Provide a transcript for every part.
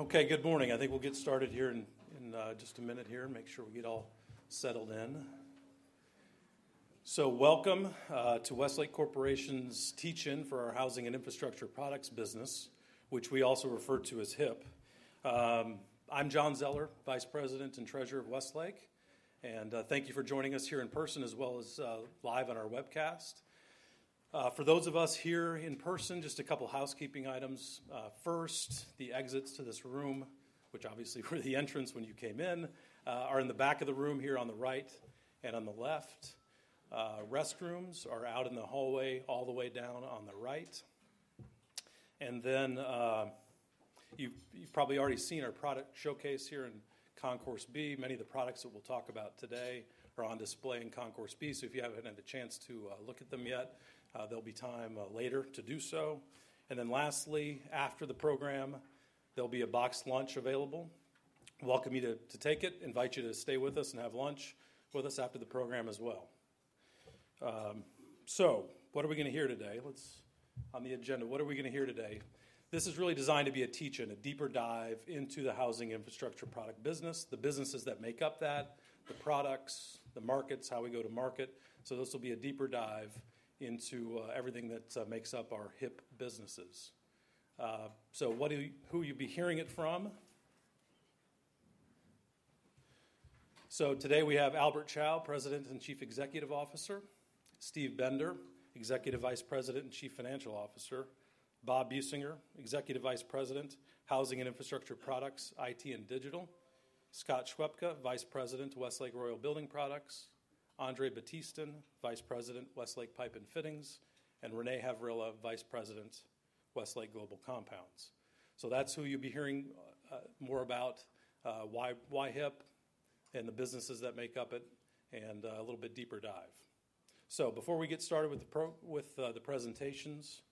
Okay, good morning. I think we'll get started here in just a minute here and make sure we get all settled in. So welcome to Westlake Corporation's Teach in for our Housing and Infrastructure Products business, which we also refer to as hip. I'm John Zeller, Vice President and Treasurer. Of Westlake, and thank you for joining us here in person as well as live on our webcast. For those of us here in person, just a couple housekeeping items. First, the exits to this room, which obviously were the entrance when you came in, are in the back of the room here on the right and on the left. Restrooms are out in the hallway, all the way down on the right. And then you've probably already seen our product showcase here in Concourse B. Many of the products that we'll talk about today are on display in Concourse B. So if you haven't had the chance to look at them yet, there'll be time later to do so. And then lastly, after the program, there'll be a box lunch available. Welcome you to take it. Invite you to stay with us and have lunch with us after the program as well. So what are we going to hear today on the agenda? What are we going to hear today? This is really designed to be a.......Take in a deeper dive into the Housing and Infrastructure Products business, the businesses that make up that, the products, the markets. How we go to market. This will be a deeper dive. Into everything that makes up our HIP businesses. So who will you be hearing it from? So today we have Albert Chao, President and Chief Executive Officer, Steve Bender, Executive Vice President and Chief Financial Officer, Bob Buesinger, Executive Vice President, Housing and Infrastructure Products, IT and Digital. Scott Szwejbka, Vice President, Westlake Royal Building Products. Andre Battistin, Vice President, Westlake Pipe & Fittings, and Renee Havrilla, Vice President, Westlake Global Compounds. So that's who you'll be hearing more about, why HIP and the businesses that make up it and a little bit deeper dive. So before we get started with the presentations,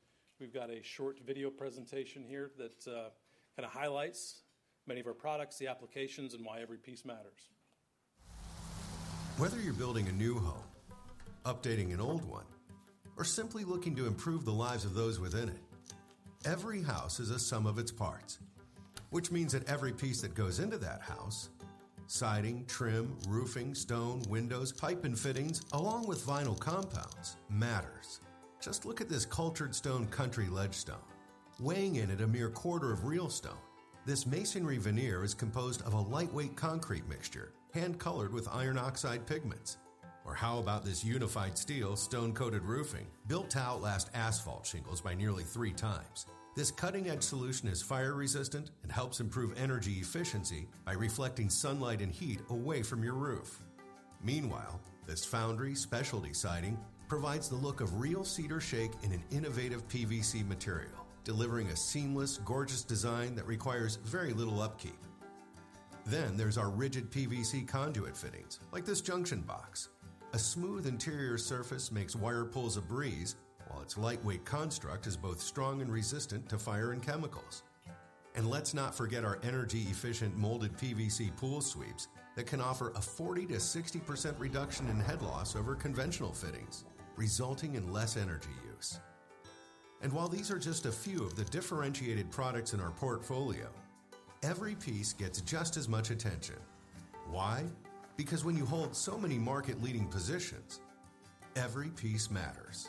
we've got a short video presentation here that kind of highlights many of our products, the applications and why every piece matters. Whether you're building a new home, updating an old one, or simply looking to improve the lives of those within it. Every house is a sum of its parts, which means that every piece that goes into that house, siding, trim, roofing, stone, windows, pipe and fittings, along with vinyl compounds, matters. Just look at this Cultured Stone Country Ledgestone. Weighing in at a mere quarter of real stone, this masonry veneer is composed. Of a lightweight concrete mixture hand colored. With iron oxide pigments. Or how about this Unified Steel stone-coated roofing? Built to outlast asphalt shingles by nearly three times, this cutting-edge solution is fire resistant and helps improve energy efficiency by reflecting sunlight and heat away from your roof. Meanwhile, this Foundry specialty siding provides the look of real cedar shake in an innovative PVC material, delivering a seamless, gorgeous design that requires very little upkeep. Then there's our rigid PVC conduit fittings like this junction box. A smooth interior surface makes wire pulls a breeze while its lightweight construct is both strong and resistant to fire and chemicals. Let's not forget our energy efficient. Molded PVC pool sweeps that can offer a 40%-60% reduction in head loss over conventional fittings, resulting in less energy use. While these are just a few of the differentiated products in our portfolio. Every piece gets just as much attention. Why? Because when you hold so many market leading positions, every piece matters.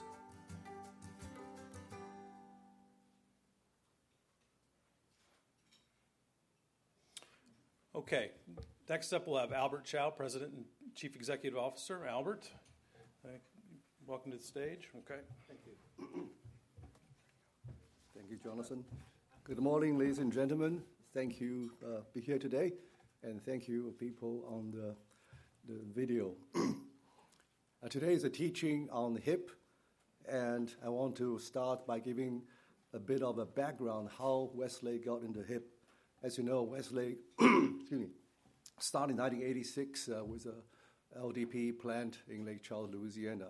Okay, next up we'll have Albert Chao, President and Chief Executive Officer. Albert, welcome to the stage. Okay, thank you. Thank you, Johnathan. Good morning, ladies and gentlemen. Thank you for here today and thank you people. On the video today is a teaching on HIP and I want to start by giving a bit of a background how Westlake got into HIP. As you know, Westlake started in 1986 with a LDPE plant in Lake Charles, Louisiana.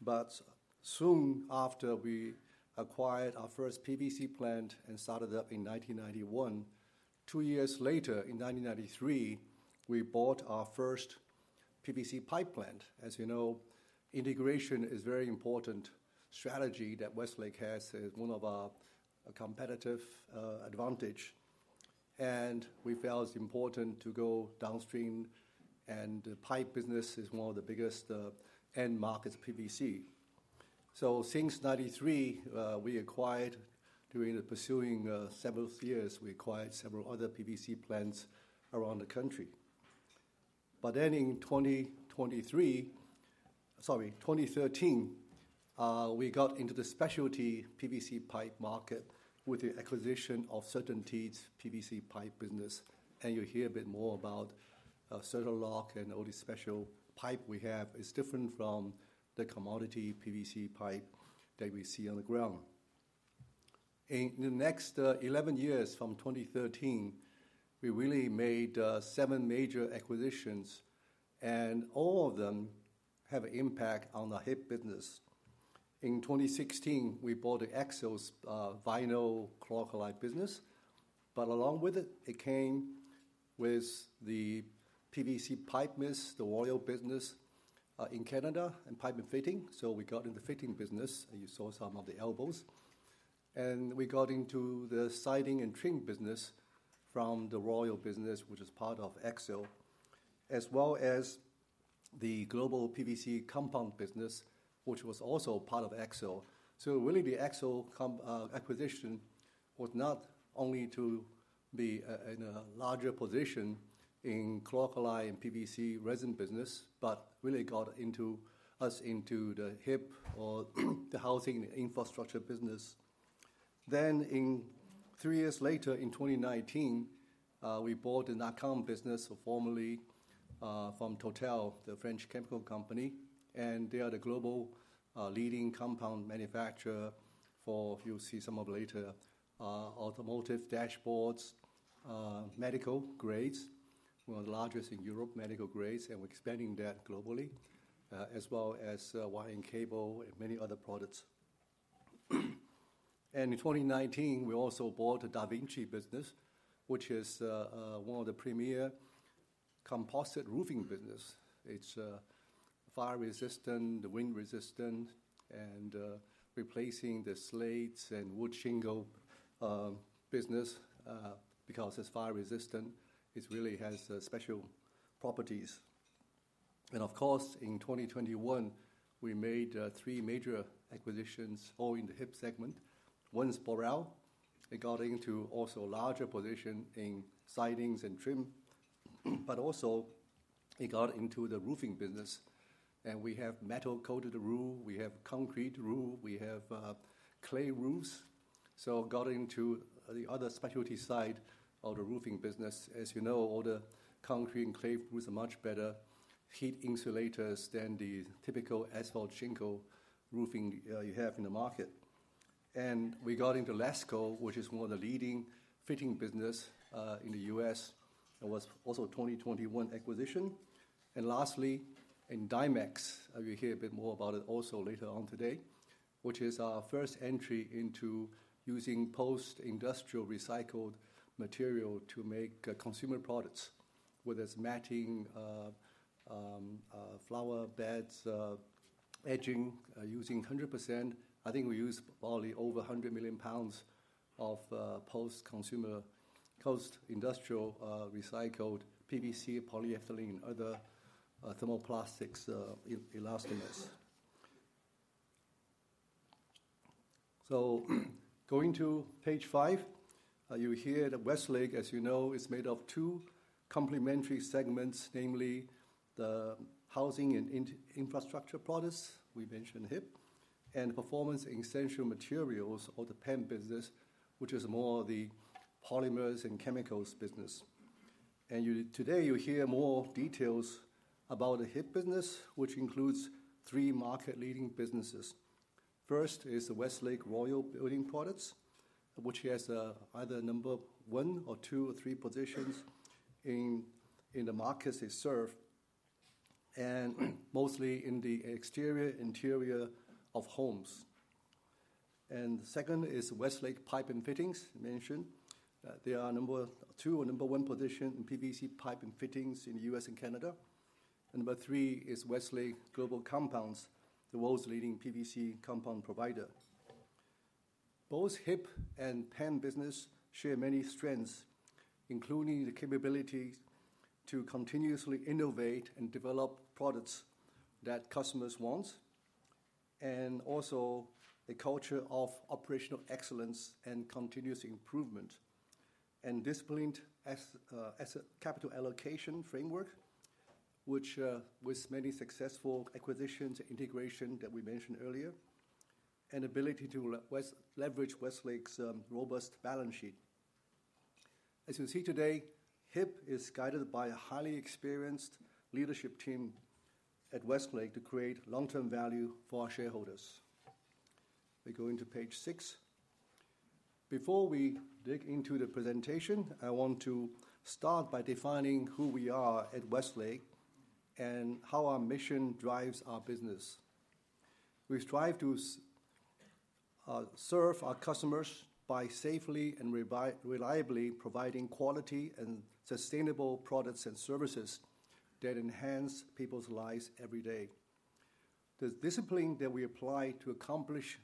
But soon after we acquired our first PVC plant and started up in 1991. Two years later in 1993, we bought our first PVC pipeline. As you know, integration is very important strategy that Westlake has is one of our competitive advantage and we felt it's important to go downstream. And pipe business is one of the biggest end markets PVC. So since 1993 we acquired during the pursuing several years we acquired several other PVC plants around the country. But then in 2023, sorry 2013, we got into the specialty PVC pipe market with the acquisition of CertainTeed's PVC pipe business. And you hear a bit more about Certa-Lok. And all the special pipe we have is different from the commodity PVC pipe that we see on the ground in the next 11 years. From 2013 we really made seven major acquisitions and all of them have an impact on the hip business. In 2016 we bought the Axiall vinyl chlor-alkali business. But along with it it came with the PVC pipe, the Royal business in Canada and pipe and fitting. So we got into fitting business, you saw some of the elbows and we got into the siding and trim business from the Royal business which is part of Axiall as well as the global PVC compound business which was also part of Axiall. So really the Axiall acquisition was not only to be in a larger position in chlor-alkali and PVC resin business, but really got us into the HIP or the housing infrastructure business. Then 3 years later, in 2019 we bought a Nakan business formerly from Total, the French chemical company and they are the global leading compound manufacturer for, you'll see some of later automotive dashboards, medical grades, one of the largest in Europe, medical grades and we're expanding that globally as well as wiring, cable and many other products. And in 2019 we also bought a DaVinci business which is one of the premier composite roofing business. It's fire resistant, wind resistant and replacing the slates and wood shingle business because it's fire resistant, it really has special properties. And of course in 2021 we made 3 major acquisitions all in the hip segment. One is Boral. It got into also larger position in sidings and trim, but also it got into the roofing business. And we have metal coated roof, we have concrete roof, we have clay roofs. So got into the other specialty side of the roofing business. As you know, all the concrete and clay roofs are much better heat insulators than the typical asphalt shingle roofing you have in the market. And regarding the Lasco, which is one of the leading fitting business in the U.S. it was also 2021 acquisition. And lastly in Dimex, you'll hear a bit more about it also later on today, which is our first entry into using post-industrial recycled material to make consumer products, whether it's matting, flower beds, edging, using 100%, I think we use probably over 100 million pounds of post-consumer post-industrial recycled PVC, polyethylene, other thermoplastics, elastomers. So going to page five, you hear that Westlake as you know is made of two complementary segments, namely the housing and infrastructure products. We mentioned HIP and Performance and Essential Materials or the PEM business which is more the polymers and chemicals business. And today you hear more details about the HIP business which includes three market leading businesses. First is the Westlake Royal Building Products which has either number 1 or 2 or 3 positions in the markets they serve and mostly in the exterior and interior of homes. And second is Westlake Pipe and Fittings mentioned they are number 2 or number 1 position in PVC pipe and fittings in the U.S. and Canada. Number three is Westlake Global Compounds, the world's leading PVC compound provider. Both HIP and PEM business share many strengths including the capabilities to continuously innovate and develop products that customers want and also a culture of operational excellence and continuous improvement and disciplined capital allocation framework which with many successful acquisitions, integration that we mentioned earlier and ability to leverage Westlake's robust balance sheet. As you see today, HIP is guided by a highly experienced leadership team at Westlake to create long-term value for our shareholders. We go into page 6 before we dig into the presentation. I want to start by defining who we are at Westlake and how our mission drives our business. We strive to serve our customers by safely and reliably providing quality and sustainable products and services that enhance people's lives every day. The discipline that we apply to accomplish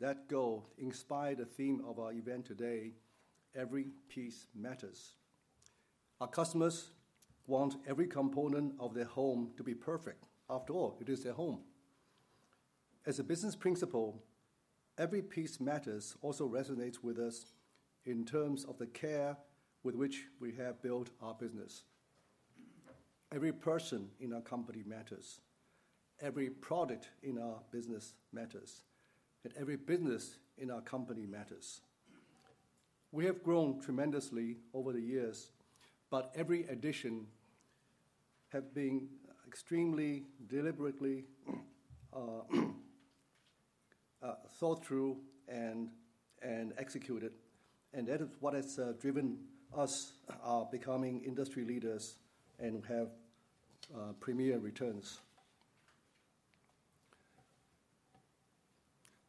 that goal inspired the theme of our event today Every Piece Matters. Our customers want every component of their home to be perfect. After all, it is their home. As a business principle, Every Piece Matters also resonates with us in terms of the care with which we have built our business. Every person in our company matters, every product in our business matters and every business in our company matters. We have grown tremendously over the years, but every addition have been extremely deliberately thought through and executed and that is what has driven us becoming industry leaders and have Premier returns.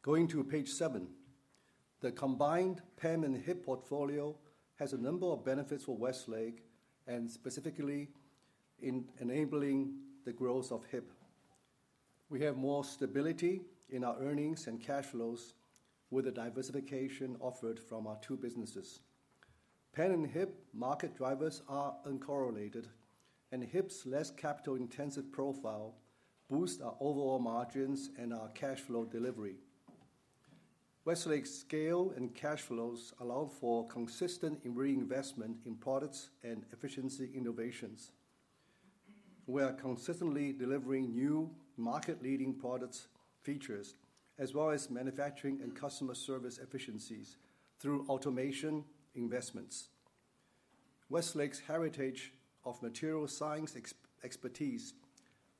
Going to page seven the combined PEM and HIP portfolio has a number of benefits for Westlake and specifically in enabling the growth of HIP. We have more stability in our earnings and cash flows with the diversification offered from our two businesses. PEM and HIP market drivers are uncorrelated and HIP's less capital intensive profile boosts our overall margins and our cash flow delivery. Westlake's scale and cash flows allow for consistent reinvestment in products and efficiency innovations. We are consistently delivering new market leading products features as well as manufacturing and customer service efficiencies through automation investments. Westlake's heritage of material science expertise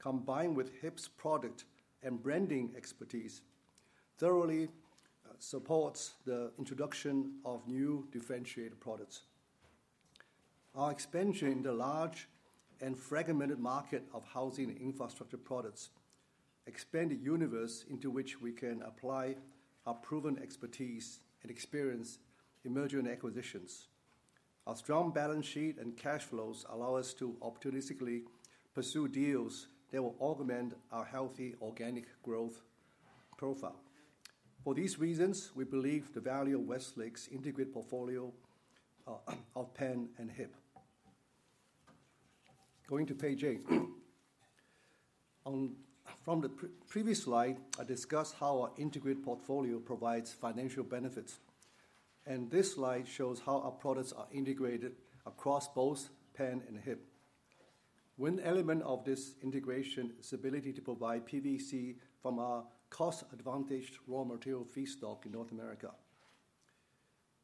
combined with HIP's product and branding expertise thoroughly supports the introduction of new differentiated products. Our expansion in the large and fragmented market of housing infrastructure products expand the universe into which we can apply our proven expertise and experience. Emerging acquisitions, our strong balance sheet and cash flows allow us to opportunistically pursue deals that will augment our healthy organic growth profile. For these reasons we believe the value of Westlake's integrated portfolio of PEM and HIP. Going to page 8 from the previous slide I discussed how our integrated portfolio provides financial benefits and this slide shows how our products are integrated across both PEM and HIP. One element of this integration is the ability to provide PVC from our cost-advantaged raw material feedstock in North America.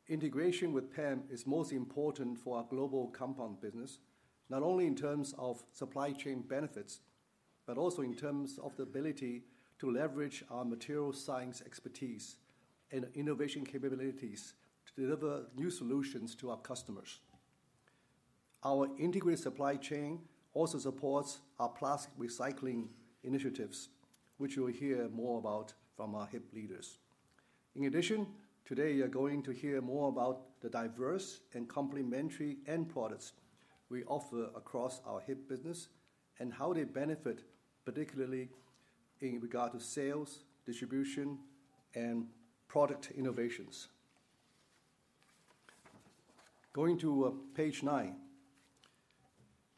Integration with PEM is most important for our global compound business not only in terms of supply chain benefits but also in terms of the ability to leverage our material science expertise and innovation capabilities to deliver new solutions to our customers. Our integrated supply chain also supports our plastic recycling initiatives which you will hear more about from our HIP leaders. In addition, today you're going to hear more about the diverse and complementary end products we offer across our HIP business and how they benefit particularly in regard to sales, distribution and product innovations. Going to page nine.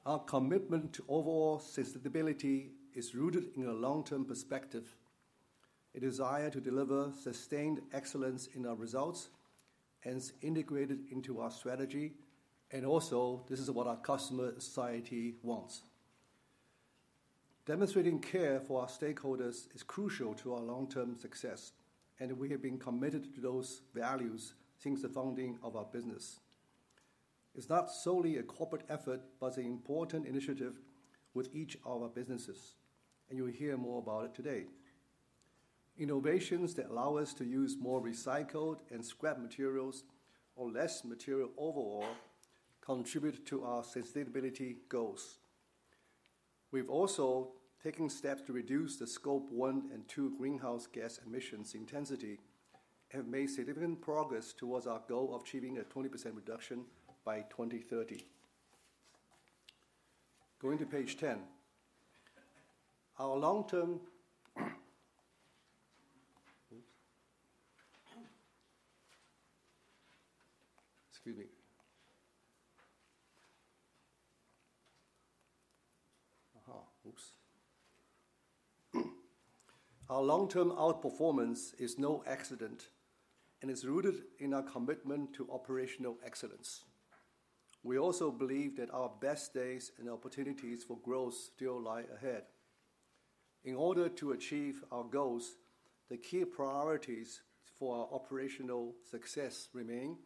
Our commitment to overall sustainability is rooted in a long-term perspective, a desire to deliver sustained excellence in our results and integrated into our strategy, and also this is what our customer society wants. Demonstrating care for our stakeholders is crucial to our long-term success, and we have been committed to those values since the founding of our business. It's not solely a corporate effort but an important initiative with each of our businesses, and you will hear more about it today. Innovations that allow us to use more recycled and scrap materials or less material overall contribute to our sustainability goals. We've also taken steps to reduce the scope 1 and 2 greenhouse gas emissions intensity, have made significant progress towards our goal of achieving a 20% reduction by 2030. Going to page 10, our long-term. Excuse me. Our long-term outperformance is no accident and is rooted in our commitment to operational excellence. We also believe that our best days and opportunities for growth still lie ahead in order to achieve our goals. The key priorities for our operational success remain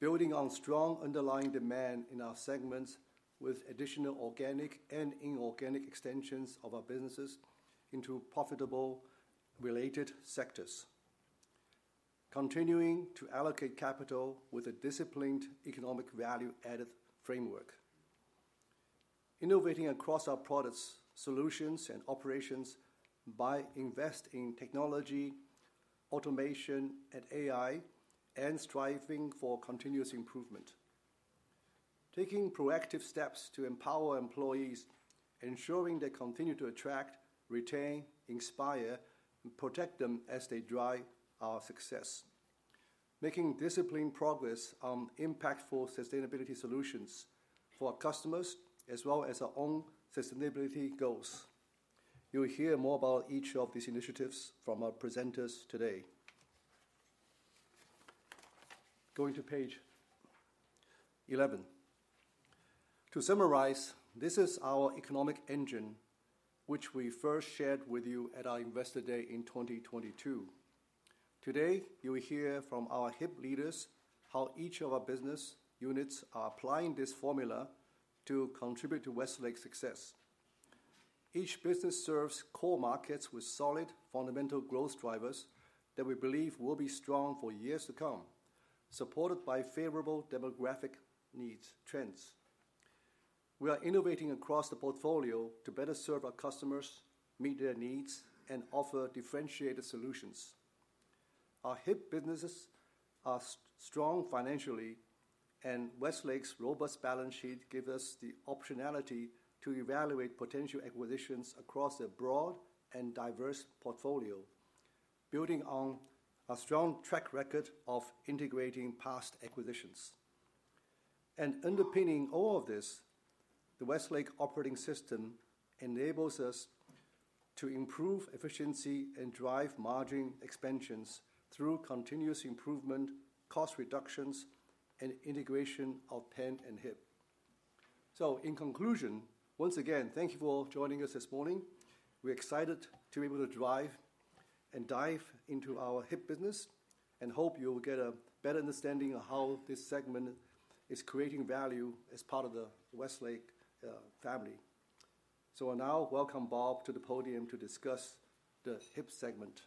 building on strong underlying demand in our segments with additional organic and inorganic extensions of our businesses into profitable related sectors. Continuing to allocate capital with a disciplined economic value added framework. Innovating across our products, solutions and operations by investing in technology, automation and AI and striving for continuous improvement. Taking proactive steps to empower employees ensuring they continue to attract, retain, inspire and protect them as they drive our success. Making disciplined progress on impactful sustainability solutions for our customers as well as our own sustainability goals. You will hear more about each of these initiatives from our presenters today. Going to page 11 to summarize, this is our economic engine which we first shared with you at our Investor Day in 2022. Today you will hear from our HIP leaders how each of our business units are applying this formula to contribute to Westlake's success. Each business serves core markets with solid fundamental growth drivers that we believe will be strong for years to come supported by favorable demographic needs trends. We are innovating across the portfolio to better serve our customers, meet their needs and offer differentiated solutions. Our HIP businesses are strong financially and Westlake's robust balance sheet gives us the optionality to evaluate potential acquisitions across a broad and diverse portfolio. Building on a strong track record of integrating past acquisitions and underpinning all of this, the Westlake operating system enables us to improve efficiency and drive margin expansions through continuous improvement, cost reductions, and integration of PEM and HIP. So in conclusion, once again, thank you for joining us this morning. We're excited to be able to drive and dive into our HIP business and hope you will get a better understanding of how this segment is creating value as part of the Westlake family. So I now welcome Bob to the podium to discuss the HIP segment.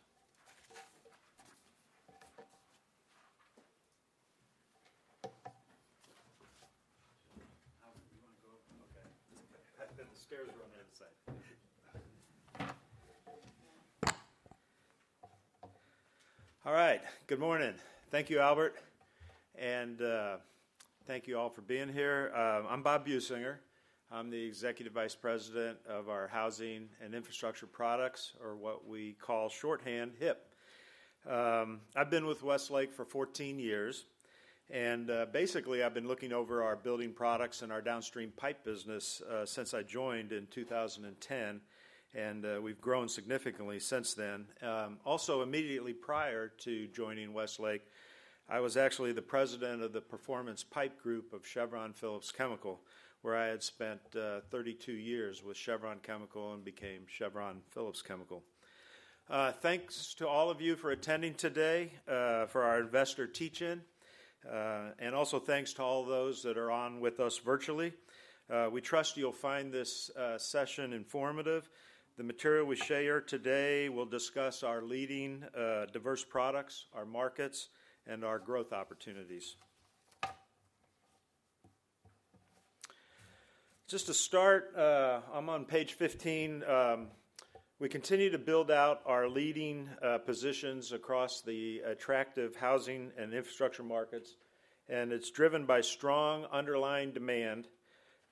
All right, good morning. Thank you, Albert. And thank you all for being here. I'm Bob Buesinger. I'm the Executive Vice President of our housing and infrastructure products, or what we call shorthand HIP. I've been with Westlake for 14 years and basically I've been looking over our building products and our downstream pipe business since I joined in 2010 and we've grown significantly since then. Also immediately prior to joining Westlake, I was actually the president of the performance pipe group of Chevron Phillips Chemical where I had spent 32 years with Chevron Chemical and became Chevron Phillips Chemical. Thanks to all of you for attending today for our investor teach-in and also thanks to all those that are on with us virtually. We trust you'll find this session informative. The material we share today will discuss our leading diverse products, our markets and our growth opportunities. Just to start, I'm on page 15. We continue to build out our leading positions across the attractive housing and infrastructure markets. It's driven by strong underlying demand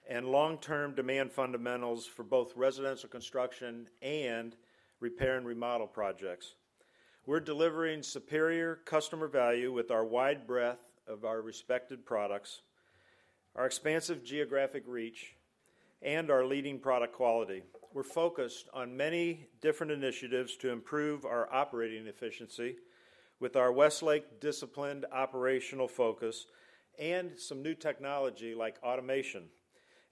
and long term demand fundamentals for both residential construction and repair and remodel projects. We're delivering superior customer value with our wide breadth of our respected products, our expansive geographic reach and our leading product quality. We're focused on many different initiatives to improve our operating efficiency with our Westlake disciplined operational focus and some new technology like automation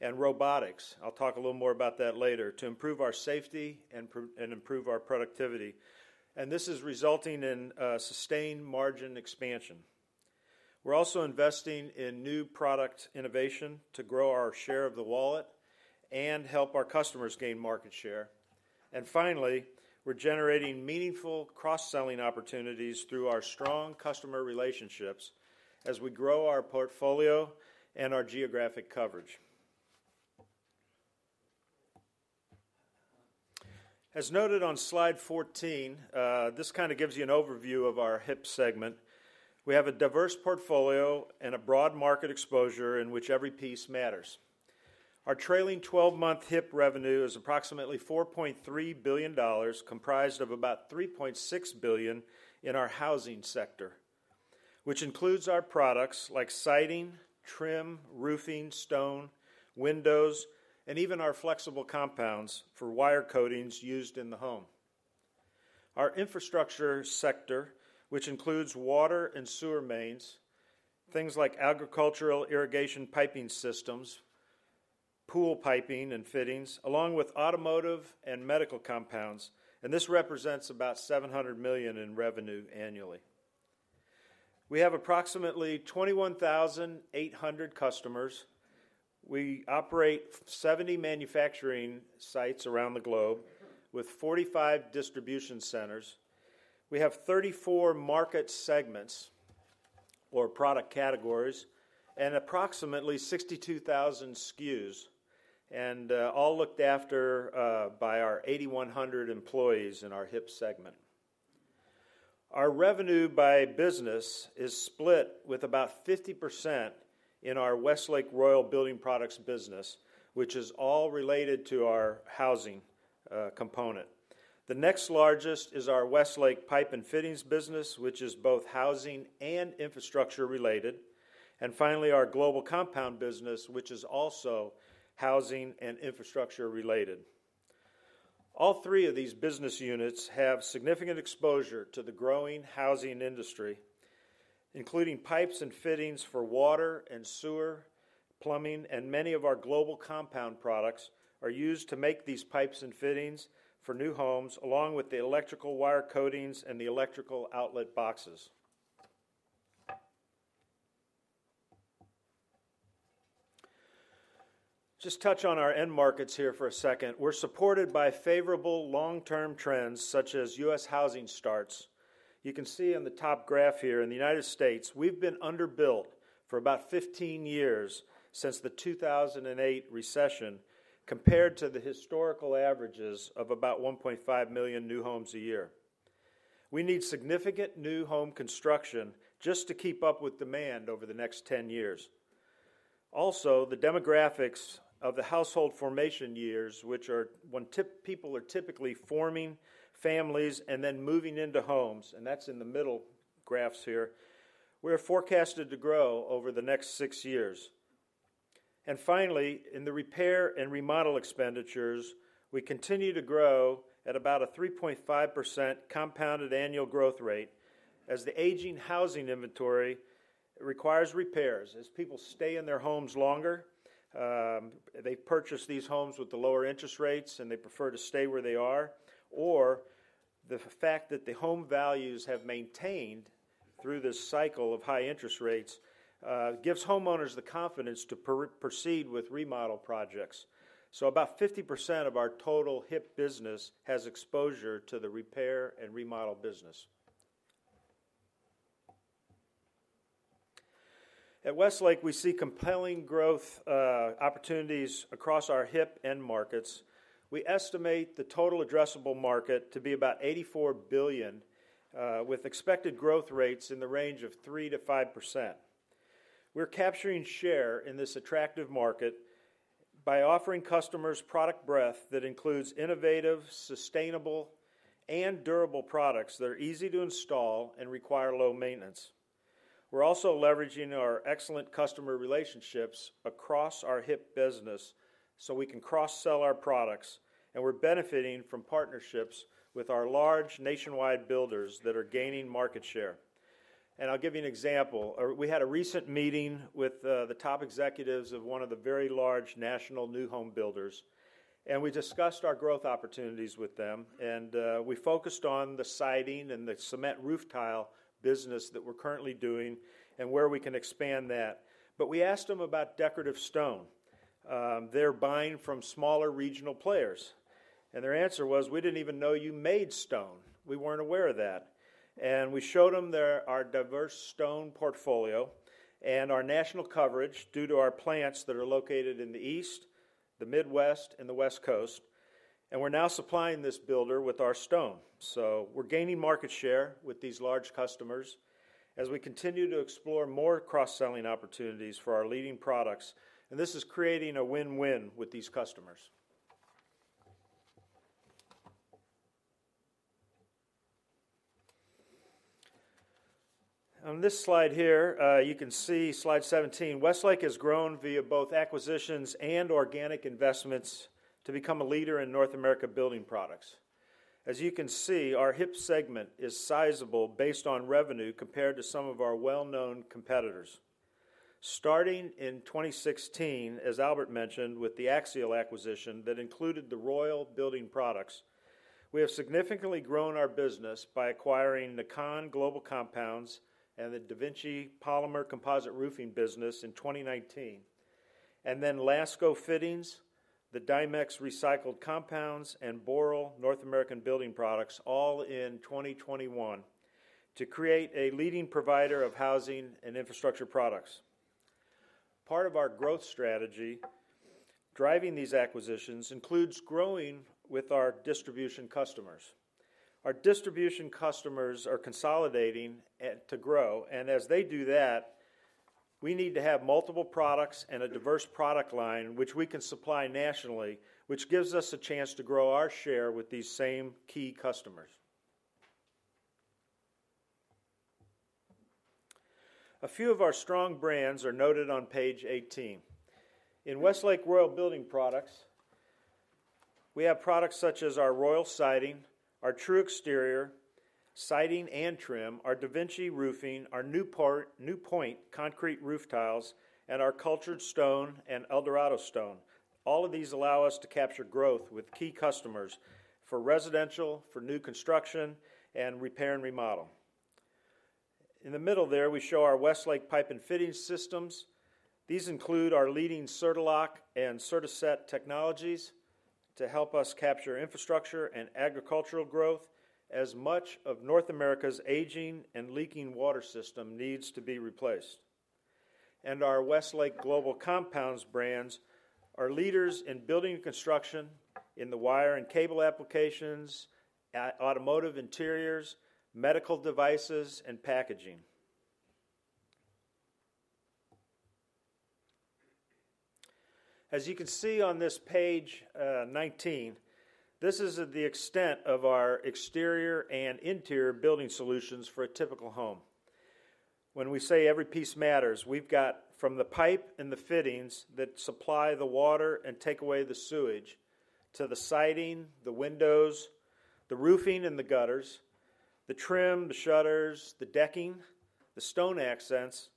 and robotics. I'll talk a little more about that later. To improve our safety and improve our productivity and this is resulting in sustained margin expansion. We're also investing in new product innovation to grow our share of the wallet and help our customers gain market share. Finally, we're generating meaningful cross selling opportunities through our strong customer relationships as we grow our portfolio and our geographic coverage. As noted on slide 14, this kind of gives you an overview of our HIP segment. We have a diverse portfolio and a broad market exposure in which every piece matters. Our trailing twelve-month HIP revenue is approximately $4.3 billion comprised of about $3.6 billion in our housing sector which includes our products like siding, trim, roofing, stone windows and even our flexible compounds for wire coatings used in the home. Our infrastructure sector which includes water and sewer mains, things like agricultural irrigation piping systems, pool piping and fittings along with automotive and medical compounds. This represents about $700 million in revenue annually. We have approximately 21,800 customers. We operate 70 manufacturing sites around the globe with 45 distribution centers. We have 34 market segments or product categories and approximately 62,000 SKUs and all looked after by our 8,100 employees. In our HIPPS segment, our revenue by business is split with about 50% in our Westlake Royal Building Products business which is all related to our housing component. The next largest is our Westlake Pipe and Fittings business which is both housing and infrastructure related. And finally our global compound business which is also housing and infrastructure related. All three of these business units have significant exposure to the growing housing industry including pipes and fittings for water and sewer plumbing. And many of our global compound products are used to make these pipes and fittings for new homes along with the electrical wire coatings and the electrical outlet boxes. Just touch on our end markets here for a second. We're supported by favorable long-term trends such as U.S. housing starts. You can see on the top graph here. In the United States, we've been under built for about 15 years since the 2008 recession. Compared to the historical averages of about 1.5 million new homes a year. We need significant new home construction and just to keep up with demand over the next 10 years. Also, the demographics of the household formation years which are when people are typically forming families and then moving into homes. And that's in the middle graphs here. We are forecasted to grow over the next 6 years. And finally, in the repair and remodel expenditures, we continue to grow at about a 3.5% compounded annual growth rate as the aging housing inventory requires repairs. As people stay in their homes longer, they purchase these homes with the lower interest rates and they prefer to stay where they are. Or the fact that the home values have maintained through this cycle of high interest rates gives homeowners the confidence to proceed with remodel projects. So about 50% of our total HIP business has exposure to the repair and remodel business. At Westlake, we see compelling growth opportunities across our HIP end markets. We estimate the total addressable market to be about $84 billion with expected growth rates in the range of 3%-5%. We're capturing share in this attractive market by offering customers product breadth that includes innovative, sustainable and durable products that are easy to install and require low maintenance. We're also leveraging our excellent customer relationships across our HIP business so we can cross sell our products. We're benefiting from partnerships with our large nationwide builders that are gaining market share. I'll give you an example. We had a recent meeting with the top executives of one of the very large national new home builders and we discussed our growth opportunities with them and we focused on the siding and the cement roof tile business that we're currently doing and where we can expand that. But we asked them about decorative stone. They're buying from smaller regional players and their answer was, "We didn't even know you made stone. We weren't aware of that." We showed them our diverse stone portfolio and our national coverage due to our plants that are located in the East, the Midwest, and the West Coast. We're now supplying this builder with our stone. So we're gaining market share with these large customers as we continue to explore more cross-selling opportunities for our leading products. And this is creating a win-win with these customers. On this slide here you can see slide 17. Westlake has grown via both acquisitions and organic investments to become a leader in North American building products. As you can see, our HIP segment is sizable based on revenue compared to some of our well-known competitors starting in 2016. As Albert mentioned, with the Axiall acquisition that included the Royal Building Products, we have significantly grown our business by acquiring Nakan Global Compounds and the DaVinci polymer composite roofing business in 2019. Then Lasco Fittings, the Dimex recycled compounds and Boral North American building products all in 2021 to create a leading provider of housing and infrastructure products. Part of our growth strategy driving these acquisitions includes growing with our distribution customers. Our distribution customers are consolidating to grow and as they do that, we need to have multiple products and a diverse product line which we can supply nationally, which gives us a chance to grow our share with these same key customers. A few of our strong brands are noted on page 18. In Westlake Royal Building Products, we have products such as our Royal Siding, our TruExterior siding and trim, our DaVinci Roofing, our Newpoint Concrete Roof Tile, and our Cultured Stone and Eldorado Stone. All of these allow us to capture growth with key customers for residential, for new construction and repair and remodel. In the middle there we show our Westlake pipe and fitting systems. These include our leading Certa-Lok and Certa-Set technologies to help us capture infrastructure and agricultural growth as much of North America's aging and leaking water system needs to be replaced. And our Westlake Global Compounds brands are leaders in building construction in the wire and cable applications, automotive interiors, medical devices and packaging. As you can see on this page 19, this is the extent of our exterior and interior building solutions for a typical home. When we say every piece matters, we've got from the pipe and the fittings that supply the water and take away the sewage to the siding, the windows, the roofing and the gutters, the trim, the shutters, the decking, the stone accents,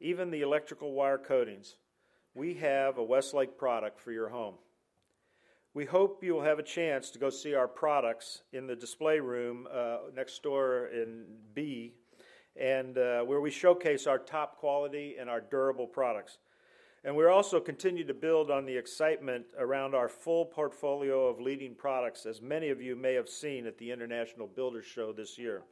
even the electrical wire coatings. We have a Westlake product for your home. We hope you will have a chance to go see our products in the display room next door in Concourse B, where we showcase our top quality and our durable products. We also continue to build on the excitement around our full portfolio of leading products, as many of you may have seen at the International Builders' Show this year.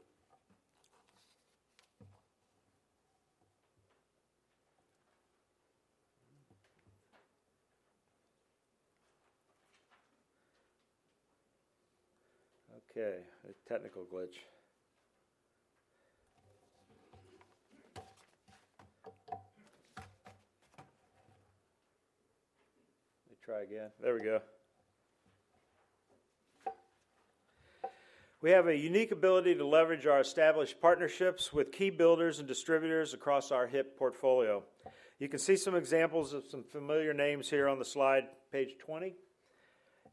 Okay, a technical glitch. Try again. There we go. We have a unique ability to leverage our established partnerships with key builders and distributors across our HIP portfolio. You can see some examples of some familiar names here on the slide, page 20.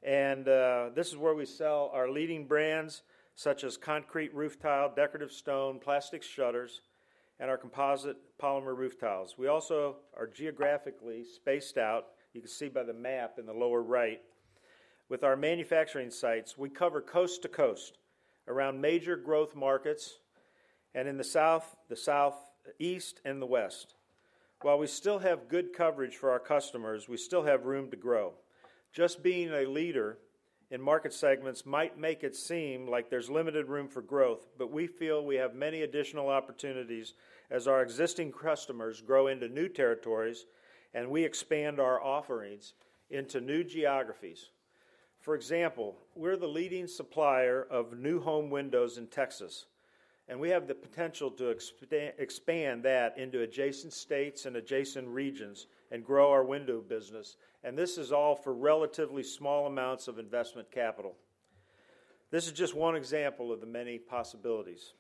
This is where we sell our leading brands such as concrete roof tile, decorative stone, plastic shutters and our composite polymer roof tiles. We also are geographically spaced. You can see by the map in the lower right with our manufacturing sites. We cover coast to coast around major growth markets and in the South, the Southeast and the West. While we still have good coverage for our customers, we still have room to grow. Just being a leader in market segments might make it seem like there's limited room for growth. We feel we have many additional opportunities as our existing customers grow into new territories and we expand our offerings into new geographies. For example, we're the leading supplier of new home windows in Texas and we have the potential to expand that into adjacent states and adjacent regions and grow our window business. This is all for relatively small amounts of investment capital. This is just one example of the many possibilities.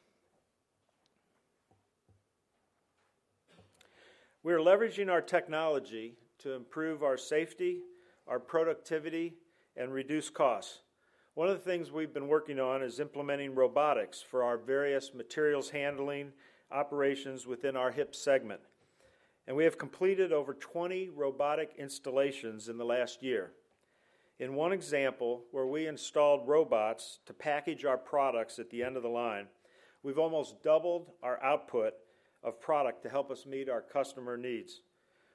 We are leveraging our technology to improve our safety, our productivity and reduce costs. One of the things we've been working on is implementing robotics for our various materials handling operations within our HIP segment. We have completed over 20 robotic installations in the last year. In one example, where we installed robots to package our products at the end of the line, we've almost doubled our output of product to help us meet our customer needs.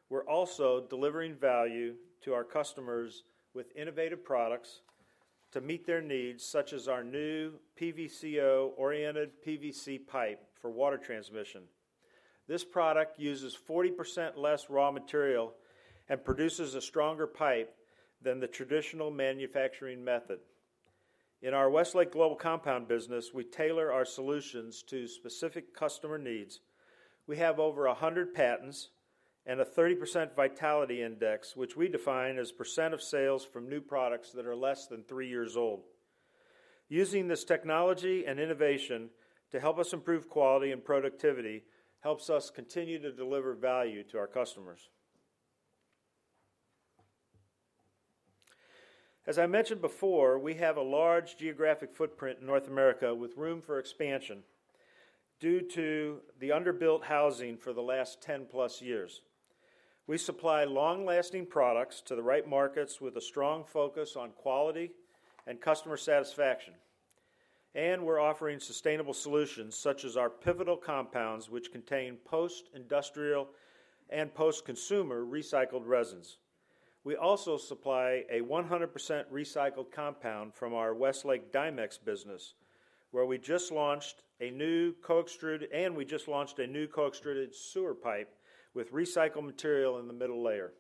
We're also delivering value to our customers with innovative products to meet their needs such as our new PVCO oriented PVC pipe for water transmission. This product uses 40% less raw material and produces a stronger pipe than the traditional manufacturing method. In our Westlake Global Compounds business, we tailor our solutions to specific customer needs. We have over 100 patents and a 30% vitality index which we define as % of sales from new products that are less than three years old. Using this technology and innovation to help us improve quality and productivity helps us continue to deliver value to our customers. As I mentioned before, we have a large geographic footprint in North America with room for expansion due to the under built housing for the last 10+ years. We supply long lasting products to the right markets with a strong focus on quality and customer satisfaction. We're offering sustainable solutions such as our Pivotal compounds which contain post-industrial and post-consumer recycled resins. We also supply a 100% recycled compound from our Westlake Dimex business where we just launched a new co-extrude and we just launched a new co-extruded sewer pipe with recycled material in the middle layer.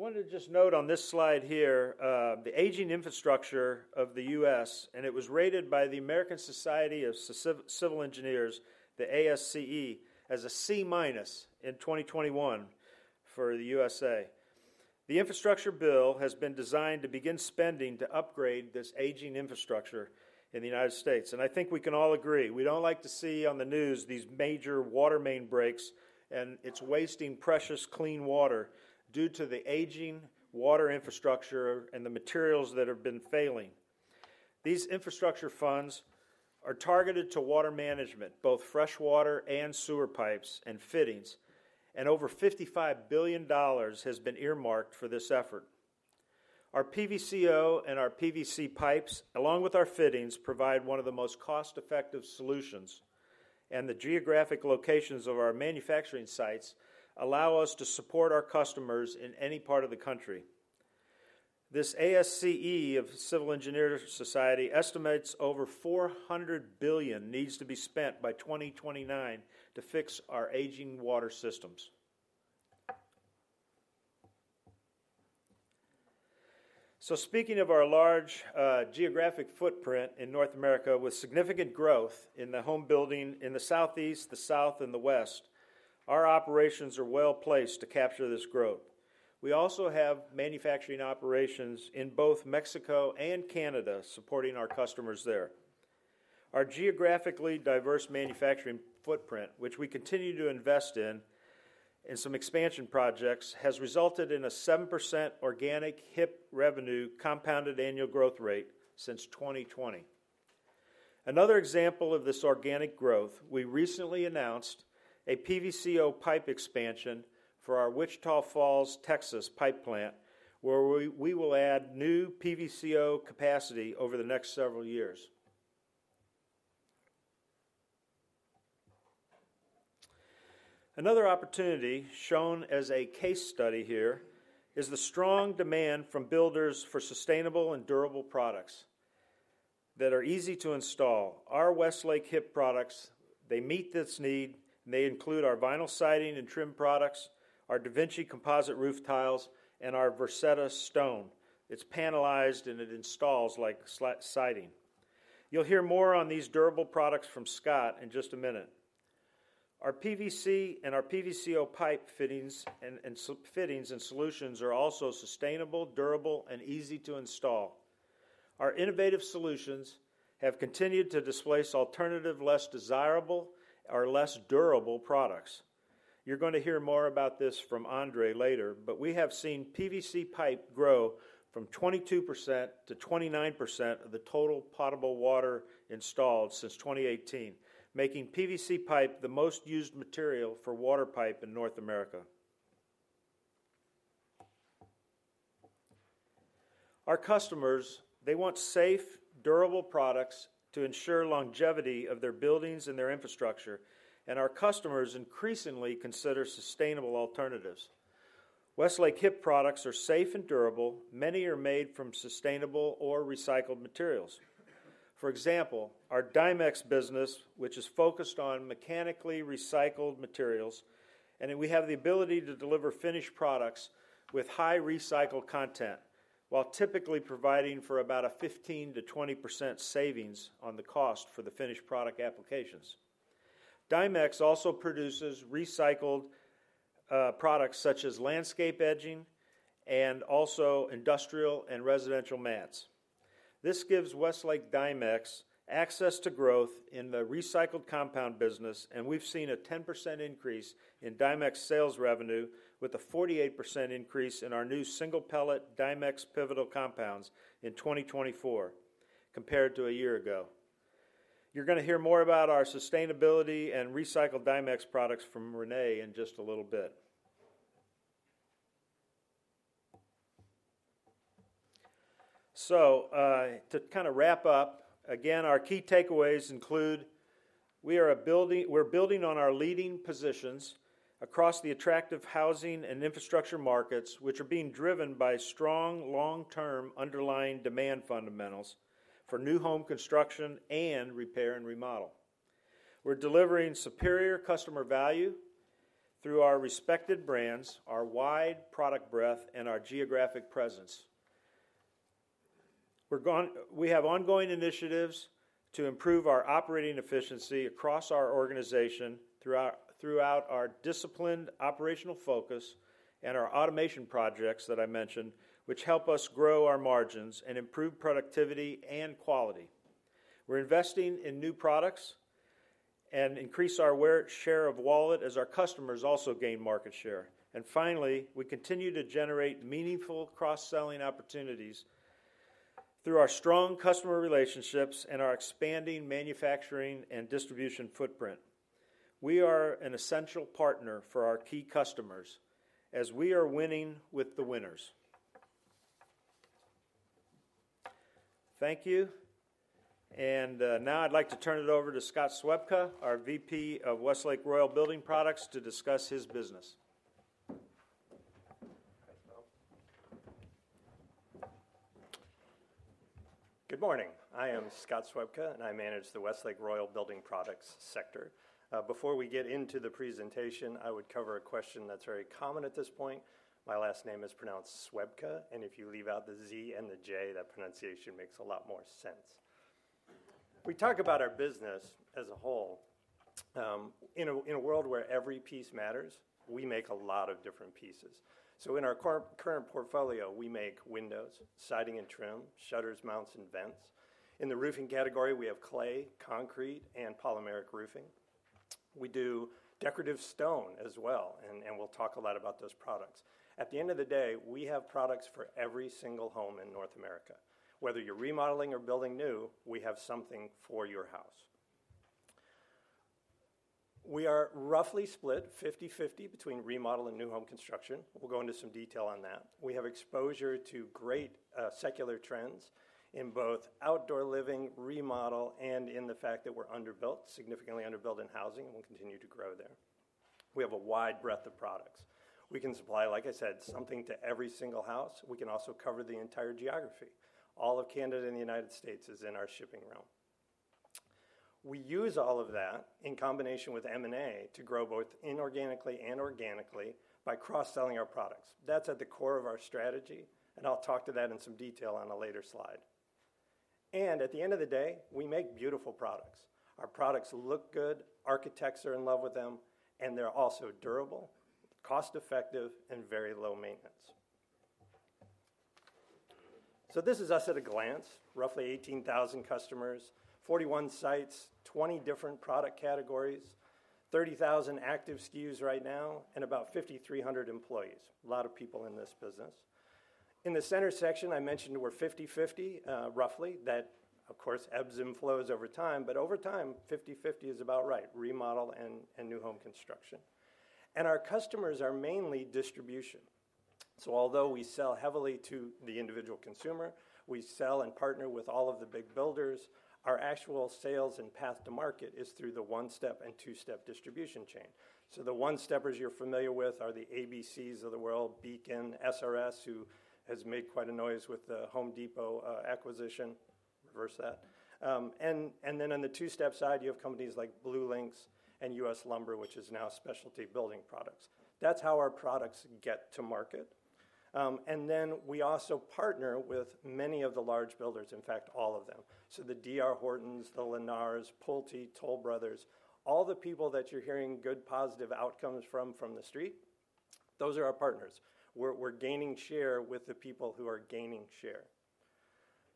I wanted to just note on this slide here the aging infrastructure of the U.S. and it was rated by the American Society of Civil Engineers the ASCE as a C- in 2021 for the USA. The infrastructure bill has been designed to begin spending to upgrade this aging infrastructure in the United States. I think we can all agree we don't like to see on the news these major water main breaks and it's wasting precious clean water due to the aging water infrastructure and the materials that have been failing. These infrastructure funds are targeted to water management, both fresh water and sewer pipes and fittings and over $55 billion has been earmarked for this effort. Our PVCO and our PVC pipes along with our fittings provide one of the most cost effective solutions. The geographic locations of our manufacturing sites allow us to support our customers in any part of the country. The American Society of Civil Engineers (ASCE) estimates over $400 billion needs to be spent by 2029 to fix our aging water systems. So speaking of our large geographic footprint in North America, with significant growth in the home building in the Southeast, the South, and the West, our operations are well placed to capture this growth. We also have manufacturing operations in both Mexico and Canada supporting our customers there. Our geographically diverse manufacturing footprint which we continue to invest in in some expansion projects has resulted in a 7% organic HIP revenue compounded annual growth rate since 2020. Another example of this organic growth, we recently announced a PVCO pipe expansion for our Wichita Falls, Texas pipe plant where we will add new PVCO capacity over the next several years. Another opportunity shown as a case study here is the strong demand from builders for sustainable and durable products that are easy to install. Our Westlake HIP products, they meet this need and they include our vinyl siding and trim products, our DaVinci composite roof tiles and our Versetta Stone. It's panelized and it installs like siding. You'll hear more on these durable products from Scott in just a minute. Our PVC and our PVCO pipe fittings and solutions are also sustainable, durable and easy to install. Our innovative solutions have continued to displace alternative, less desirable or less durable products. You're going to hear more about this from Andre later, but we have seen PVC pipe grow from 22% to 29% of the total potable water installed since 2018, making PVC pipe the most used material for water pipe in North America. Our customers, they want safe, durable products to ensure longevity of their buildings and their infrastructure, and our customers increasingly consider sustainable alternatives. Westlake HIP products are safe and durable. Many are made from sustainable or recycled materials. For example, our Dimex business, which is focused on mechanically recycled materials and we have the ability to deliver finished products with high recycled content while typically providing for about a 15%-20% savings on the cost for the finished product applications. Dimex also produces recycled products such as landscape edging and also industrial and residential mats. This gives Westlake Dimex access to growth in the recycled compound business and we've seen a 10% increase in Dimex sales revenue with a 48% increase in our new single pellet Dimex Pivotal compounds in 2024 compared to a year ago. You're going to hear more about our sustainability and recycled Dimex products from Renee in just a little bit. So, to kind of wrap up again, our key takeaways include we're building on our leading positions across the attractive housing and infrastructure markets, which are being driven by strong long-term underlying demand fundamentals for new home construction and repair and remodel. We're delivering superior customer value through our respected brands, our wide product breadth, and our geographic presence. We have ongoing initiatives to improve our operating efficiency across our organization, throughout our disciplined operational focus and our automation projects that I mentioned, which help us grow our margins and improve productivity and quality. We're investing in new products and increase our share of wallet as our customers also gain market share. And finally, we continue to generate meaningful cross-selling opportunities through our strong customer relationships and our expanding manufacturing and distribution footprint. We are an essential partner for our key customers as we are winning with the winners. Thank you. Now I'd like to turn it over to Scott Szwejbka, our VP of Westlake Royal Building Products to discuss his business. Good morning. I am Scott Szwejbka and I manage the Westlake Royal Building Products sector. Before we get into the presentation, I would cover a question that's very common at this point. My last name is pronounced Szwejbka and if you leave out the Z and the J, that pronunciation makes a lot more sense. We talk about our business as a. Whole. In a world where every piece matters. We make a lot of different pieces. So in our current portfolio, we make windows, siding and trim, shutters, mounts and vents. In the roofing category, we have clay, concrete and polymeric roofing. We do decorative stone as well and we'll talk a lot about those products at the end of the day. We have products for every single home in North America. Whether you're remodeling or building new, we have something for your house. We are roughly split 50/50 between remodel and new home construction. We'll go into some detail on that. We have exposure to great secular trends in both outdoor living remodel and in the fact that we're under built, significantly underbuilt in housing and will continue to grow there. We have a wide breadth of products. We can supply, like I said, something to every single house. We can also cover the entire geography. All of Canada and the United States is in our shipping realm. We use all of that in combination with M and A to grow both inorganically and organically by cross-selling our products. That's at the core of our strategy and I'll talk to that in some detail on a later slide. At the end of the day, we make beautiful products. Our products look good, architects are in love with them and they're also durable, cost-effective and very low maintenance. This is us at a glance. Roughly 18,000 customers, 41 sites, 20 different product categories, 30,000 active SKUs right now and about 5,300 employees. A lot of people in this business. In the center section I mentioned, we're 50/50 roughly. That of course ebbs and flows over time, but over time 50/50 is about right. Remodel and new home construction. Our customers are mainly distribution. So although we sell heavily to the individual consumer, we sell and partner with all of the big builders. Our actual sales and path to market is through the one-step and two-step distribution chain. So the one-steppers you're familiar with are the ABCs of the world: Beacon, SRS, who has made quite a noise with the Home Depot acquisition. Reverse that and then on the two-step side you have companies like BlueLinx and U.S. Lumber, which is now Specialty Building Products. That's how our products get to market. And then we also partner with many of the large builders, in fact all of them. So the D.R. Hortons, the Lennars, Pulte, Toll Brothers, all the people that you're hearing good positive outcomes from the street, those are our partners. We're gaining share with the people who are gaining share.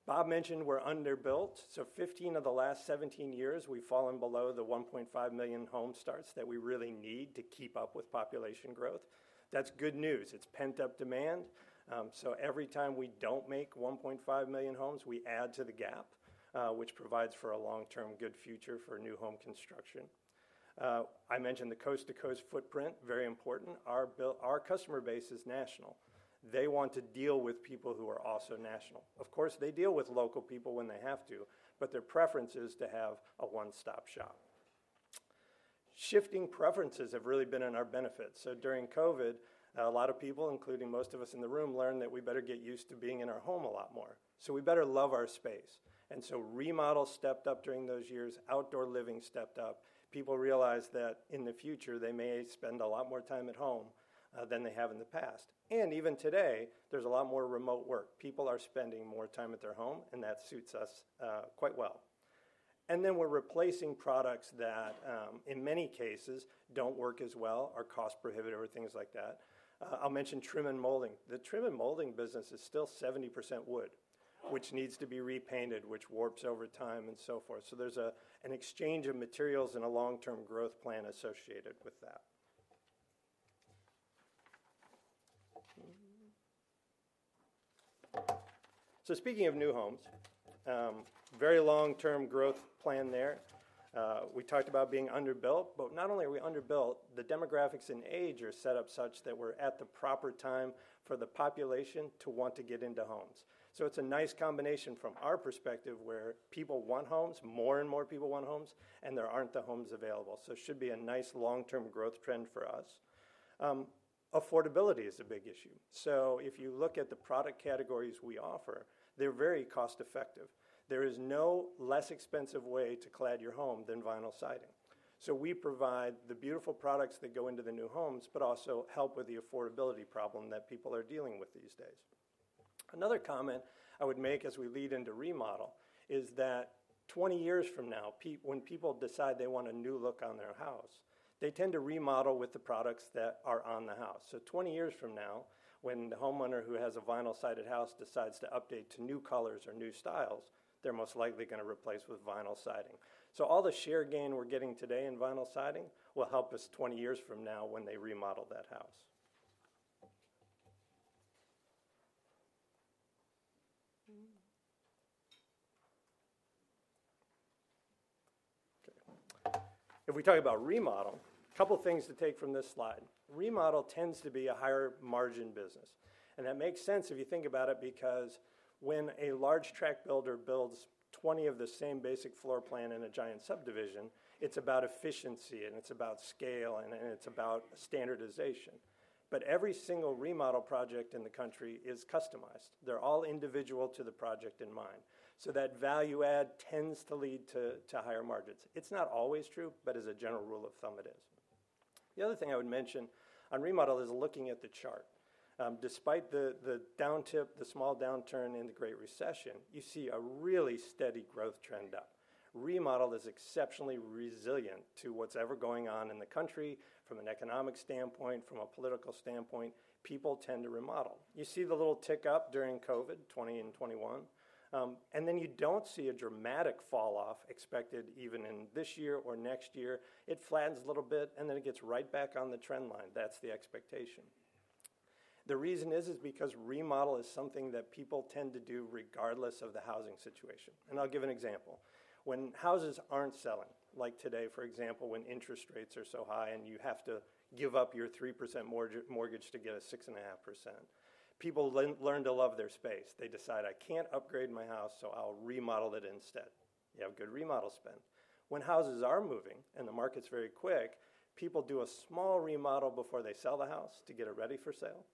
Bob mentioned we're under built. So 15 of the last 17 years we've fallen below the 1.5 million home starts that that we really need to keep up with population growth. That's good news. It's pent-up demand. So every time we don't make 1.5 million homes, we add to the gap which provides for a long-term good future for new home construction. I mentioned the coast-to-coast footprint. Very important. Our customer base is national. They want to deal with people who are also national. Of course they deal with local people when they have to, but their preference is to have a one-stop shop. Shifting preferences have really been in our benefits. So during COVID a lot of people, including most of us in the room, learned that we better get used to being in our home a lot more, so we better love our space. And so remodel stepped up during those years, outdoor living stepped up. People realized that in the future they may spend a lot more time at home than they have in the past. And even today there's a lot more remote work, people are spending more time at their home and that suits us quite well. And then we're replacing products that in many cases don't work as well, are cost prohibitive or things like that. I'll mention trim and molding. The trim and molding business is still 70% wood, which needs to be repainted, which warps over time and so forth. So there's an exchange of materials and a long term growth plan associated with that. Speaking of new homes, very long term growth plan there we talked about being under built. But not only are we under built, the demographics and age are set up such that we're at the proper time for the population to want to get into homes. So it's a nice combination from our perspective where people want homes, more and more people want homes and there aren't the homes available. So should be a nice long term growth trend. For us, affordability is a big issue. So if you look at the product categories we offer, they're very cost effective. There is no less expensive way to clad your home than vinyl siding. So we provide the beautiful products that go into the new homes, but also help with the affordability problem that people are dealing with these days. Another comment I would make as we lead into remodel is that 20 years from now, when people decide they want a new look on their house, they tend to remodel with the products that are on the house. So 20 years from now, when the homeowner who has a vinyl sided house decides to update to new colors or new styles, they're most likely going to replace with vinyl siding. So all the share gain we're getting today in vinyl siding will help us 20 years from now when they remodel that house. If we talk about remodel, a couple things to take from this slide. Remodel tends to be a higher margin business and that makes sense if you think about it because when a large tract builder builds 20 of the same basic floor plan in a giant subdivision, it's about efficiency and it's about scale and it's about standardization. But every single remodel project in the country is customized. They're all individual to the project in mind. So that value add tends to lead to higher margins. It's not always true, but as a general rule of thumb it is. The other thing I would mention on remodel is looking at the chart, despite the downturn, the small downturn in the Great Recession, you see a really steady growth trend up. Remodel is exceptionally resilient to whatever's going on in the country from an economic standpoint, from a political standpoint, people tend to remodel. You see the little tick up during COVID 2020 and 2021 and then you don't see a dramatic fall off expected even in this year or next year. It flattens a little bit and then it gets right back on the trend line. That's the expectation. The reason is, is because remodel is something that people tend to do regardless of the housing situation. And I'll give an example. When houses aren't selling like today, for example, when interest rates are so high and you have to give up your 3% mortgage to get a 6.5%, people learn to love their space. They decide I can't upgrade my house, so I'll remodel it instead. You have good remodel spend. When houses are moving and the market's very quick, people do a small remodel before they sell the house to get it ready for sale.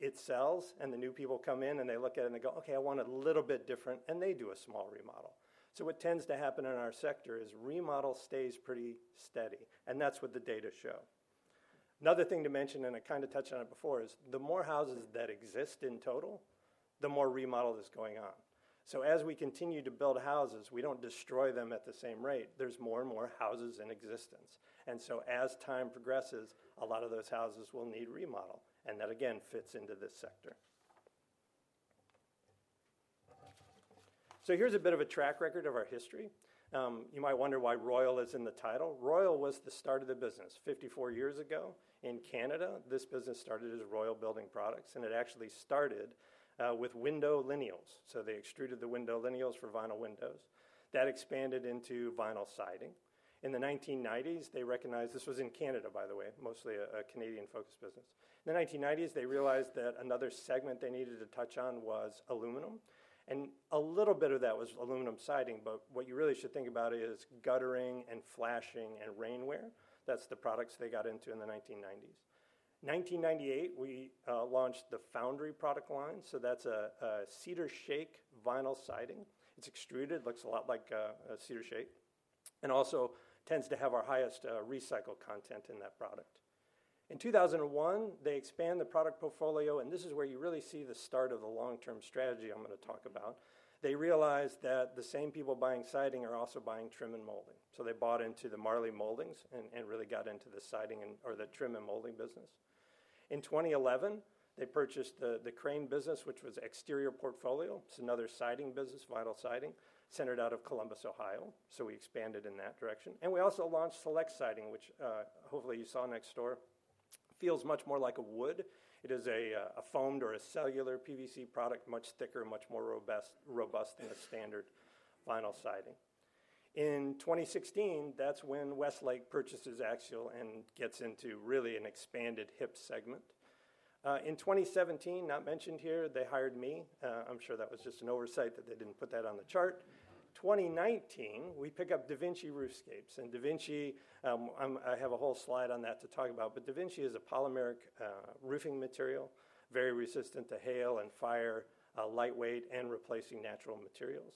It sells and the new people come in and they look at it and they go, okay, I want a little bit different. And they do a small remodel. So what tends to happen in our sector is remodel stays pretty small, steady, and that's what the data show. Another thing to mention, and I kind of touched on it before, is the more houses that exist in total, the more remodel is going on. So as we continue to build houses, we don't destroy them at the same rate. There's more and more houses in existence. And so as time progresses, a lot of those houses will need remodel. And that again fits into this sector. So here's a bit of a track record of our history. You might wonder why Royal is in the title. Royal was the start of the business 54 years ago in Canada. This business started as Royal Building Products and it actually started with window lineals. They extruded the window lineals for vinyl windows that expanded into vinyl siding in the 1990s. They recognized this was in Canada, by the way, mostly a Canadian focused business. In the 1990s, they realized that another segment they needed to touch on was aluminum, and a little bit of that was aluminum siding. But what you really should think about is guttering and flashing and rainwear. That's the products they got into in the 1990s. 1998, we launched the Foundry product line. So that's a cedar shake vinyl siding. It's extruded, looks a lot like a cedar shake, and also tends to have our highest recycled content in that product. In 2001, they expand the product portfolio and this is where you really see the start of the long-term strategy I'm going to talk about. They realized that the same people buying siding are also buying trim and molding. So they bought into the Marley Moldings and really got into the siding or the trim and molding business. In 2011, they purchased the Crane business, which was exterior portfolio. It's another siding business, vinyl siding, centered out of Columbus, Ohio. So we expanded in that direction and we also launched Select Siding, which hopefully you saw next door feels much more like a wood. It is a foamed or a cellular PVC product, much thicker, much more robust than a standard vinyl siding. In 2016, that's when Westlake purchases Axiall and gets into really an expanded HIP segment. In 2017, not mentioned here, they hired me. I'm sure that was just an oversight that they didn't put that on the chart. 2019, we pick up DaVinci Roofscapes, and DaVinci, I have a whole slide on that to talk about about. But DaVinci is a polymeric roofing material, very resistant to hail and fire, lightweight and replacing natural materials.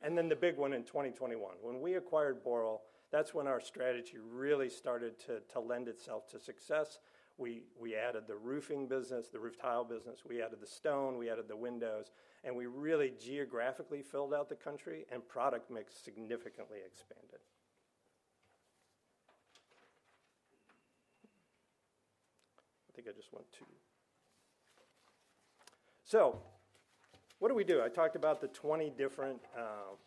And then the big one in 2021, when we acquired Boral, that's when our strategy really started to lend itself to success. We added the roofing business, the roof tile business. We added the stone, we added the windows, and we really geographically filled out the country and product mix significantly expand, expanded. I think I just went to. So what do we do? I talked about the 20 different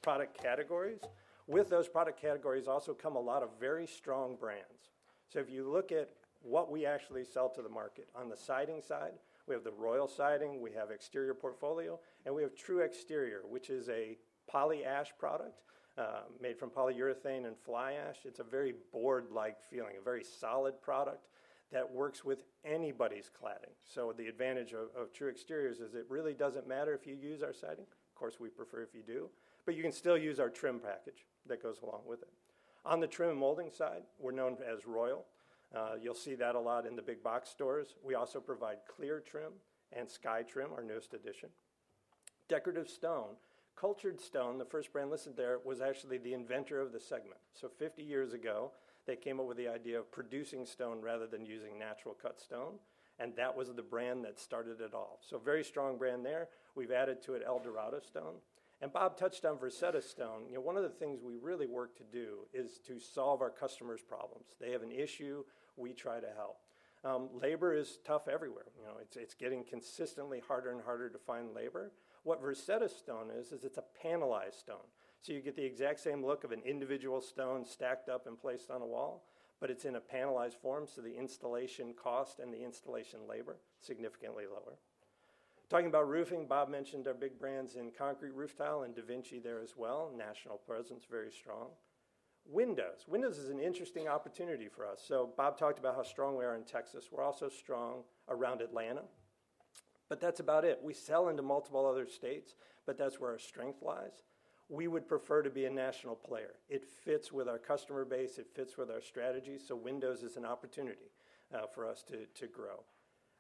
product categories. With those product categories also come a lot of very strong brands. So if you look at what we actually sell to the market, on the siding side, we have the Royal Siding, we have Exterior Portfolio, and we have TruExterior, which is a poly-ash product made from polyurethane and fly ash. It's a very board-like feeling, a very solid product that works with anybody's cladding. So the advantage of TruExterior is it really doesn't matter if you use our siding. Of course, we prefer if you do. But you can still use our trim package that goes along with it. On the trim molding side, we're known as Royal. You'll see that a lot in the big box stores. We also provide Kleer trim and Skytrim. Our newest addition, decorative stone, Cultured Stone. The first brand listed there was actually the inventor of the segment. So 50 years ago, they came up with the idea of producing stone rather than using natural cut stone. And that was the brand that started it all. So very strong brand there. We've added to it Eldorado Stone, and Bob touched on Versetta Stone. One of the things we really work to do is to solve our customers problems. They have an issue. We try to help. Labor is tough everywhere. You know, it's getting consistently harder and harder to find labor. What Versetta Stone is, is it's a panelized stone, so you get the exact same look of an individual stone stacked up and placed on a wall, but it's in a panelized form. So the installation cost and the installation labor significantly lower. Talking about roofing, Bob mentioned our big brands in concrete roof tile and DaVinci there as well. National presence, very strong windows. Windows is an interesting opportunity for us. So Bob talked about how strong we are in Texas. We're also strong around Atlanta, but that's about it. We sell into multiple other states, but that's where our strength lies. We would prefer to be a national player. It fits with our customer base. It fits with our strategy. So Windows is an opportunity for us to grow.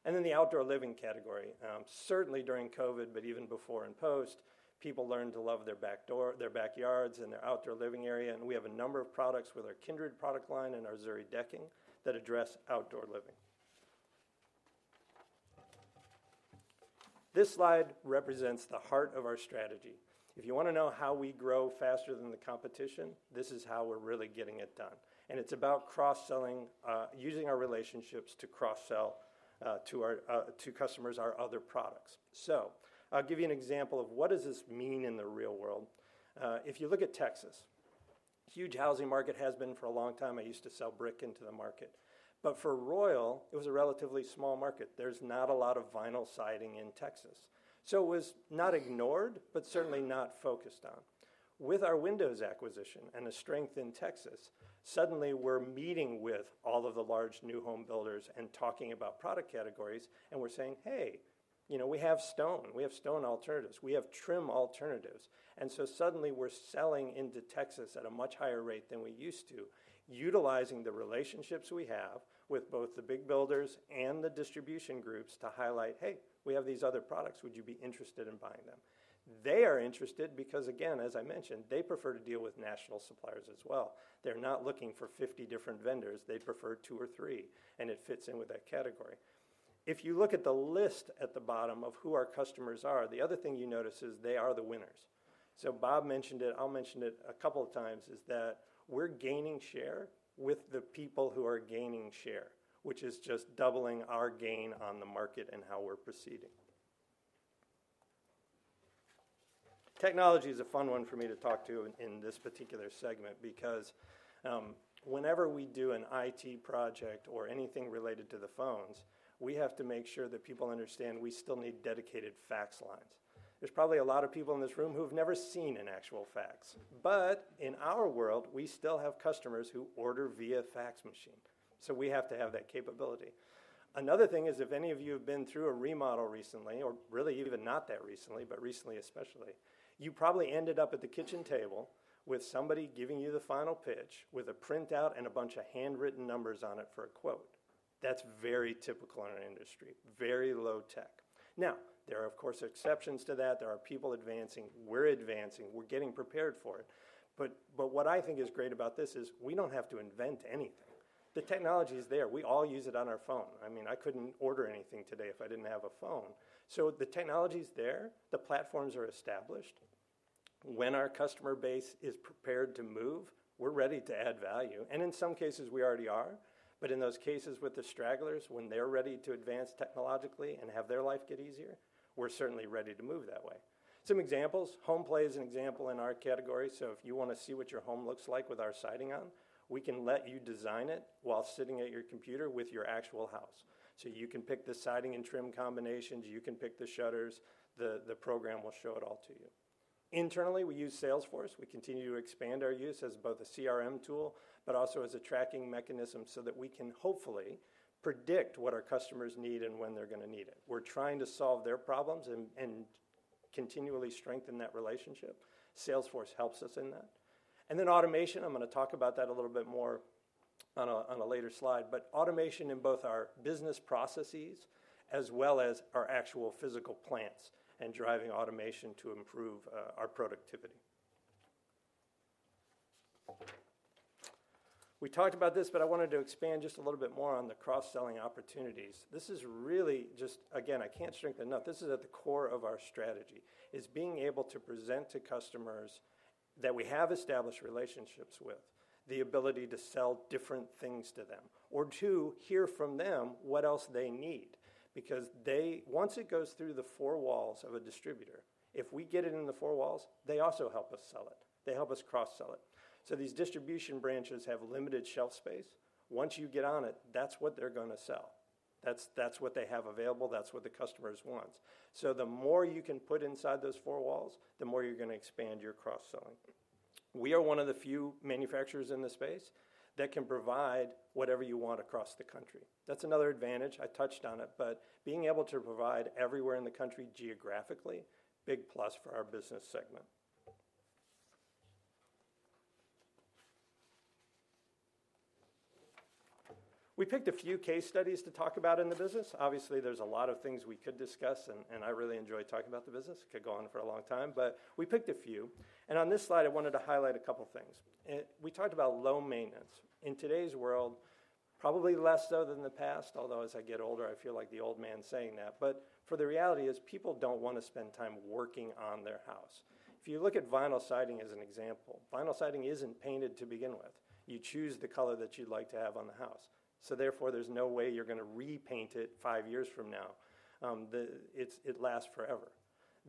And then the outdoor living category, certainly during COVID but even before and post, people learn to love their back door, their backyards, and their outdoor living area. And we have a number of products with our Kindred product line and our Zuri decking that address outdoor living. This slide represents the heart of our strategy. If you want to know how we grow faster than the competition, this is how we're really getting it done. It's about cross selling, using our relationships to cross sell to customers, our other products. So I'll give you an example of what does this mean in the real world. If you look at Texas, huge housing market has been for a long time. I used to sell brick into the market, but for Royal, it was a relatively small market. There's not a lot of vinyl siding in Texas, so it was not ignored, but certainly not focused on with our Windows acquisition and the strength in Texas. Suddenly we're meeting with all of the large new home builders and talking about product categories. And we're saying, hey, you know, we have stone, we have stone alternatives, we have trim alternatives. So suddenly we're selling into Texas at a much higher rate than we used to, utilizing the relationships we have with both the big builders and the distribution groups to highlight, hey, we have these other products. Would you be interested in buying them? They are interested because again, as I mentioned, they prefer to deal with national suppliers as well. They're not looking for 50 different vendors. They prefer two or three. And it fits in with that category. If you look at the list at the bottom of who our customers are, the other thing you notice is they are the winners. So Bob mentioned it, I'll mention it a couple of times, is that we're gaining share with the people who are gaining share, which is just doubling our gain on the market and how we're proceeding. Technology is a fun one for me to talk to in this particular segment because whenever we do an IT project or anything related to the phones, we have to make sure that people understand we still need dedicated fax lines. There's probably a lot of people in this room who have never seen an actual fax, but in our world, we still have customers who order via fax machine. So we have to have that capability. Another thing is if any of you have been through a remodel recently, or really even not that recently, but recently especially, you probably ended up at the kitchen table with somebody giving you the final pitch with a printout and a bunch of handwritten numbers on it for a quote. That's very typical in our industry. Very low tech. Now, there are, of course, exceptions to that. There are people advancing, we're advancing, we're getting prepared for it. But what I think is great about this is we don't have to invent anything. The technology is there, we all use it on our phone. I mean, I couldn't order anything today if I didn't have a phone. So the technology's there, the platforms are established. When our customer base is prepared to move, we're ready to add value. And in some cases we already are. But in those cases with the stragglers, when they're ready to advance technologically and have their life get easier, we're certainly ready to move that way. Some examples. HomePlay is an example in our category. So if you want to see what your home looks like with our siding on, we can let you design it while sitting at your computer with your actual house. So you can pick the siding and trim combinations, you can pick the shutters. The program will show it all to you. Internally, we use Salesforce. We continue to expand our use as both a CRM tool, but also as a tracking mechanism so that we can hopefully predict what our customers need and when they're going to need it. We're trying to solve their problems and continually strengthen that relationship. Salesforce helps us in that. And then automation, I'm going to talk about that a little bit more on a later slide. But automation in both our business processes as well as our actual physical plants and driving automation to improve our productivity. We talked about this, but I wanted to expand just a little bit more on the cross selling opportunities. This is really just again, I can't strengthen enough. This is at the core of our strategy, being able to present to customers that we have established relationships with the ability to sell different things to them or to hear from them what else they need. Once it goes through the four walls of a distributor, if we get it in the four walls, they also help us sell it. They help us cross-sell it. So these distribution branches have limited shelf space. Once you get on it, that's what they're going to sell. That's what they have available. That's what the customers want. So the more you can put inside those four walls, the more you're going to expand your cross-selling. We are one of the few manufacturers in the space that can provide whatever you want across the country. That's another advantage. I touched on it. But being able to provide everywhere in the country geographically, big plus. For our business segment, we picked a few case studies to talk about in the business. Obviously there's a lot of things we could discuss and I really enjoy talking about the business go on for a long time. But we picked a few, and on this slide I wanted to highlight a couple things. We talked about low maintenance in today's world, probably less so than the past. Although as I get older, I feel like the old man saying that. But the reality is people don't want to spend time working on their house. If you look at vinyl siding as an example, vinyl siding isn't painted to begin with. You choose the color that you'd like to have on the house. So therefore there's no way you're going to repaint it. Five years from now, it lasts forever.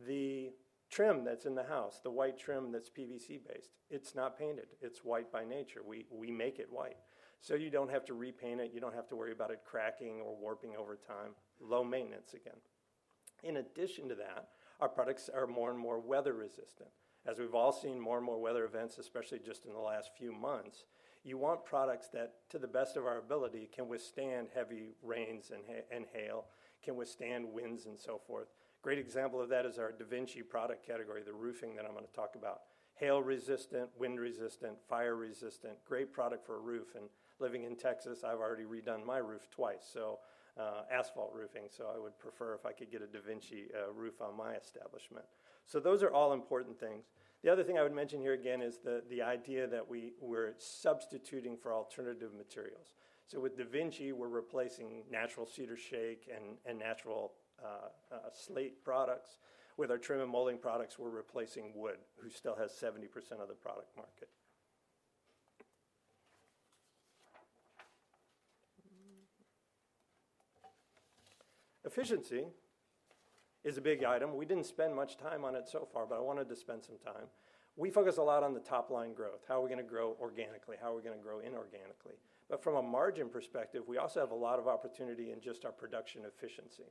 The trim that's in the house, the white trim, that's PVC based. It's not painted. It's white by nature. We make it white. So you don't have to repaint it. You don't have to worry about it cracking or warping over time. Low maintenance again. In addition to that, our products are more and more weather resistant. As we've all seen more and more weather events, especially just in the last few months, you want products that to the best of our ability can withstand heavy rains and hail, can withstand winds and so forth. Great example of that is our DaVinci product category, the roofing that I'm going to talk about. Hail resistant, wind resistant, fire resistant, great product for a roof. And living in Texas, I've already redone my roof twice, so asphalt roofing. So I would prefer if I could get a DaVinci roof on my establishment. So those are all important things. The other thing I would mention here again is the idea that we're substituting for alternative materials. So with DaVinci, we're replacing natural cedar shake and natural slate products. With our trim and molding products, we're replacing wood, which still has 70% of the product market. Efficiency is a big item. We didn't spend much time on it so far, but I wanted to spend some time. We focus a lot on the top line growth. How are we going to grow organically? How are we going to grow inorganically? But from a margin perspective, we also have a lot of opportunity in just our production efficiency.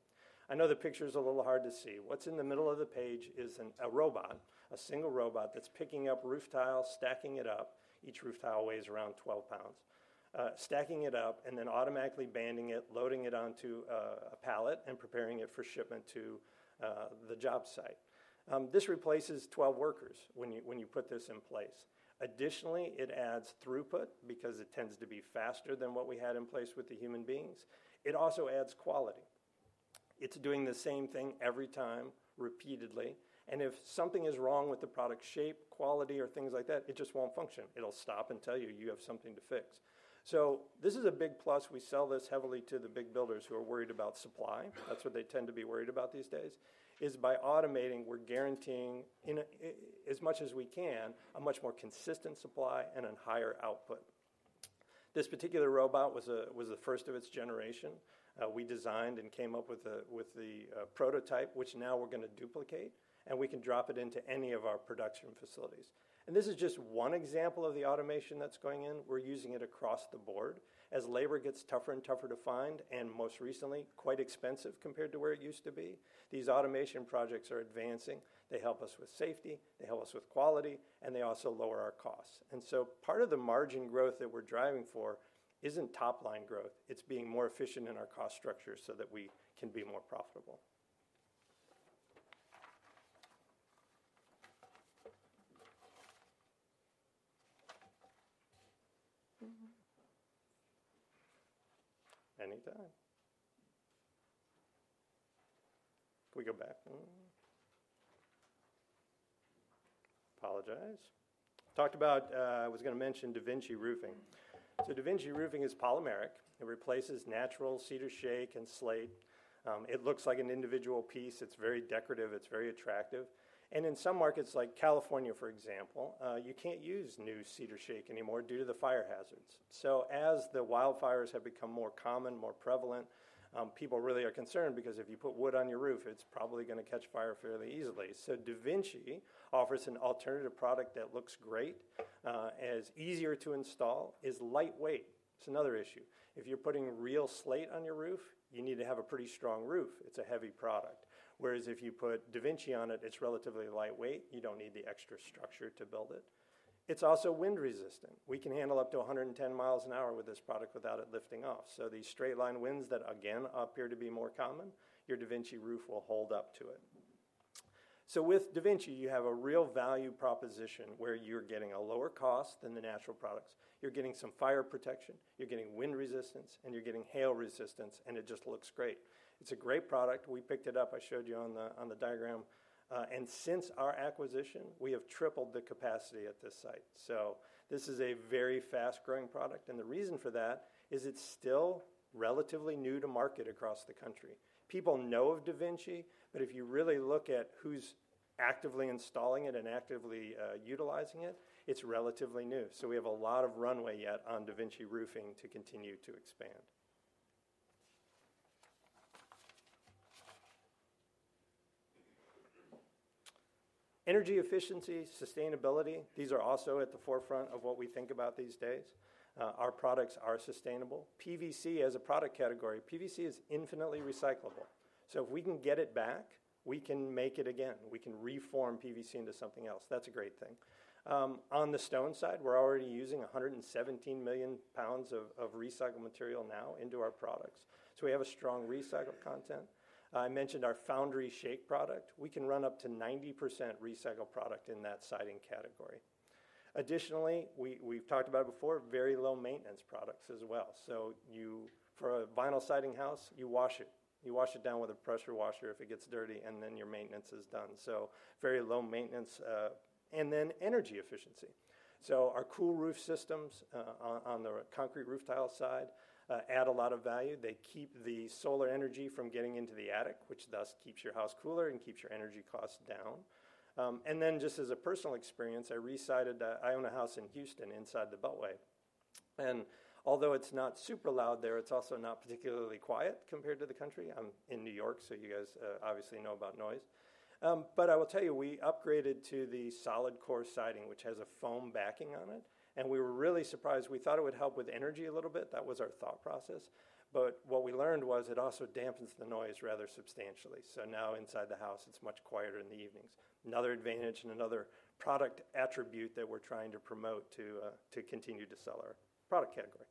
I know the picture is a little hard to see. What's in the middle of the page is a robot, a single robot that's picking up roof tiles, stacking it up. Each roof tile weighs around 12 pounds. Stacking it up and then automatically banding it, loading it onto a pallet and preparing it for shipment to the job site. This replaces 12 workers. When you put this in place, additionally, it adds throughput because it tends to be faster than what we had in place with the human beings. It also adds quality. It's doing the same thing every time repeatedly. And if something is wrong with the product, shape, quality or things like that, it just won't function. It'll stop and tell you you have something to fix. So this is a big plus. We sell this heavily to the big builders who are worried about supply. That's what they tend to be worried about these days, is by automating, we're guaranteeing as much as we can, a much more consistent supply and a higher output. This particular robot was the first of its generation. We designed and came up with the prototype, which now we're going to duplicate and we can drop it into any of our production facilities. And this is just one example of the automation that's going in. We're using it across the board as labor gets tougher and tougher to find and most recently, quite, quite expensive compared to where it used to be. These automation projects are advancing. They help us with safety, they help us with quality, and they also lower our costs. And so part of the margin growth that we're driving for isn't top line growth. It's being more efficient in our cost structure so that we can be more profitable. I was going to mention DaVinci roofing. So DaVinci roofing is polymeric. It replaces natural cedar shake and slate. It looks like an individual piece. It's very decorative, it's very attractive. And in some markets, like California, for example, you can't use new cedar shake anymore due to the fire hazard. So as the wildfires have become more common, more prevalent, people really are concerned because if you put wood on your roof, it's probably going to catch fire fairly easily. So DaVinci offers an alternative product that looks great, is easier to install, is lightweight. It's another issue if you're putting real slate on your roof, you need to have a pretty strong roof, it's a heavy product, whereas if you put DaVinci on it, it's relatively lightweight. You don't need the extra structure to build it. It's also wind resistant. We can handle up to 110 miles an hour with this product without it lifting off. So these straight line winds that again appear to be more common, your DaVinci roof will hold up to it. So with DaVinci, you have a real value proposition where you're getting a lower cost than the natural products. You're getting some fire protection, you're getting wind resistance and you're getting hail resistance and it just looks great. It's a great product. We picked it up, I showed you on the diagram. And since our acquisition, we have tripled the capacity at this site. So this is a very fast growing product. And the reason for that is it's still relatively new to market across the country. People know of DaVinci, but if you really look at who's actively installing it and actively utilizing it, it's relatively new. So we have a lot of runway yet on DaVinci Roofing to continue to expand. Energy efficiency, sustainability. These are also at the forefront of what we think about these days. Our products are sustainable. PVC as a product category, PVC is infinitely recyclable. So if we can get it back, we can make it again. We can reform PVC into something else. That's a great thing. On the stone side, we're already using 117 million pounds of recycled material now into our products, so we have a strong recycled content. I mentioned our Foundry shake product. We can run up to 90% recycled product in that siding category. Additionally, we've talked about it before, very low maintenance products as well. So for a vinyl siding house, you wash it, you wash it down with a pressure washer if it gets dirty and then your maintenance is done. So very low maintenance and then energy efficiency. So our cool roof systems on the concrete roof tile side add a lot of value. They keep the solar energy from getting into the attic, which thus keeps your house cooler and keeps your energy costs down. And then, just as a personal experience, I re-sided. I own a house in Houston inside the Beltway. And although it's not super loud there, it's also not particularly quiet compared to the country. I'm in New York, so you guys obviously know about noise, but I will tell you, we upgraded to the solid core siding, which has a blown foam backing on it. We were really surprised. We thought it would help with energy a little bit. That was our thought process. But what we learned was it also dampens the noise rather substantially. So now inside the house, it's much quieter in the evenings. Another advantage and another product attribute that we're trying to promote to continue to sell our product category.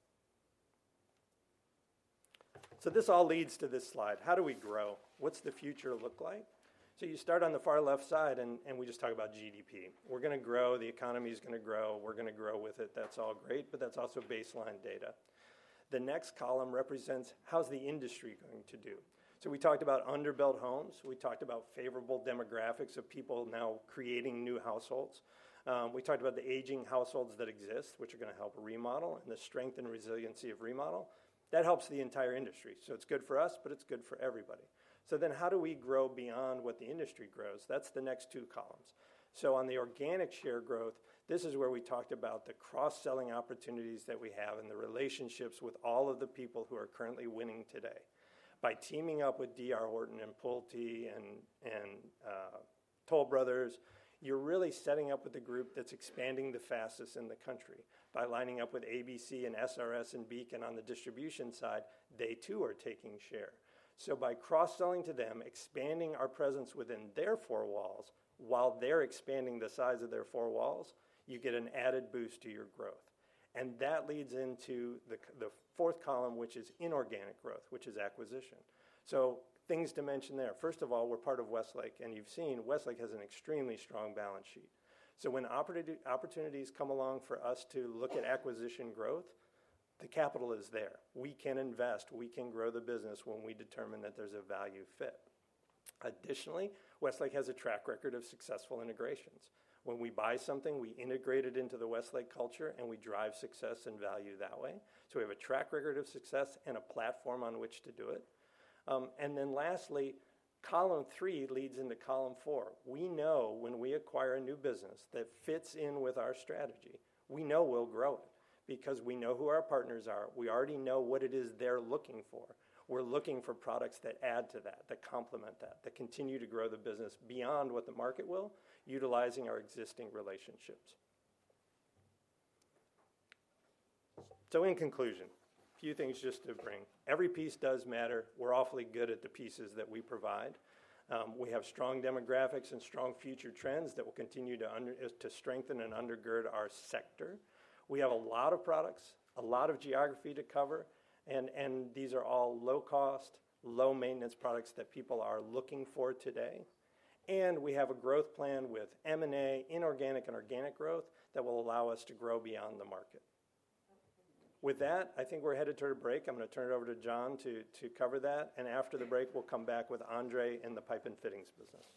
This all leads to this slide. How do we grow? What's the future look like? You start on the far left side and we just talk about GDP. We're going to grow, the economy is going to grow, we're going to grow with it. That's all great, but that's also baseline data. The next column represents how's the industry going to do? So we talked about under built homes, we talked about favorable demographics of people now creating new households. We talked about the aging households that exist which are going to help remodel and the strength and resiliency of remodel that helps the entire industry. So it's good for us, but it's good for everybody. So then how do we grow beyond what the industry grows? That's the next two columns. So on the organic share growth, this is where we talked about the cross selling opportunities that we have and the relationships with all of the people who are currently winning today. By teaming up with D.R. Horton and Pulte and Toll Brothers, you're really setting up with the group that's expanding the fastest in the country. By lining up with ABC and SRS and Beacon on the distribution side, they too are taking share. So by cross selling to them, expand, expanding our presence within their four walls, while they're expanding the size of their four walls, you get an added boost to your growth. And that leads into the fourth column, which is inorganic growth, which is acquisition. So things to mention there. First of all, we're part of Westlake and you've seen Westlake has an extremely strong balance sheet. So when opportunities come along for us to look at acquisition growth, the capital is there, we can invest, we can grow the business when we determine that there's a value for the fit. Additionally, Westlake has a track record of successful integrations. When we buy something, we integrate it into the Westlake culture and we drive success and value that way. So we have a track record of success and a platform on which to do it. And then lastly, column three leads into column four. We know when we acquire a new business that fits in with our strategy, we know we'll grow it because we know who our partners are. We already know what it is they're looking for for. We're looking for products that add to that, that complement that, that continue to grow the business beyond what the market will utilizing our existing relationships. So in conclusion, a few things just to bring every piece does matter. We're awfully good at the pieces that we provide. We have strong demographics and strong future trends that will continue to strengthen and undergird our sector. We have a lot of products, a lot of geography to cover and these are all low cost, low maintenance products that people are looking for today. We have a growth plan with M and A, inorganic and organic growth that will allow us to grow beyond the market. With that, I think we're headed toward a break. I'm going to turn it over to John to cover that. After the break, we'll come back with Andre in the pipe and fittings business.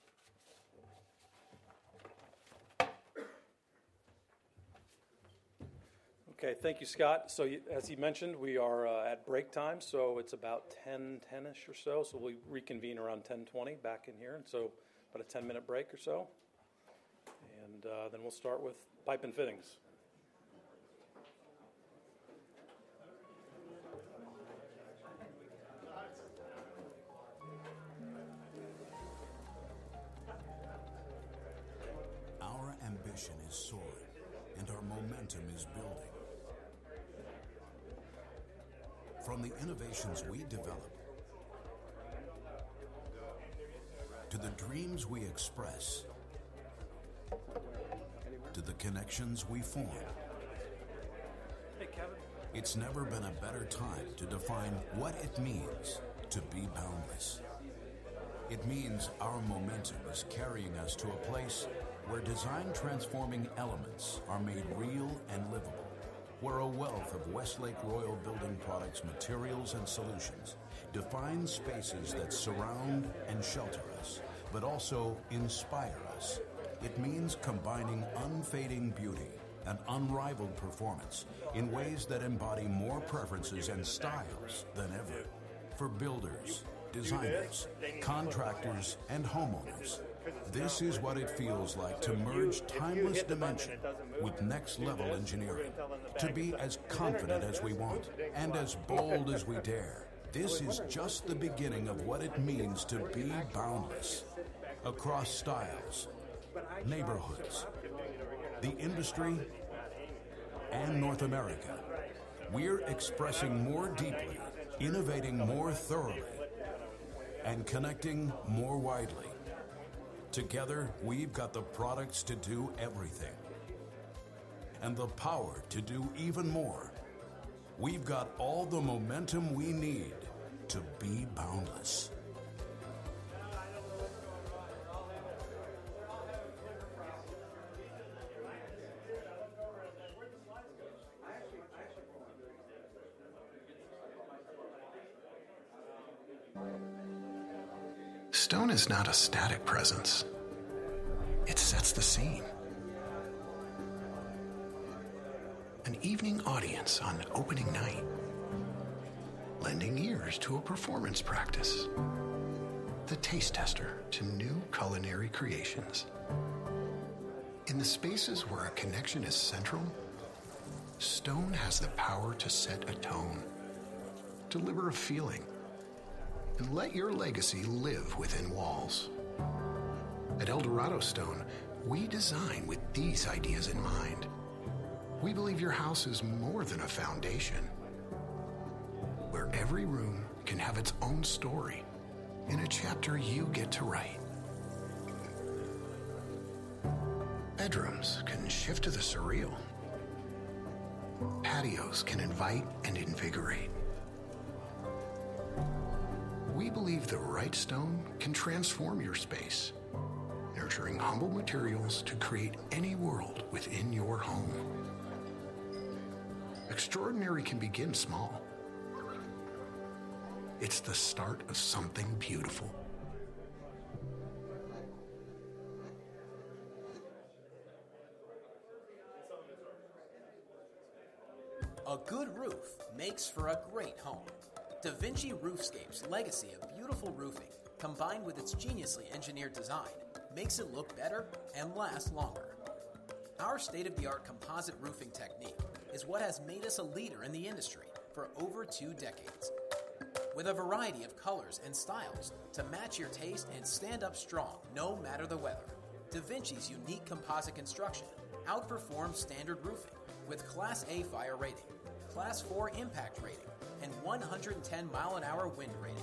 Okay, thank you, Scott. As he mentioned, we are at break time, so it's about 10:00 A.M., 10-ish or so. We reconvene around 10:20 A.M. back in here and so about a 10-minute break or so and then we'll start. With Pipe and Fittings. Our ambition is. Soaring and our momentum is building. From the innovations we develop to the. Dreams we express. To the connections we form. Hey, Kevin. It's never been a better time to. Define what it means to be boundless. It means our momentum is carrying us. To a place where design transforming elements are made real and livable. Where a wealth of Westlake Royal Building. Products, materials and solutions define spaces that surround and shelter us, but also inspire us. It means combining unfading beauty and unrivaled performance in ways that embody more preferences. And styles than ever. For builders, designers, contractors and homeowners, this. Is what it feels like to merge timeless dimension with next level engineering. To be as confident as we want. As bold as we dare. This is just the beginning of what. It means to be boundless. Across styles, neighborhoods, the industry, and North. America, we're expressing more deeply, innovating more. Thoroughly and connecting more widely. Together, we've got the products to do. Everything and the power to do even more. We've got all the momentum we need to be boundless. Stone is not a static presence. It sets the scene. An evening audience on opening night, lending ears to a performance practice, the taste tester to new culinary creations. In the spaces where a connection is central, Stone has the power to set a tone, deliver a feeling, and let. Your legacy live within walls. At Eldorado Stone, we design with. These ideas in mind. We believe your house is more than. A foundation, where every room can have its own story. In a chapter you get to write. Bedrooms can shift to the surreal. Patios can invite and invigorate. We believe the room, the right stone, can transform your space. Nurturing humble materials to create any World. Within your home. Extraordinary can begin small. It's the start of something beautiful. A good roof makes for a great home. DaVinci Roofscapes' legacy of beautiful roofing combined with its ingeniously engineered design makes it look better and last longer. Our state-of-the-art composite roofing technique is what has made us a leader in the industry for over two decades. With a variety of colors and styles to match your taste and stand up strong no matter the weather, DaVinci's unique composite construction outperform standard roofing with class A fire rating, class 4 impact rating and 110-mile-an-hour wind rating.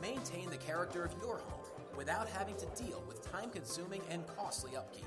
Maintain the character of your home without having to deal with time-consuming and costly upkeep.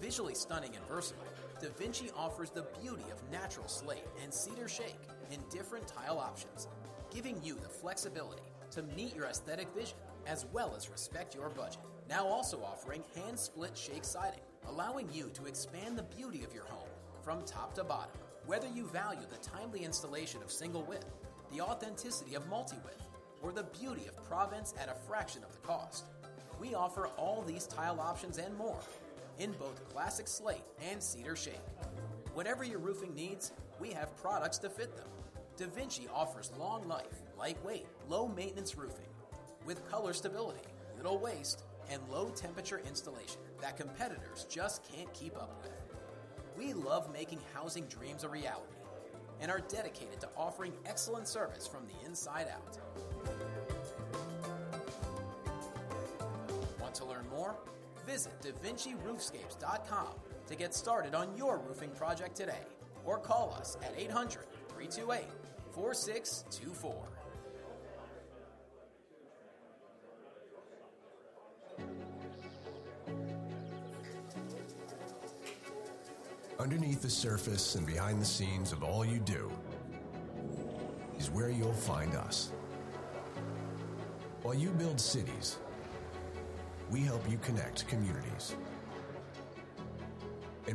Visually stunning and versatile, DaVinci offers the beauty of natural slate and cedar shake in different tile options, giving you the flexibility to meet your aesthetic vision as well as respect your budget. Now also offering hand split shake siding allowing you to expand the beauty of your home from top to bottom. Whether you value the timely installation of single width, the authenticity of multi width or the beauty of Provence at a fraction of the cost, we offer all these tile options and more in both classic slate and cedar shape. Whatever your roofing needs, we have products to fit them. DaVinci offers long life lightweight, low maintenance roofing with color stability, little waste and low temperature installation that competitors just can't keep up with. We love making housing dreams a reality and are dedicated to offering excellent service from the inside out. Want to Learn more? Visit DaVinci Roofscapes.com to get started on your roof project today or call us at 800-328-4624. Underneath the surface and behind the scenes of all you do is where you'll find us. While you build cities, we help you connect communities.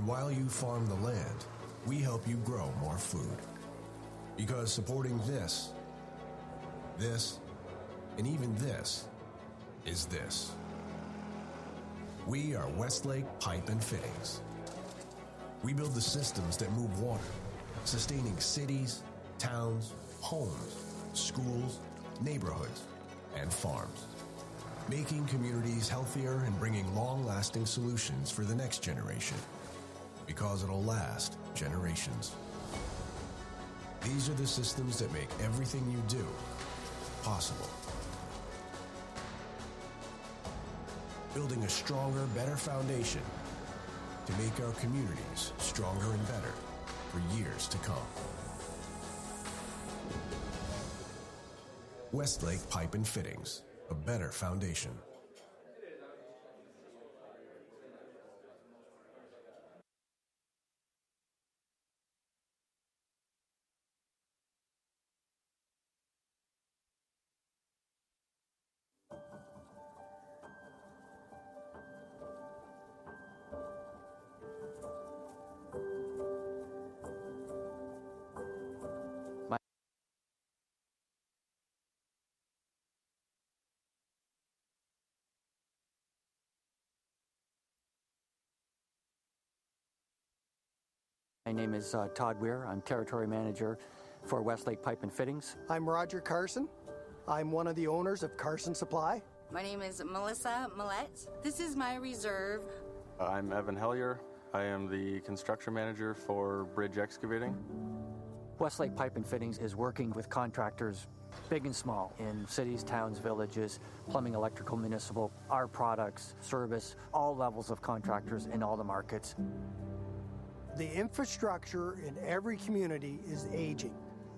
While you farm the land, we help you grow more food. Because supporting this, this and even this is this. We are Westlake Pipe & Fittings. We build the systems that move water. Sustaining cities, towns, homes, schools, neighborhoods and farms. Making communities healthier and bringing long lasting solutions for the next generation. Because it'll last generations. These are the systems that make everything you do possible. Building a stronger, better foundation to make. Our communities stronger and better for years to come. Westlake Pipe and Fittings A Better Foundation. My name is Todd Weir. I'm Territory Manager for Westlake Pipe & Fittings. I'm Roger Carson. I'm one of the owners of Carson Supply. My name is Melissa Millette. This is my reserve. I'm Evan Hellyer. I am the construction manager for Bridge Excavating. Westlake Pipe and Fittings is working with contractors big and small in cities, towns, villages, plumbing, electrical, municipal. Our products serve all levels of contractors in all the markets. The infrastructure in every community is aging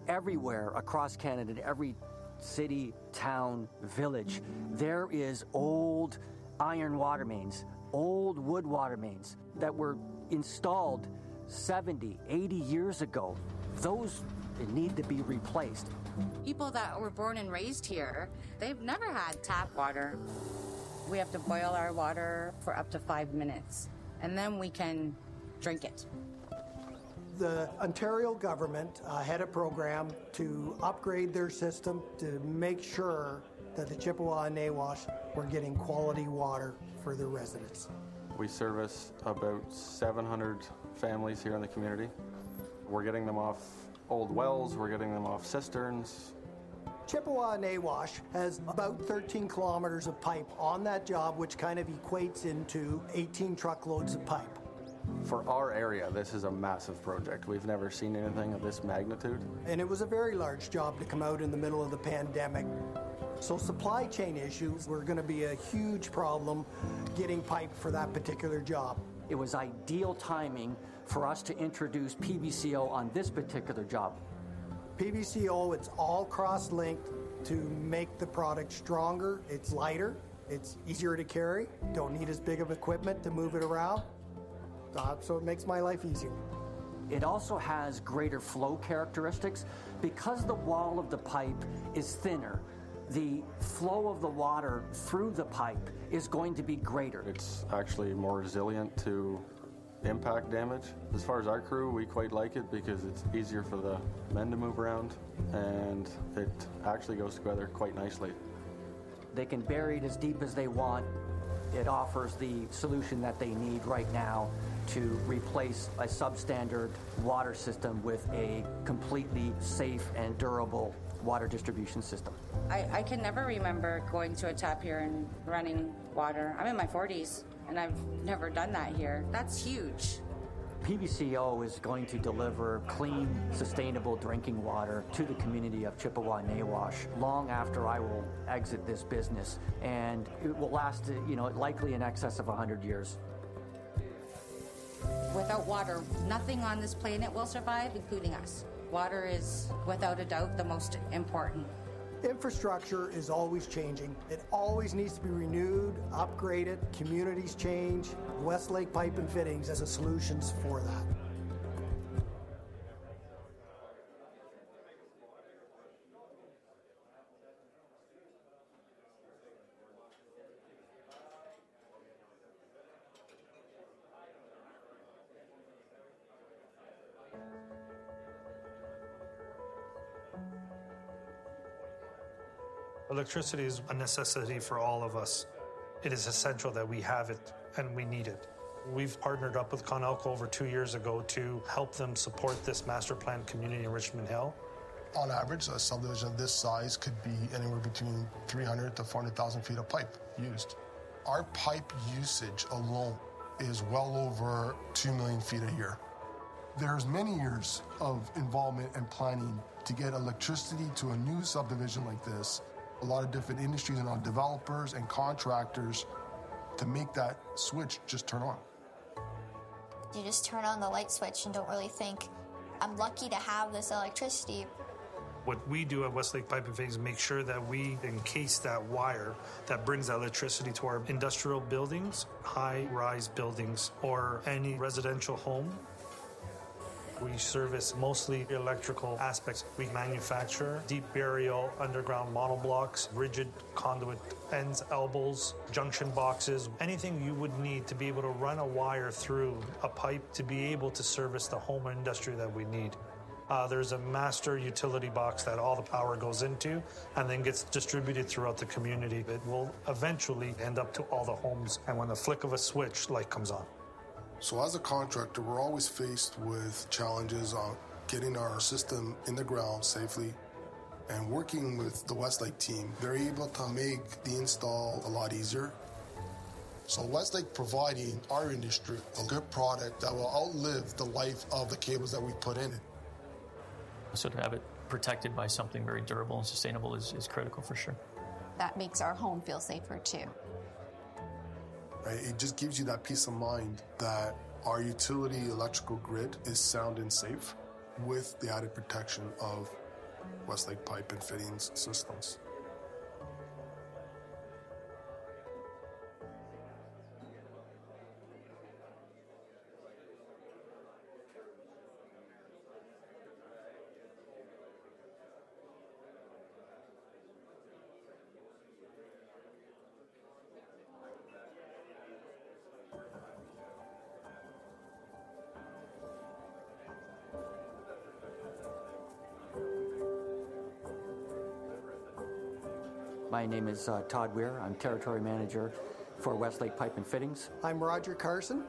everywhere across Canada, every city, town, village. There is old iron water mains, old wood water mains that were installed 70, 80 years ago. Those need to be replaced. People that were born and raised here. They've never had tap water. We have to boil our water for up to five minutes and then we can drink it. The Ontario government had a program to upgrade their system to make sure that the Chippewas of Nawash were getting quality water for their residents. We service about 700 families here in the community. We're getting them off old wells, we're. Getting them off cisterns. Chippewas Nawash has about 13 km of. Pipe on that job, which kind of. Equates into 18 truckloads of pipe for our area. This is a massive project. We've never seen anything of this magnitude. It was a very large job. To come out in the middle of the pandemic. Supply chain issues were going to. be a huge problem getting pipe for that particular job. It was ideal timing for us to introduce PVCO on this particular job. PVCO, it's all cross-linked to make the product stronger. It's lighter, it's easier to carry, don't. Need as big of equipment to move it around. So it makes my life easier. It also has greater flow characteristics because the wall of the pipe is thinner. The flow of the water through the. Pipe is going to be greater. It's actually more resilient to impact damage. As far as our crew, we quite like it because it's easier for the men to move around and it actually goes together quite nicely. They can bury it as deep as they want. It offers the solution that they need right now to replace a substandard water system with a completely safe and durable water distribution system. I can never remember going to a tap here and running water. I'm in my 40s and I've never done that here. That's huge. PVCO is going to deliver clean, sustainable drinking water to the community of Chippewa, Nawash, long after I will exit this business. It will last, you know, likely in excess of 100 years. Without water, nothing on this planet will survive, including us. Water is without a doubt the most. Important infrastructure is always changing. It always needs to be renewed, upgraded. Communities choose Westlake Pipe & Fittings as a solution for that. Electricity is a necessity for all of us. It is essential that we have. It and we need it. We've partnered up with Conelco over 2 years ago to help them support this master planned community in Richmond Hill. On average, a subdivision of this size could be anywhere between 300-400,000 ft of pipe used. Our pipe usage alone is well over. 2 million feet a year. There's many years of involvement and planning to get electricity to a new subdivision like this. A lot of different industries involved developers and contractors to make that switch just turn on. You just turn on the light switch and don't really think I'm lucky to have this electricity. What we do at Westlake Pipe and Fittings is make sure that we encase that wire that brings electricity to our industrial buildings, high-rise buildings or any residential home. We service mostly electrical aspects. We manufacture deep burial, underground monoblocks, rigid conduit ends, elbows, junction boxes. Anything you would need to be able to run a wire through a pipe to be able to service the home. Industry that we need. There's a master utility box that all the power goes into and then gets distributed throughout the community. It will eventually end up to all the homes and when the flick of a switch, light comes on. As a contractor, we're always faced with challenges on getting our system in the ground safely. Working with the Westlake team, they're able to make the install a lot easier. Westlake providing our industry a good product that will outlive the life of the cables that we put in. To have it protected by something very durable and sustainable is critical for sure. That makes our home feel safer too. It just gives you that peace of mind that our utility electrical grid is. Sound and safe with the added protection. Of Westlake Pipe and Fittings systems. My name is Todd Weir. I'm Territory Manager for Westlake Pipe & Fittings. I'm Roger Carson.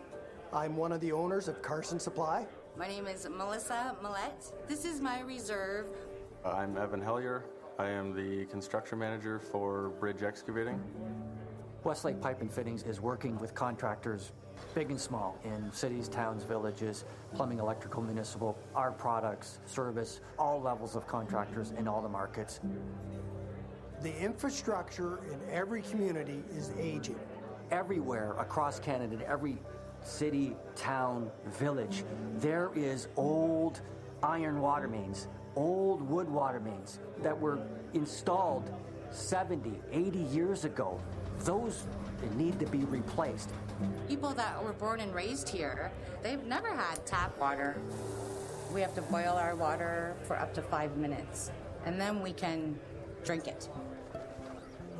I'm one of the owners of Carson Supply. My name is Melissa Millette. This is my reserve. I'm Evan Hellyer. I am the construction manager for Bridge Excavating. Westlake Pipe & Fittings is working with contractors big and small in cities, towns, villages, plumbing, electrical, municipal. Our products service all levels of contractors in all the markets. The infrastructure in every community is aging everywhere across Canada, every city, town, village, there is old iron water mains, old wood water mains that were installed 70, 80 years ago. Those need to be replaced. People that were born and raised here, they've never had tap water. We have to boil our water for up to five minutes and then we can drink it.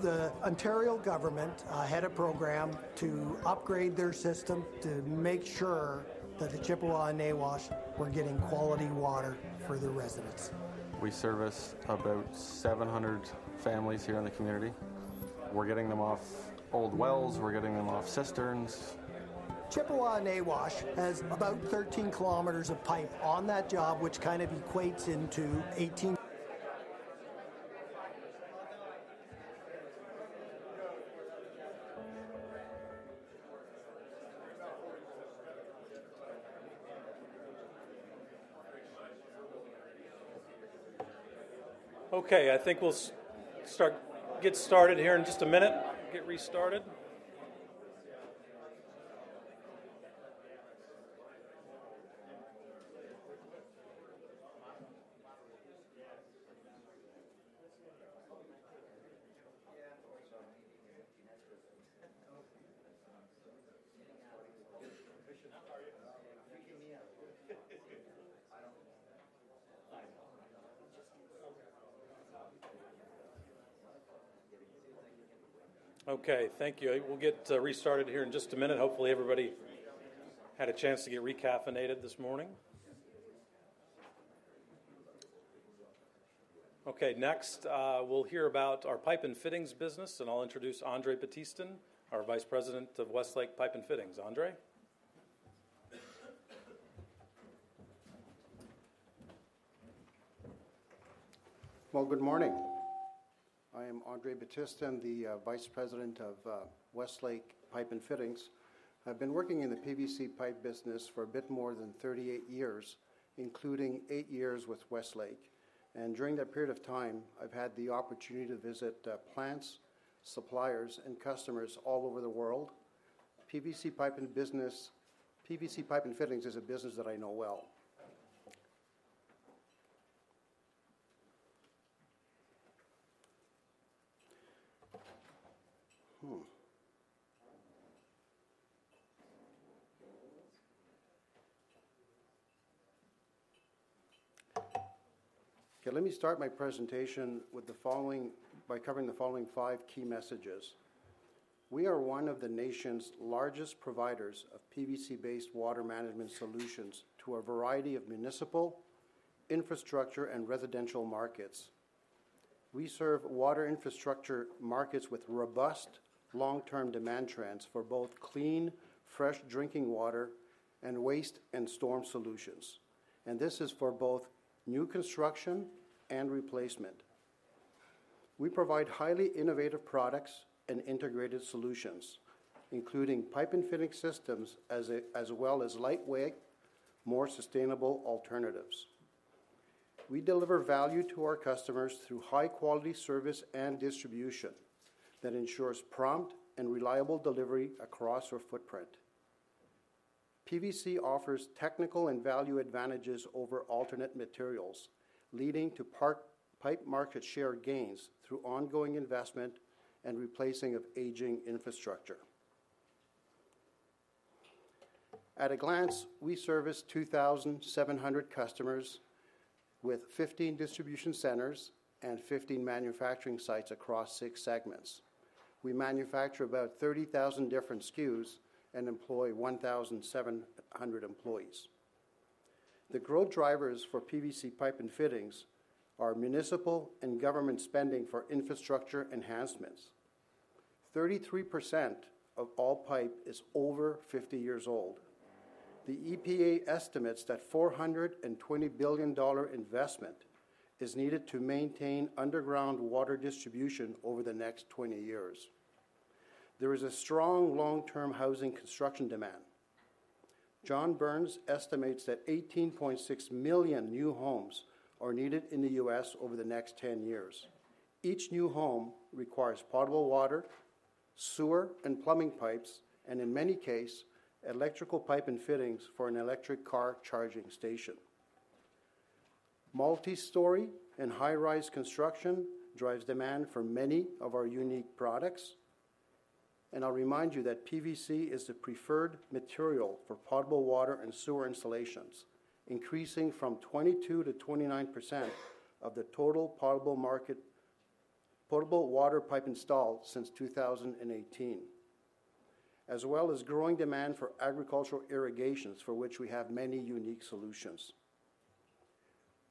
The Ontario government had a program to. Upgrade their system to make sure that the Chippewas and Nawash were getting quality water for their residents. We service about 700 families here in the community. We're getting them off old water wells, we're getting them off cisterns. of Nawash has about 13 km of. Pipe on that job, which kind of equates into 18. Okay, I think we'll get started here in just a minute. Okay, thank you. We'll get restarted here in just a minute. Hopefully everybody had a chance to get recaffeinated this morning. Okay, next we'll hear about our pipe and fittings business and I'll introduce Andre Battistin, our Vice President of Westlake Pipe & Fittings. Andrew. Well, good morning. I am Andre Battistin, the Vice President of Westlake Pipe & Fittings. I've been working in the PVC pipe business for a bit more than 38 years, including 8 years with Westlake. And during that period of time I've had the opportunity to visit plants, such as suppliers and customers, all over the world. PVC piping business PVC pipe and fittings is a business that I know well. Let me start my presentation by covering the following 5 key messages. We are one of the nation's largest providers of PVC-based water management solutions to a variety of municipal infrastructure and residential markets. We serve water infrastructure markets with robust long-term demand trends for both clean, fresh drinking water and waste and storm solutions. And this is for both new construction and replacement. We provide highly innovative products and integrated solutions including pipe and fitting systems as well as lightweight, more sustainable alternatives. We deliver value to our customers through high quality service and distribution that ensures prompt and reliable delivery across our footprint. PVC offers technical and value advantages over alternate materials leading to pipe market share gains through ongoing investment and replacing of aging infrastructure. At a glance we service 2,700 customers with 15 distribution centers and 15 manufacturing sites across six segments. We manufacture about 30,000 different SKUs and employ 1,700 employees. The growth drivers for PVC pipe and fittings are municipal and government spending for infrastructure enhancements. 33% of all pipe is over 50 years old. The EPA estimates that $420 billion investment is needed to maintain underground water distribution over the next 20 years. There is a strong long term housing construction demand. John Burns estimates that 18.6 million new homes are needed in the U.S. over the next 10 years. Each new home requires potable water, sewer and plumbing pipes and in many cases electrical pipe. Fittings for an electric car charging station. Multi-story and high-rise construction drives demand for many of our unique products. I'll remind you that PVC is the preferred material for potable water and sewer installations, increasing from 22%-29% of the total potable water pipe installed since 2018, as well as growing demand for agricultural irrigations for which we have many unique solutions.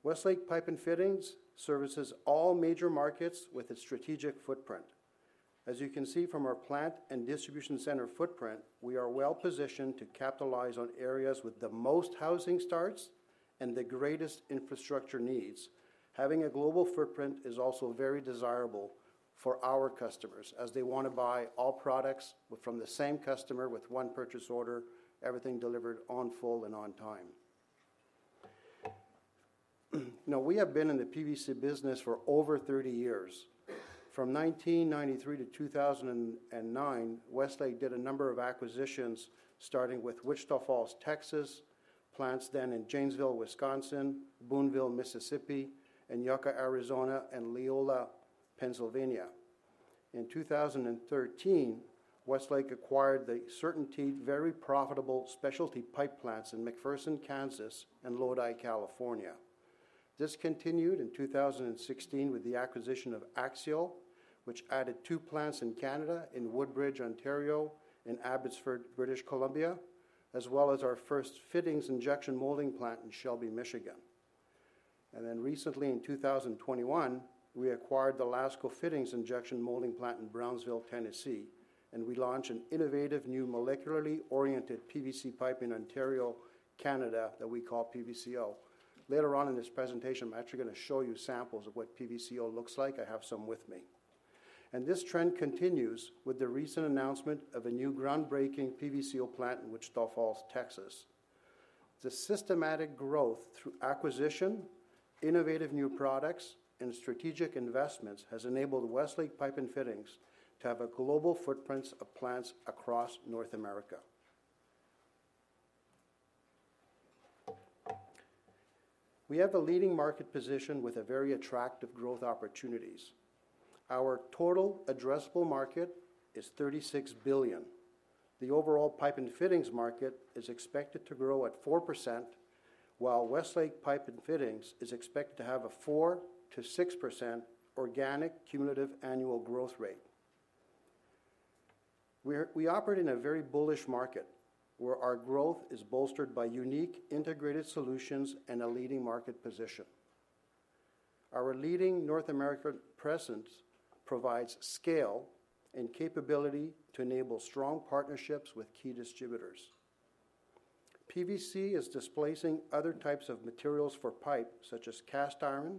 Westlake Pipe & Fittings services all major markets with its strategic footprint. As you can see from our plant and distribution center footprint, we are well positioned to capitalize on areas with the most housing starts and the greatest infrastructure needs. Having a global footprint is also very desirable for our customers as they want to buy all products from the same customer with one purchase order everything delivered on full and on time. Now we have been in the PVC business for over 30 years. From 1993 to 2009 Westlake did a number of acquisitions starting with Wichita Falls, Texas plants then in Janesville, Wisconsin, Booneville, Mississippi, in Yucca, Arizona, and Leola, Pennsylvania. In 2013 Westlake acquired the CertainTeed very profitable specialty pipe plants in McPherson, Kansas, and Lodi, California. This continued in 2016 with the acquisition of Axiall which added two plants in Canada in Woodbridge, Ontario, in Abbotsford, British Columbia, as well as our first Fittings injection molding plant in Shelby, Michigan. Then recently in 2021 we acquired the Lasco Fittings injection molding plant in Brownsville, Tennessee and we launched an innovative new molecularly oriented PVC pipe in Ontario, Canada that we call PVCO. Later on in this presentation I'm actually going to show you samples of what PVCO looks like. I have some with me and this trend continues with the recent announcement of a new groundbreaking PVCO plant in Wichita Falls, Texas. The systematic growth through acquisition, innovative new products and strategic investments has enabled Westlake Pipe and Fittings to have a global footprint of plants across North America. We have a leading market position with very attractive growth opportunities. Our total addressable market is $36 billion. The overall pipe and fittings market is expected to grow at 4% while Westlake Pipe and Fittings is expected to have a 4%-6% organic cumulative annual growth rate. We operate in a very bullish market where our growth is bolstered by unique integrated solutions and a leading market position. Our leading North American presence provides scale and capability to enable strong partnerships with key distributors. PVC is displacing other types of materials for pipe such as cast iron,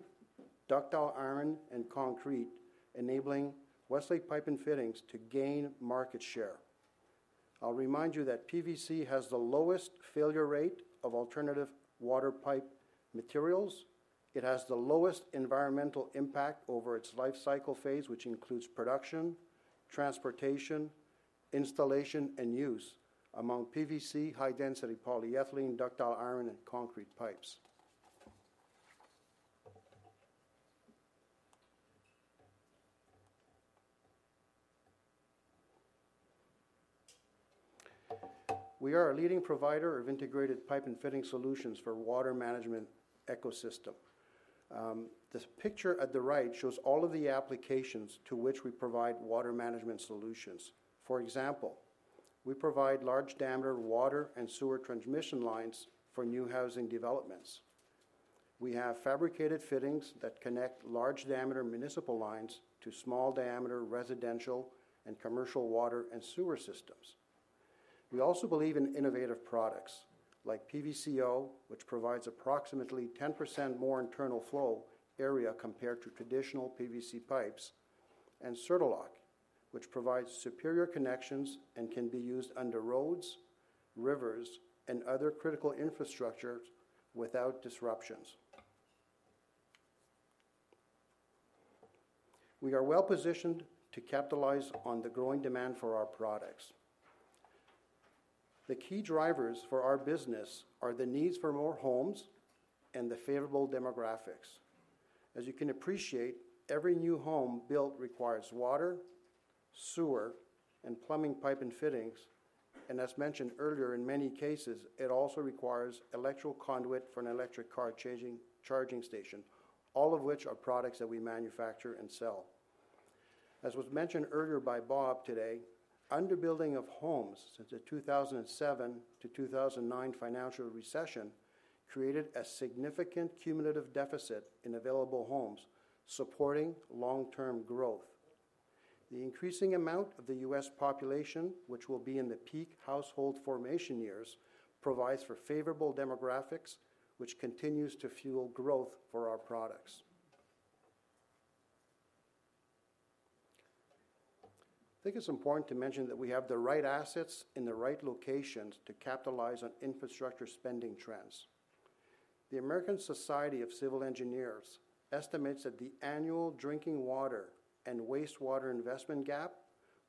ductile iron and concrete, enabling Westlake Pipe and Fittings to gain market share. I'll remind you that PVC has the lowest failure rate of alternative water pipe materials. It has the lowest environmental impact over its life cycle phase which includes production, transportation, installation and use. Among PVC, high density polyethylene, ductile iron and concrete pipes. We are a leading provider of integrated pipe and fitting solutions for water management ecosystem. The picture at the right shows all of the applications to which we provide water management solutions. For example, we provide large diameter water and sewer transmission lines for new housing developments. We have fabricated fittings that connect large diameter municipal lines to small diameter residential and commercial water and sewer systems. We also believe in innovative products like PVCO which provides approximately 10% more internal flow area compared to traditional PVC pipes and Certa-Lok which provides superior connections and can be used under roads, rivers and other critical infrastructures without disruptions. We are well positioned to capitalize on the growing demand for our products. The key drivers for our business are the needs for more homes and the favorable demographics. As you can appreciate, every new home built requires water, sewer and plumbing pipe and fittings. And as mentioned earlier, in many cases it also requires electrical conduit for an electric car charging station, all of which are products that we manufacture and sell. As was mentioned earlier by Bob today, underbuilding of homes since the 2007-2009 financial recession created a significant cumulative deficit in available homes supporting long-term growth. The increasing amount of the U.S. population which will be in the peak household formation years provides for favorable demographics which continues to fuel growth for our products. I think it's important to mention that we have the right assets in the right locations to capitalize on infrastructure spending trends. The American Society of Civil Engineers estimates that the annual drinking water and wastewater investment gap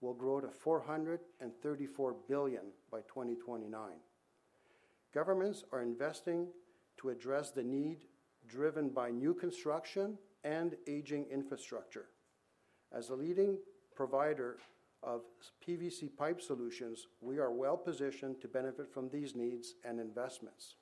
will grow to $434 billion by 2029. Governments are investing to address the need driven by new construction and aging infrastructure. As a leading provider of PVC pipe solutions, we are well positioned to benefit from these needs and investments.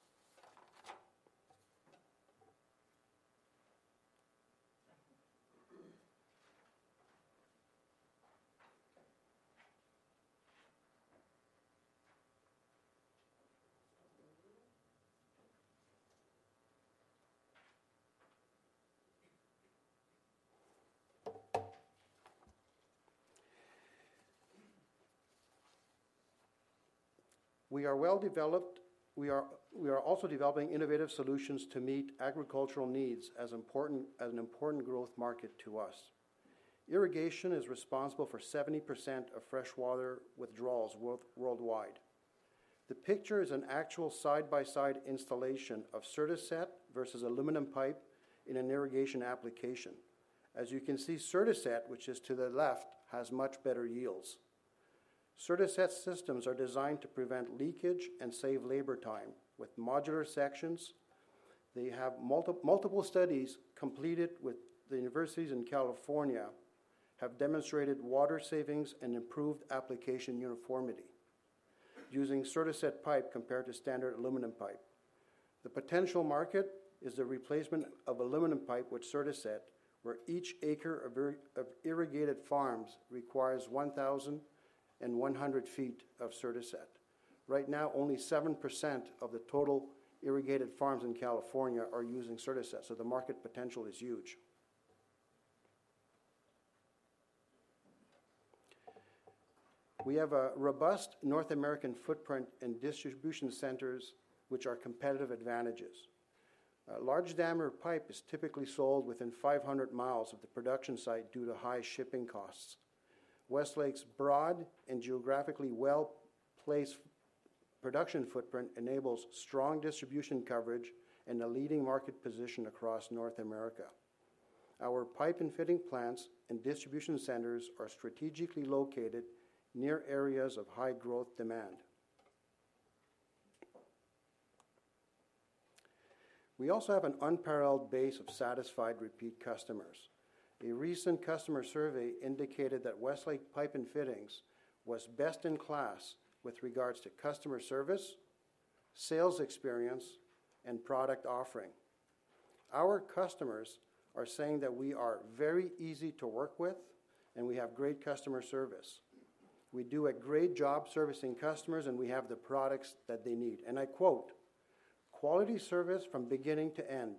We are well developed. We are also developing innovative solutions to meet agricultural needs. As an important growth market to us, irrigation is responsible for 70% of fresh water withdrawals worldwide. The picture is an actual side by side installation of Certa-Set versus aluminum pipe in an irrigation application. As you can see, Certa-Set which is to the left has much better yields. Certa-Set systems are designed to prevent leakage and save labor time with modular sections. They have multiple studies completed with the universities in California have demonstrated water savings and improved application uniformity using Certa-Set pipe compared to standard aluminum pipe. The potential market is the replacement of aluminum pipe with Certa-Set, where each acre of irrigated farms requires 1,100 ft of Certa-Set. Right now only 7% of the total irrigated farms in California are using Certa-Set, so the market potential is huge. We have a robust North American footprint and distribution centers which are competitive advantages. Large diameter pipe is typically sold within 500 miles of the production site due to high shipping costs. Westlake's broad and geographically well placed production footprint enables strong distribution coverage and a leading market position across North America. Our pipe and fitting plants and distribution centers are strategically located near areas of high growth demand. We also have an unparalleled base of satisfied repeat customers. A recent customer survey indicated that Westlake Pipe and Fittings was best in class with regards to customer service, sales experience and product offering. Our customers are saying that we are very easy to work with and we have great customer service. We do a great job servicing customers and we have the products that they need. And I quote quality service from beginning to end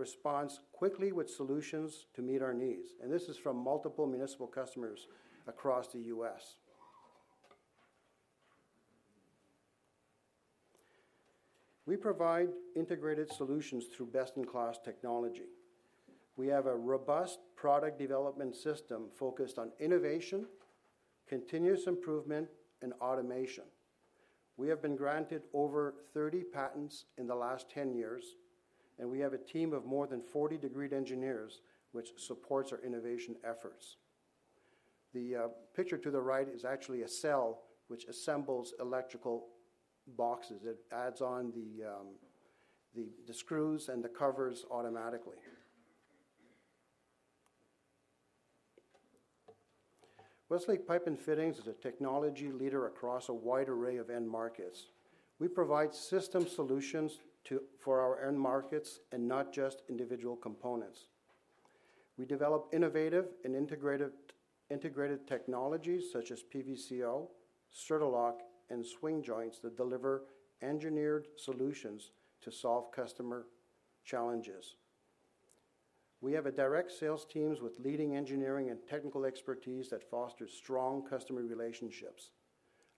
responds quickly with solutions to meet our needs. And this is from multiple municipal customers across the U.S. We provide integrated solutions through best-in-class technology. We have a robust product development system focused on innovation, continuous improvement and automation. We have been granted over 3,030 patents in the last 10 years and we have a team of more than 40 degreed engineers which supports our innovation efforts. The picture to the right is actually a cell which assembles electrical boxes. It adds on the screws and the covers automatically. Westlake Pipe & Fittings is a technology leader across a wide array of end markets. We provide system solutions for our end markets and not just individual components. We develop innovative and integrated technologies such as PVCO, Certa-Lok and swing joints that deliver engineered solutions to solve customer challenges. We have a direct sales team with leading engineering and technical expertise that fosters strong, strong customer relationships.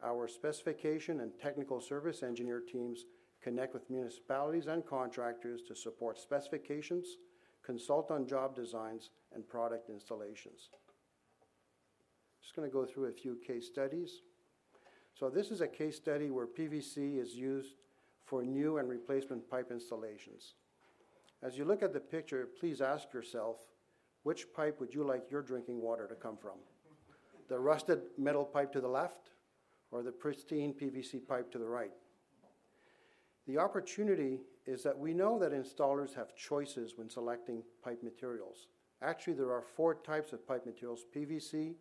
Our specification and technical service engineer teams connect with municipalities and contractors to support specifications, consult on job designs and product installations. Just going to go through a few case studies. So this is a case study where PVC is used for new and replacement pipe installations. As you look at the picture, please ask yourself which pipe would you like your drinking water to come from? The rusted metal pipe to the left or the pristine PVC pipe to the right? The opportunity is that we know that installers have choices when selecting pipe materials. Actually there are four types of pipe. PVC,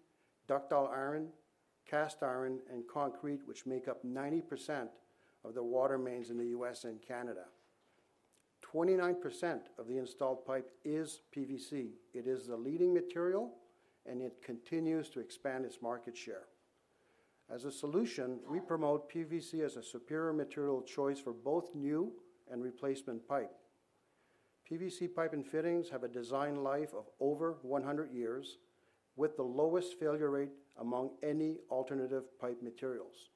ductile iron, cast iron and concrete which make up 90% of the water mains in the U.S. and Canada. 29% of the installed pipe is PVC. It is the leading material and it continues to expand its market share. As a solution, we promote PVC as a superior material choice for both new and replacement pipe. PVC pipe and fittings have a design life of over 100 years with the lowest failure rate among any alternative pipe materials.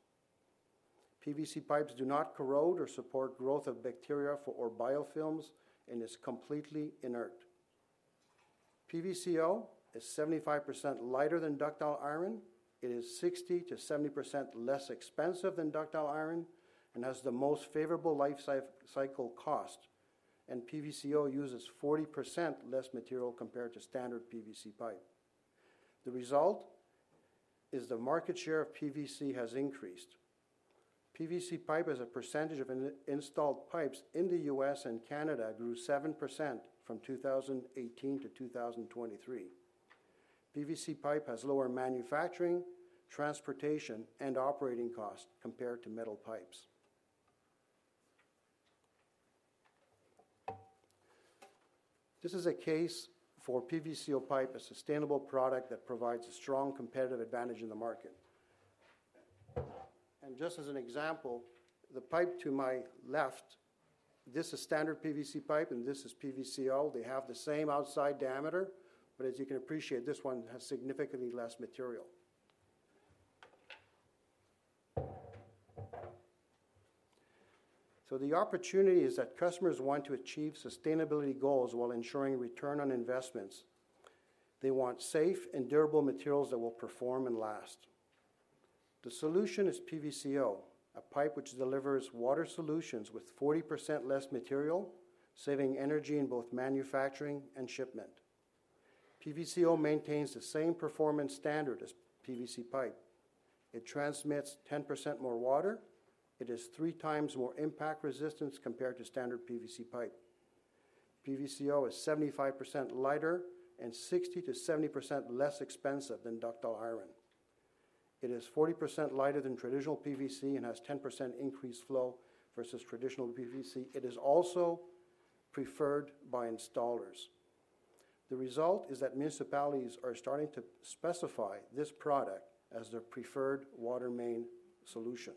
PVC pipes do not corrode or support growth of bacteria or biofilms and is completely inert. PVCO is 75% lighter than ductile iron. It is 60%-70% less expensive than ductile iron and has the most favorable life cycle cost. PVCO uses 40% less material compared to standard PVC pipe. The result is the market share of PVC has increased. PVC pipe as a percentage of installed pipes in the U.S. and Canada grew 7% from 2018 to 2023. PVC pipe has lower manufacturing, transportation and operating costs compared to metal pipe. This is a case for PVCO pipe, a sustainable product that provides a strong competitive advantage in the market. Just as an example, the pipe to my left. This is standard PVC pipe and this is PVCO. They have the same outside diameter, but as you can appreciate, this one has significantly less material. So the opportunity is that customers want to achieve sustainability goals while ensuring return on investments. They want safe and durable materials that will perform and last. The solution is PVCO, a pipe which delivers water solutions with 40% less material, saving energy in both manufacturing and shipment. PVCO maintains the same performance standard as PVC pipe. It transmits 10% more water. It is three times more impact resistance compared to standard PVC pipe. PVCO is 75% lighter and 60%-70% less expensive than ductile iron. It is 40% lighter than traditional PVC and has 10% increased flow versus traditional PVC. It is also preferred by installers. The result is that municipalities are starting to specify this product as their preferred water main solution.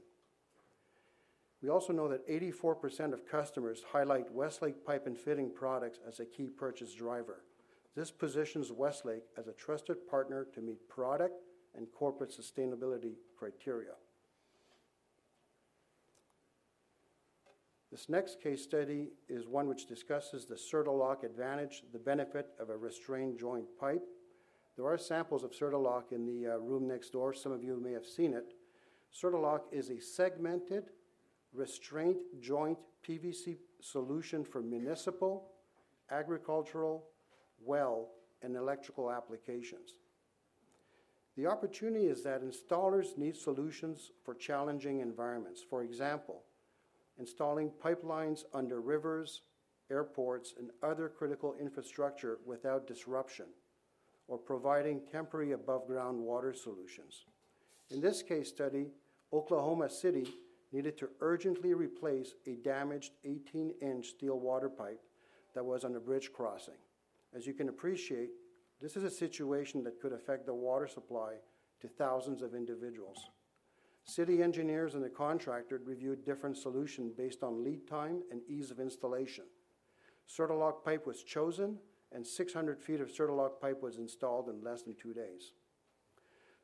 We also know that 84% of customers highlight Westlake Pipe and Fittings products as a key purchase driver. This positions Westlake as a trusted partner to meet product and corporate sustainability criteria. This next case study is one which discusses the Certa-Lok advantage, the benefit of a restrained joint pipe. There are samples of Certa-Lok in the room next door. Some of you may have seen it. Certa-Lok is a segmented restraint joint PVC solution for municipal, agricultural, well and electrical applications. The opportunity is that installers need solutions for challenging environments. For example, installing pipelines under rivers, airports and other critical infrastructure without disruption or providing temporary above ground water solutions. In this case study Oklahoma City needed to urgently replace a damaged 18-inch steel water pipe that was on a bridge crossing. As you can appreciate, this is a situation that could affect the water supply to thousands of individuals. City engineers and the contractor reviewed different solutions based on lead time and ease of installation. Certa-Lok pipe was chosen and 600 ft of Certa-Lok pipe was installed in less than two days.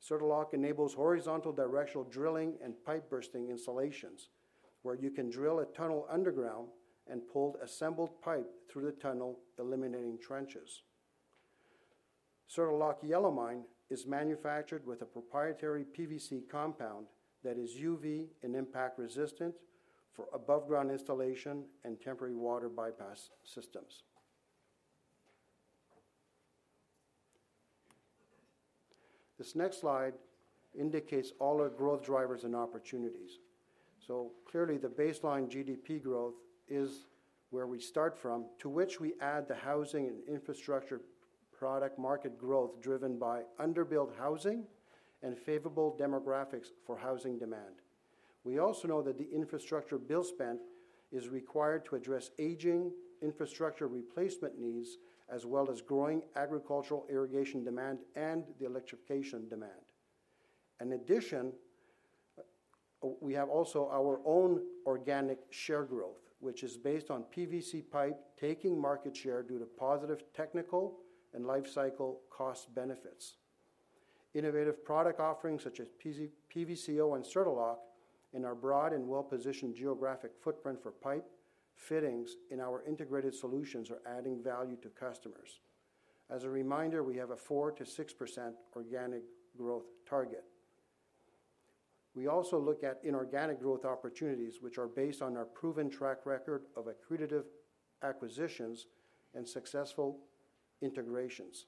Certa-Lok enables horizontal directional drilling and pipe bursting installations where you can drill a tunnel underground and pull assembled pipe through the tunnel, eliminating trenches. Certa-Lok Yelomine is manufactured with a proprietary PVC compound that is UV and impact resistant for above ground installation and temporary water bypass systems. This next slide indicates all our growth drivers and opportunities. So clearly the baseline GDP growth is where we start from to which we add the housing and infrastructure product market growth driven by underbuilt housing and favorable demographics for housing demand. We also know that the infrastructure bill spent is required to address aging infrastructure replacement needs as well as growing agricultural irrigation demand and the electrification demand. In addition, we have also our own organic share growth which is based on PVC pipe taking market share due to positive technical and life cycle cost benefits. Innovative product offerings such as PVCO and Certa-Lok in our broad and well positioned geographic footprint for pipe fittings in our integrated solutions are adding value to customers. As a reminder we have a 4%-6% organic growth target. We also look at inorganic growth opportunities which are based on our proven track record of accretive acquisitions and successful integrations.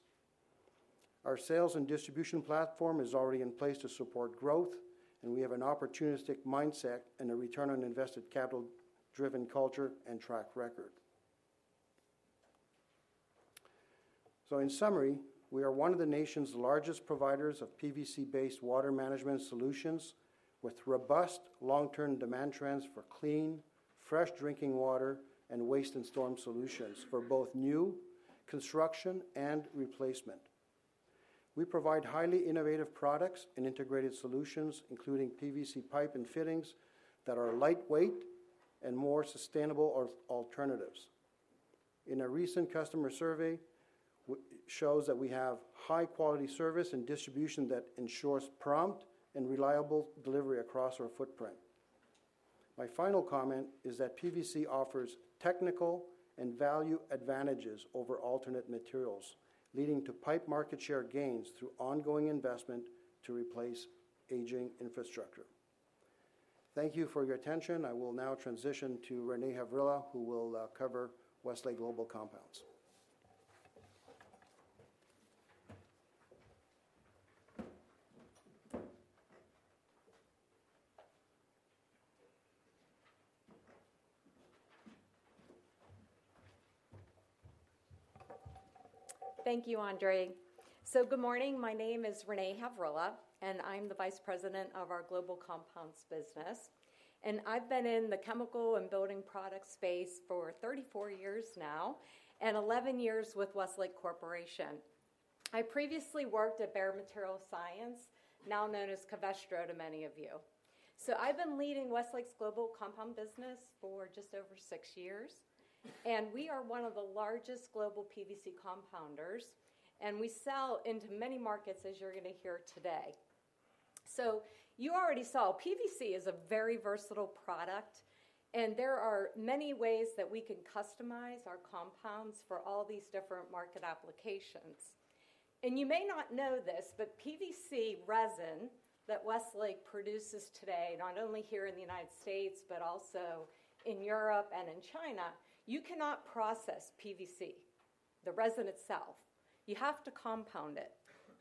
Our sales and distribution platform is already in place to support growth, and we have an opportunistic mindset and a return-on-invested-capital-driven culture and track record. So, in summary, we are one of the nation's largest providers of PVC-based water management solutions with robust long-term demand trends for clean, fresh drinking water and waste- and storm-water solutions for both new construction and replacement. We provide highly innovative products and integrated solutions including PVC pipe and fittings that are lightweight, more sustainable alternatives. In a recent customer survey shows that we have high-quality service and distribution that ensures prompt and reliable delivery across our footprint. My final comment is that PVC offers technical and value advantages over alternate materials leading to pipe market share gains through ongoing investment to replace aging infrastructure. Thank you for your attention. I will now transition to Renee Havrilla who will cover Westlake Global Compounds. Thank you Andrew. Good morning. My name is Renee Havrilla and I'm the Vice President of our Global Compounds business and I've been in the chemical and building products space for 34 years now and 11 years with Westlake Corporation. I previously worked at Bayer MaterialScience, now known as Covestro to many of you. So I've been leading Westlake's global compound business for just over 6 years. And we are one of the largest global, global PVC compounders and we sell into many markets, as you're going to hear today. You already saw PVC is a very versatile product. And there are many ways that we can customize our compounds for all these different market applications. And you may not know this, but PVC resin that Westlake produces today, not only here in the United States, but also in Europe and in China, you cannot process PVC. The resin itself, you have to compound it.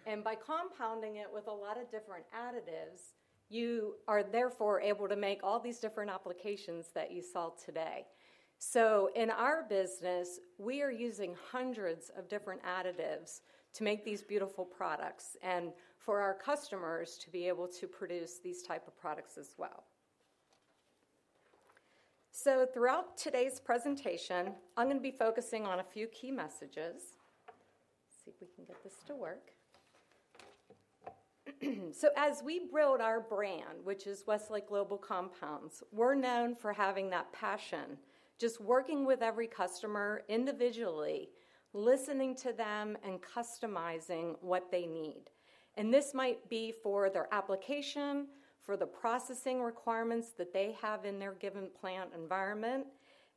And by compounding it with a lot of different additives, you are therefore able to make all these different applications that you sell today. So in our business, we are using hundreds of different additives to make these beautiful products and for our customers to be able to produce these type of products as well. So throughout today's presentation, I'm going to be focusing on a few key messages, see if we can get this to work. So as we build our brand, which is Westlake Global Compounds, we're known for having that passion, just working with every customer individually, listening to them and customizing what they need. And this might be for their application for the processing requirements that they have in their given plant environment,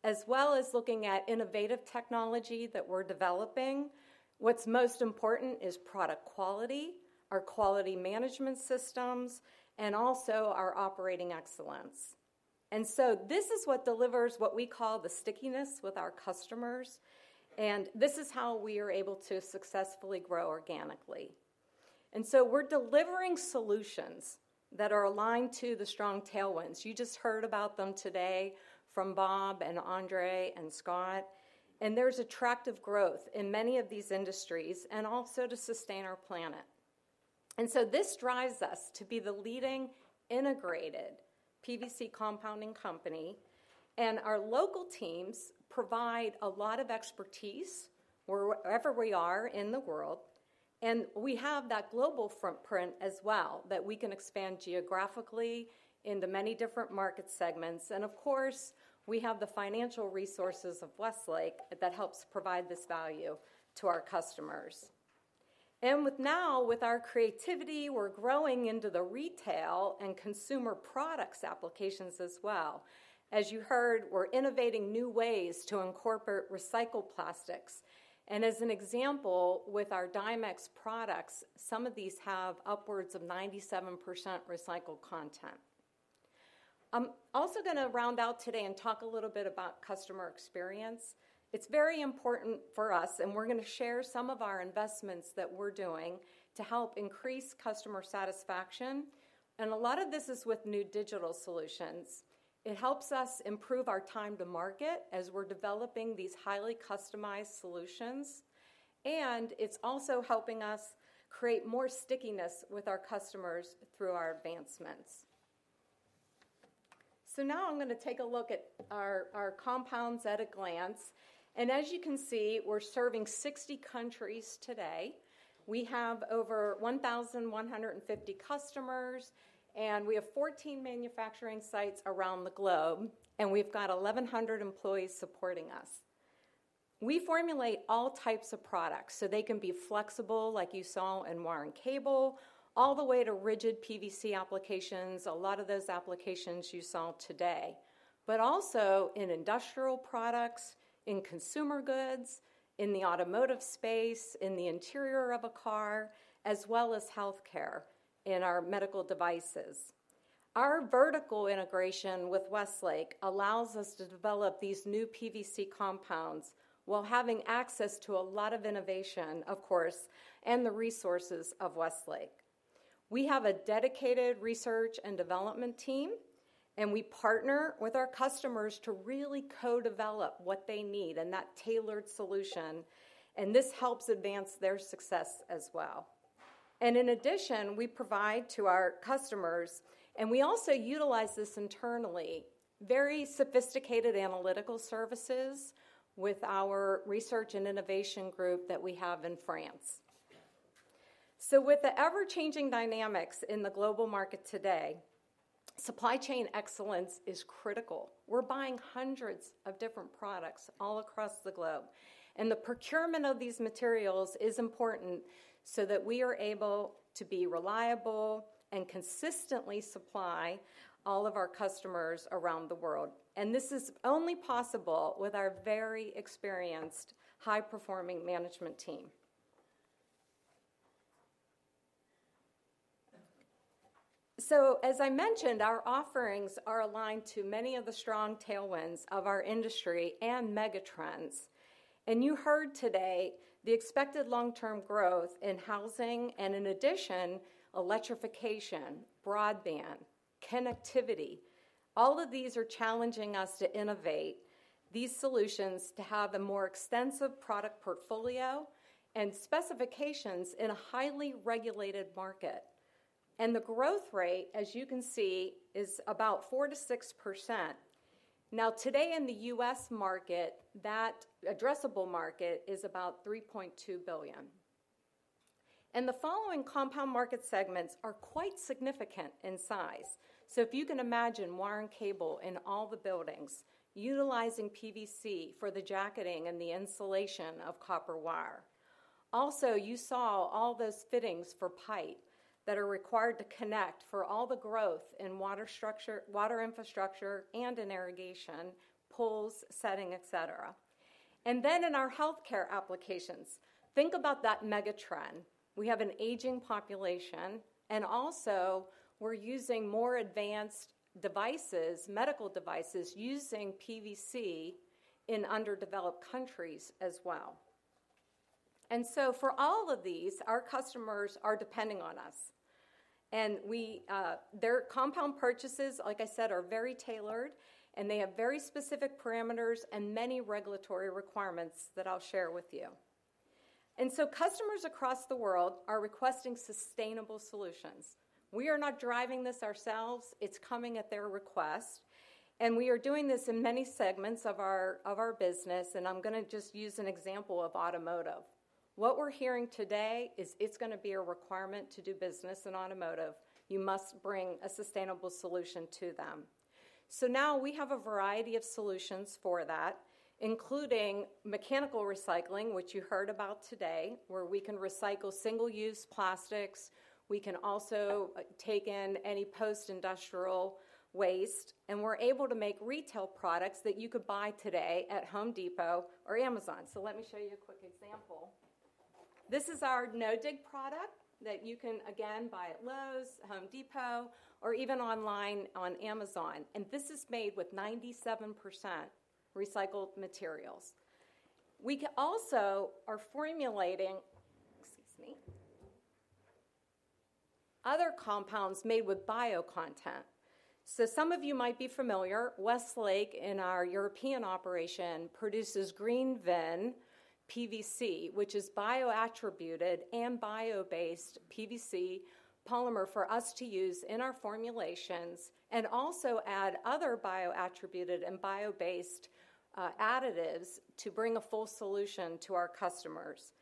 as well as looking at innovative technology that we're developing. What's most important is product quality, our quality management systems, and also our operating excellence. And so this is what delivers what we call the stickiness with our customers. And, this is how we are able to successfully grow organically. And so we're delivering solutions that are aligned to the strong tailwinds. You just heard about them today from Bob and Andre and Scott. And there's attractive growth in many of these industries and also to sustain our planet. And so this drives us to be the leading integrated PVC compounding company. And our local teams provide a lot of expertise wherever we are in the world. And we have that global footprint as well, that we can expand geographically into many different market segments. And of course, we have the financial resources of Westlake that helps provide this value to our customers. And now with our creativity, we're growing into the retail and consumer product products applications as well. As you heard, we're innovating new ways to incorporate recycled plastics. And as an example, with our Dimex products, some of these have upwards of 97% recycled content. I'm also going to round out today and talk a little bit about customer experience. It's very important for us and we're going to share some of our investments that we're doing to help increase customer satisfaction. And a lot of this is with new digital solutions. It helps us improve our time to market as we're developing these highly customized solutions. And it's also helping us create more stickiness with our customers through our advancements. So now I'm gonna take a look at our compounds at a glance. And as you can see, we're serving 60 countries today. We have over 1,150 customers and we have 14 manufacturing sites around the globe and we've got 1,100 employees supporting us. We formulate all types of products so they can be flexible like you saw in wire and cable, all the way to rigid PVC applications. A lot of those applications you saw today, but also in industrial products, in consumer goods, in the automotive space, in the interior of a car, as well as healthcare, in our medical devices. Our vertical integration with Westlake allows us to develop these new PVC compounds while having access to a lot of innovation of course, and the resources of Westlake. We have a dedicated research and development team and we partner with our customers to really co develop what they need and that tailored solution and this helps advance their success as well. And in addition, we provide to our customers, and we also utilize this internally, very sophisticated analytical services with our research and innovation group that we have in France. So with the ever changing dynamics in the global market today, supply chain excellence is critical. We're buying hundreds of different products all across the globe and the procurement of these materials is important so that we are able to be reliable and consistently supply all of our customers around the world. And this is only possible with our very experienced, high performing management team. So as I mentioned, our offerings are aligned to many of the strong tailwinds of our industry and megatrends. You heard today the expected long-term growth in housing and, in addition, electrification, broadband connectivity. All of these are challenging us to innovate these solutions to have a more extensive product portfolio and specifications in a highly regulated market. The growth rate, as you can see, is about 4%-6%. Now today in the U.S. market, that addressable market is about $3.2 billion. The following compound market segments are quite significant in size. So if you can imagine wiring cable in all the buildings utilizing PVC for the jacketing and the insulation of copper wire, also you saw all those fittings for pipe that are required to connect for all the growth in water infrastructure and in irrigation poles, setting, et cetera. Then in our healthcare applications. Think about that megatrend. We have an aging population and also we're using more advanced devices, medical devices, using PVC in underdeveloped countries as well. And so for all of these, our customers are depending on us. And their compound purchases, like I said, are very tailored and they have very specific parameters and many regulatory requirements that I'll share with you. And so customers across the world are requesting sustainable solutions. We are not driving this ourselves, it's coming at their request. And we are doing this in many segments of our business. And I'm going to just use an example of automotive. What we're hearing today is it's going to be a requirement to do business in automotive. You must bring a sustainable solution to them. So now we have a variety of solutions for that, including mechanical recycling which you heard about today where we can recycle single use plastics. We can also take in any post-industrial waste and we're able to make retail products that you could buy today at Home Depot or Amazon. So let me show you a quick example. This is our No-Dig product that you can again buy at Lowe's, Home Depot or even online on Amazon. And this is made with 97% recycled materials. We also are formulating, excuse me, other compounds made with bio content. So some of you might be familiar. Westlake in our European operation produces GreenVin PVC which is bio-attributed and bio-based PVC polymer for us to use in our formulations and also add other bio-attributed and bio-based additives to bring a full solution to our customers.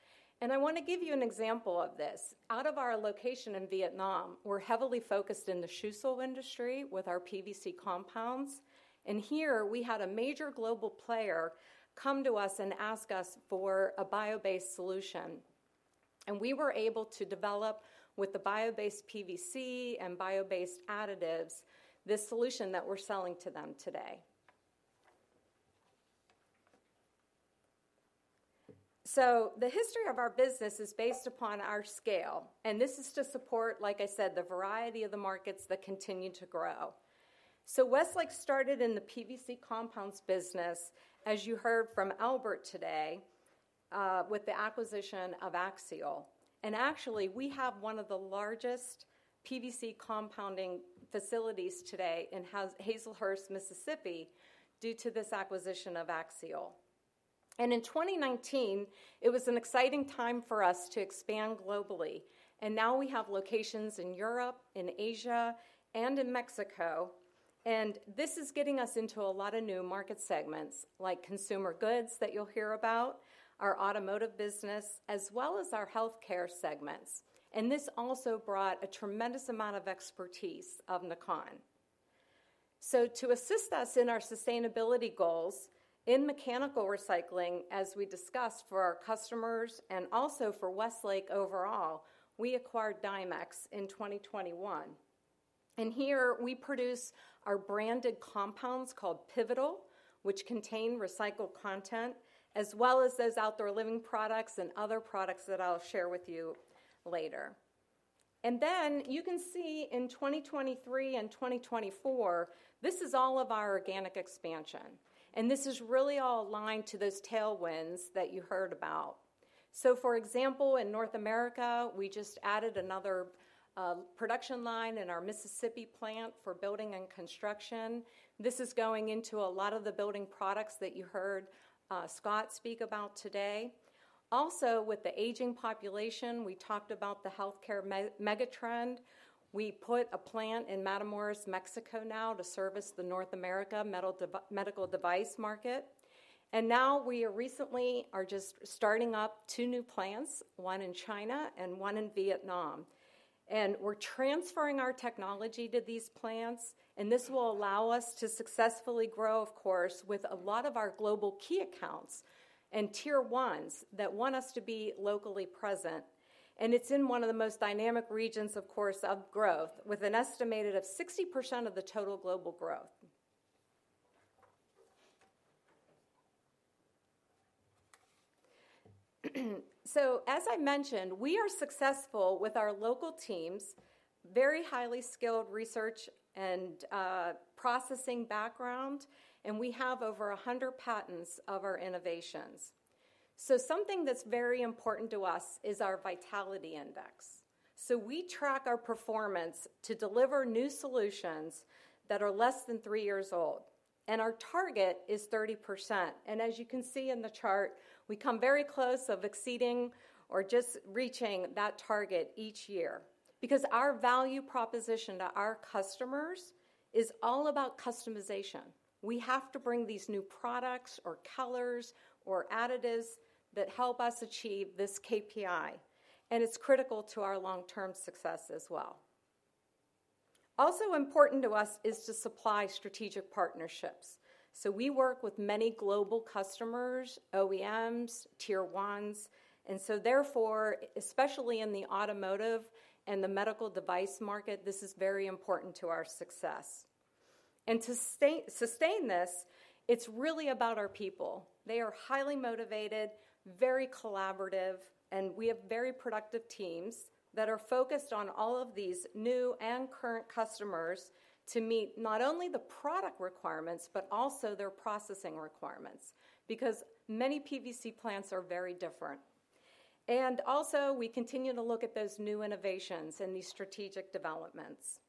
And I want to give you an example of this. Out of our location in Vietnam, we're heavily focused in the shoe sole industry with our PVC compounds. Here we had a major global player come to us and ask us for a bio-based solution. We were able to develop with the bio-based PVC and bio-based additives this solution that we're selling to them today. The history of our business is based upon our scale and this is to support, like I said, the variety of the markets that continue to grow. Westlake started in the PVC compounds business, as you heard from Albert today, with the acquisition of Axiall. Actually we have one of the largest PVC compounding facilities today in Hazlehurst, Mississippi due to this acquisition of Axiall. In 2019 it was an exciting time for us to expand globally. And now we have locations in Europe, in Asia and in Mexico. And this is getting us into a lot of new market segments like consumer goods that you'll hear about our automotive business as well as our health care segments. And this also brought a tremendous amount of expertise of Nakan. So to assist us in our sustainability goals in mechanical recycling, as we discussed for our customers and also for Westlake overall, we acquired Dimex in 2021. And here we produce our branded compounds called Pivotal, which contain recycled content, as well as those outdoor living products and other products that I'll share with you later. And then you can see in 2023 and 2024. This is all of our organic expansion and this is really all aligned to those tailwinds that you heard about. So for example, in North America we just added another production line in our Mississippi plant for building and construction. This is going into a lot of the building products that you heard Scott speak about today. Also with the aging population, we talked about the healthcare megatrend. We put a plant in Matamoros, Mexico now to service the North America medical device market. And now we recently are just starting up two new plants, one in China and one in Vietnam. And we're transferring our technology to these plants. And this will allow us to successfully grow, of course, with a lot of our global key accounts and tier 1s that want us to be locally present. And it's in one of the most dynamic regions, of course, of growth, with an estimated 60% of the total global growth. So as I mentioned, we are successful with our local teams, very highly skilled research and processing background, and we have over 100 patents of our innovations. So something that's very important to us is our Vitality Index. So we track our performance to deliver new solutions that are less than three years old. And our target is 30%. And as you can see in the chart, we come very close to exceeding or just reaching that target each year. Because our value proposition to our customers is all about customization. We have to bring these new products or colors or additives that help us achieve this KPI. And it's critical to our long-term success as well. Also important to us is to supply strategic partnerships. So we work with many global customers, OEMs, tier ones. And so therefore, especially in the automotive and the medical device market, this is very important to our success and to sustain this. It's really about our people. They are highly motivated, very collaborative, and we have very productive teams that are focused on all of these new and current customers to meet not only the product requirements, but also their processing requirements. Because many PVC plants are very different, and also we continue to look at those new innovations and these strategic developments.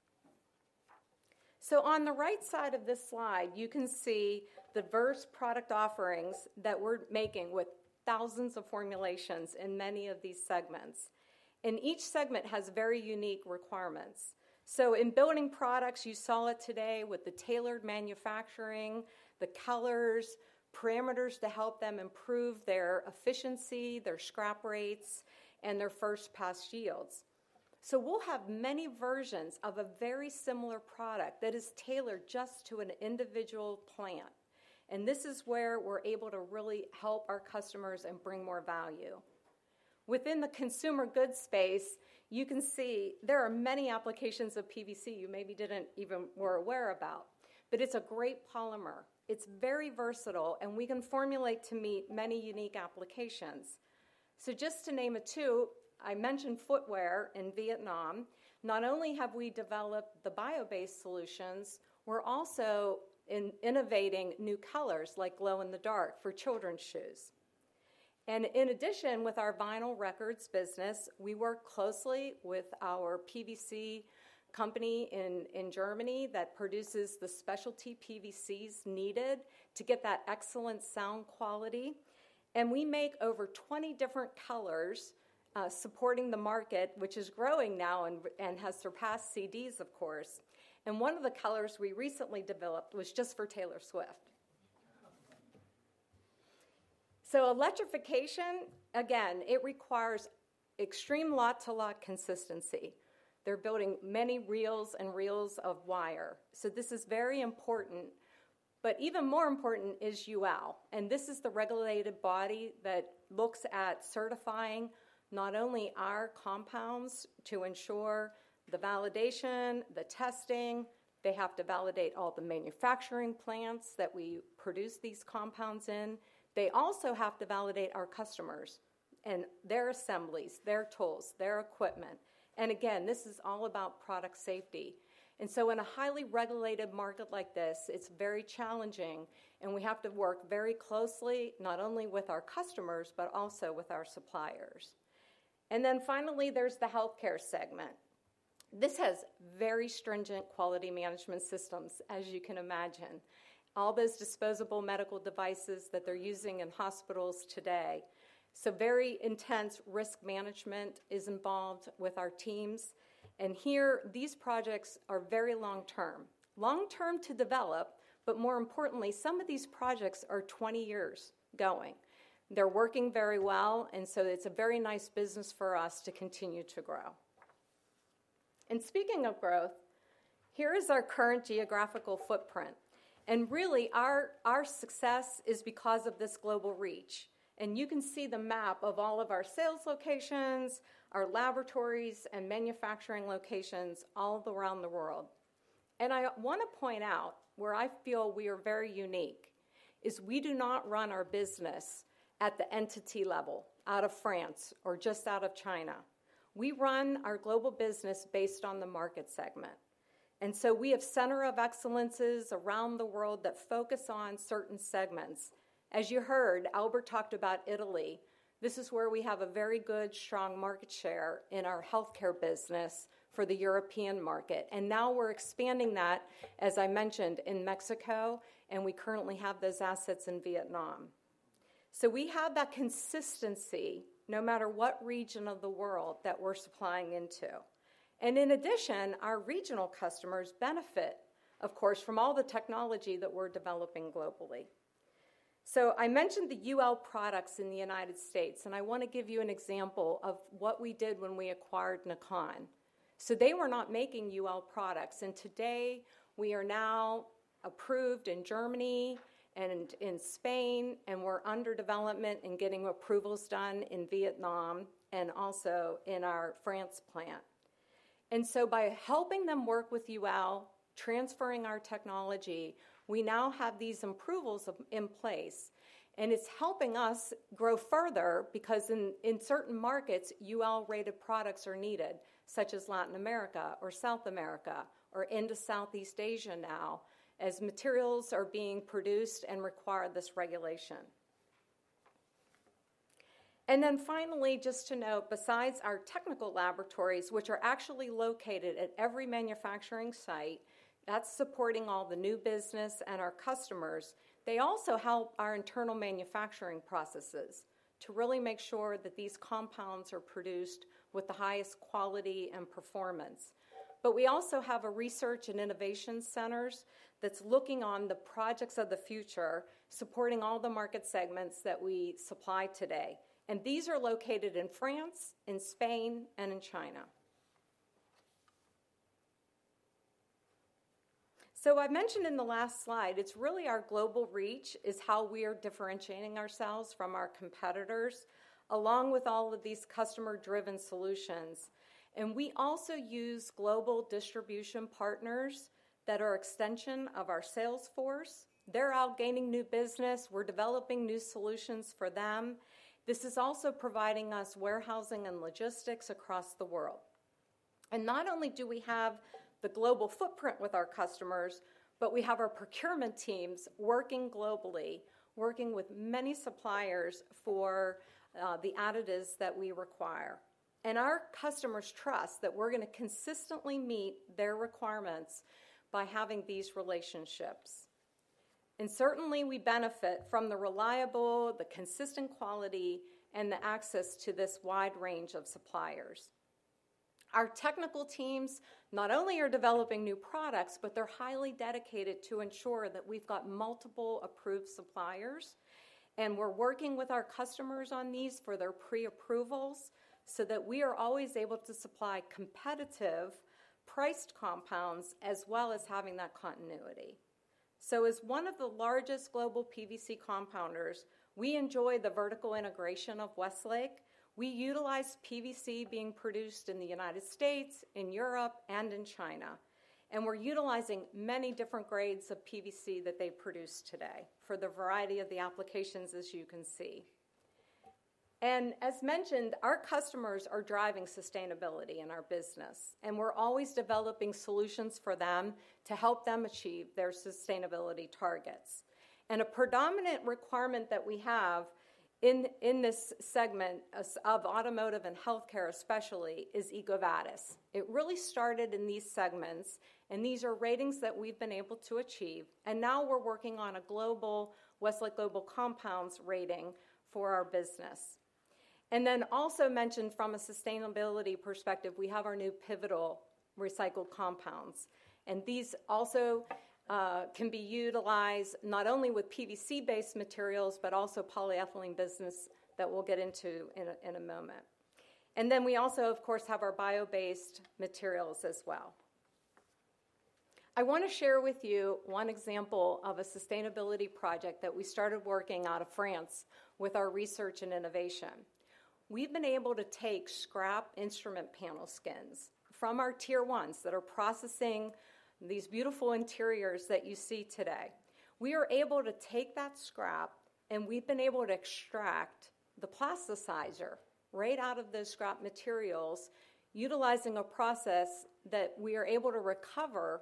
So on the right side of this slide you can see diverse product offerings that we're making with thousands of formulations in many of these segments. And each segment has very unique requirements. So in building products, you saw it today with the tailored manufacturing, the colors parameters to help them improve their efficiency, their scrap rates and their first pass yields. So we'll have many versions of a very similar product that is tailored just to an individual plant. And this is where we're able to really help our customers and bring more value within the consumer goods space. You can see there are many applications of PVC you maybe didn't even were aware about. But it's a great polymer, it's very versatile and we can formulate to meet many unique applications. So just to name a few, I mentioned footwear in Vietnam. Not only have we developed the bio-based solutions, we're also innovating new colors like glow-in-the-dark for children's shoes. And in addition, with our vinyl records business, we work closely with our PVC company in Germany that produces the specialty PVCs needed to get that excellent sound quality. We make over 20 different colors supporting the market, which is growing now and has surpassed CDs of course. One of the colors we recently developed was just for Taylor Swift. So electrification, again, it requires extreme lot to lot consistency. They're building many reels and reels of wire. So this is very important. But even more important is UL. And this is the regulated body that looks at certifying not only our compounds to ensure the validation, the testing, they have to validate all the manufacturing plants that we produce these compounds in. They also have to validate our customers and their assemblies, their tools, their equipment. And again, this is all about product safety. And so in a highly regulated market like this, it's very challenging. And we have to work very closely not only with our customers, but also with our suppliers. And then finally there's the healthcare segment. This has very stringent quality management systems as you can imagine, all those disposable medical devices that they're using in hospitals today. So very intense risk management is involved with our teams. And here these projects are very long term, long term to develop. But more importantly, some of these projects are 20 years going, they're working very well. And so it's a very nice business for us to continue to grow. And speaking of growth, here is our current geographical footprint. And really our success is because of this global reach. And you can see the map of all of our sales locations, our laboratories and manufacturing locations all around the world. I want to point out where I feel we are very unique is we do not run our business at the entity level out of France or just out of China. We run our global business based on the market segment. We have centers of excellence around the world that focus on certain segments. As you heard Albert talked about Italy, this is where we have a very good strong market share in our healthcare business for the European market. Now we're expanding that, as I mentioned, in Mexico and we currently have those assets in Vietnam. We have that consistency no matter what region of the world that we're supplying into. In addition, our regional customers benefit of course from all the technology that we're developing globally. So I mentioned the UL products in the United States and I want to give you an example of what we did when we acquired Nakan. So they were not making UL products. And today we are now approved in Germany and in Spain and we're under development and getting approvals done in Vietnam and also in our France plant. And so by helping them work with UL, transferring our technology, we now have these approvals in place and it's helping us grow further because in certain markets UL rated products are needed such as Latin America or South America or or into Southeast Asia now as materials are being produced and require this regulation. And then finally, just to note, besides our technical laboratories which are actually located at every manufacturing site that's supporting all the new business and our customers, they also help our internal manufacturing processes to really make sure that these compounds are produced with the highest quality and performance. But we also have a research and innovation centers that's looking on the projects of the future, supporting all the market segments that we supply today. And these are located in France, in Spain and in China. So I mentioned in the last slide, it's really our global reach is how we are differentiating ourselves from our competitors along with all of these customer driven solutions. And we also use global distribution partners that are extension of our sales force. They're out gaining new business, we're developing new solutions for them. This is also providing us warehousing and logistics across the world. And not only do we have the global footprint with our customers, but we have our procurement teams working globally, working with many suppliers for the additives that we require. And our customers trust that we're going to consistently meet their requirements by having these relationships. And certainly we benefit from the reliable, the consistent quality and the access to this wide range of suppliers. Our technical teams not only are developing new products, but they're highly dedicated to ensuring that we've got multiple approved suppliers and we're working with our customers on these for their pre approvals so that we are always able to supply competitive priced compounds as well as having that continuity. So as one of the largest global PVC compounders, we enjoy the vertical integration of Westlake. We utilize PVC being produced in the United States, in Europe and in China. We're utilizing many different grades of PVC that they produce today for the variety of the applications, as you can see. As mentioned, our customers are driving sustainability in our business and we're always developing solutions for them to help them achieve their sustainability targets. A predominant requirement that we have in this segment of automotive and healthcare especially is EcoVadis. It really started in these segments and these are ratings that we've been able to achieve. Now we're working on a global Westlake Global Compounds rating for our business. Then also mentioned from a sustainability perspective, we have our new Pivotal recycled compounds and these also can be utilized not only with PVC-based materials, but also polyethylene business that we'll get into in a moment. We also of course have our bio-based materials as well. I want to share with you one example of a sustainability project that we started working out of France with our research and innovation. We've been able to take scrap instrument panel skins from our tier ones that are processing these beautiful interiors that you see today. We are able to take that source scrap and we've been able to extract the plasticizer right out of those scrap materials utilizing a process that we are able to recover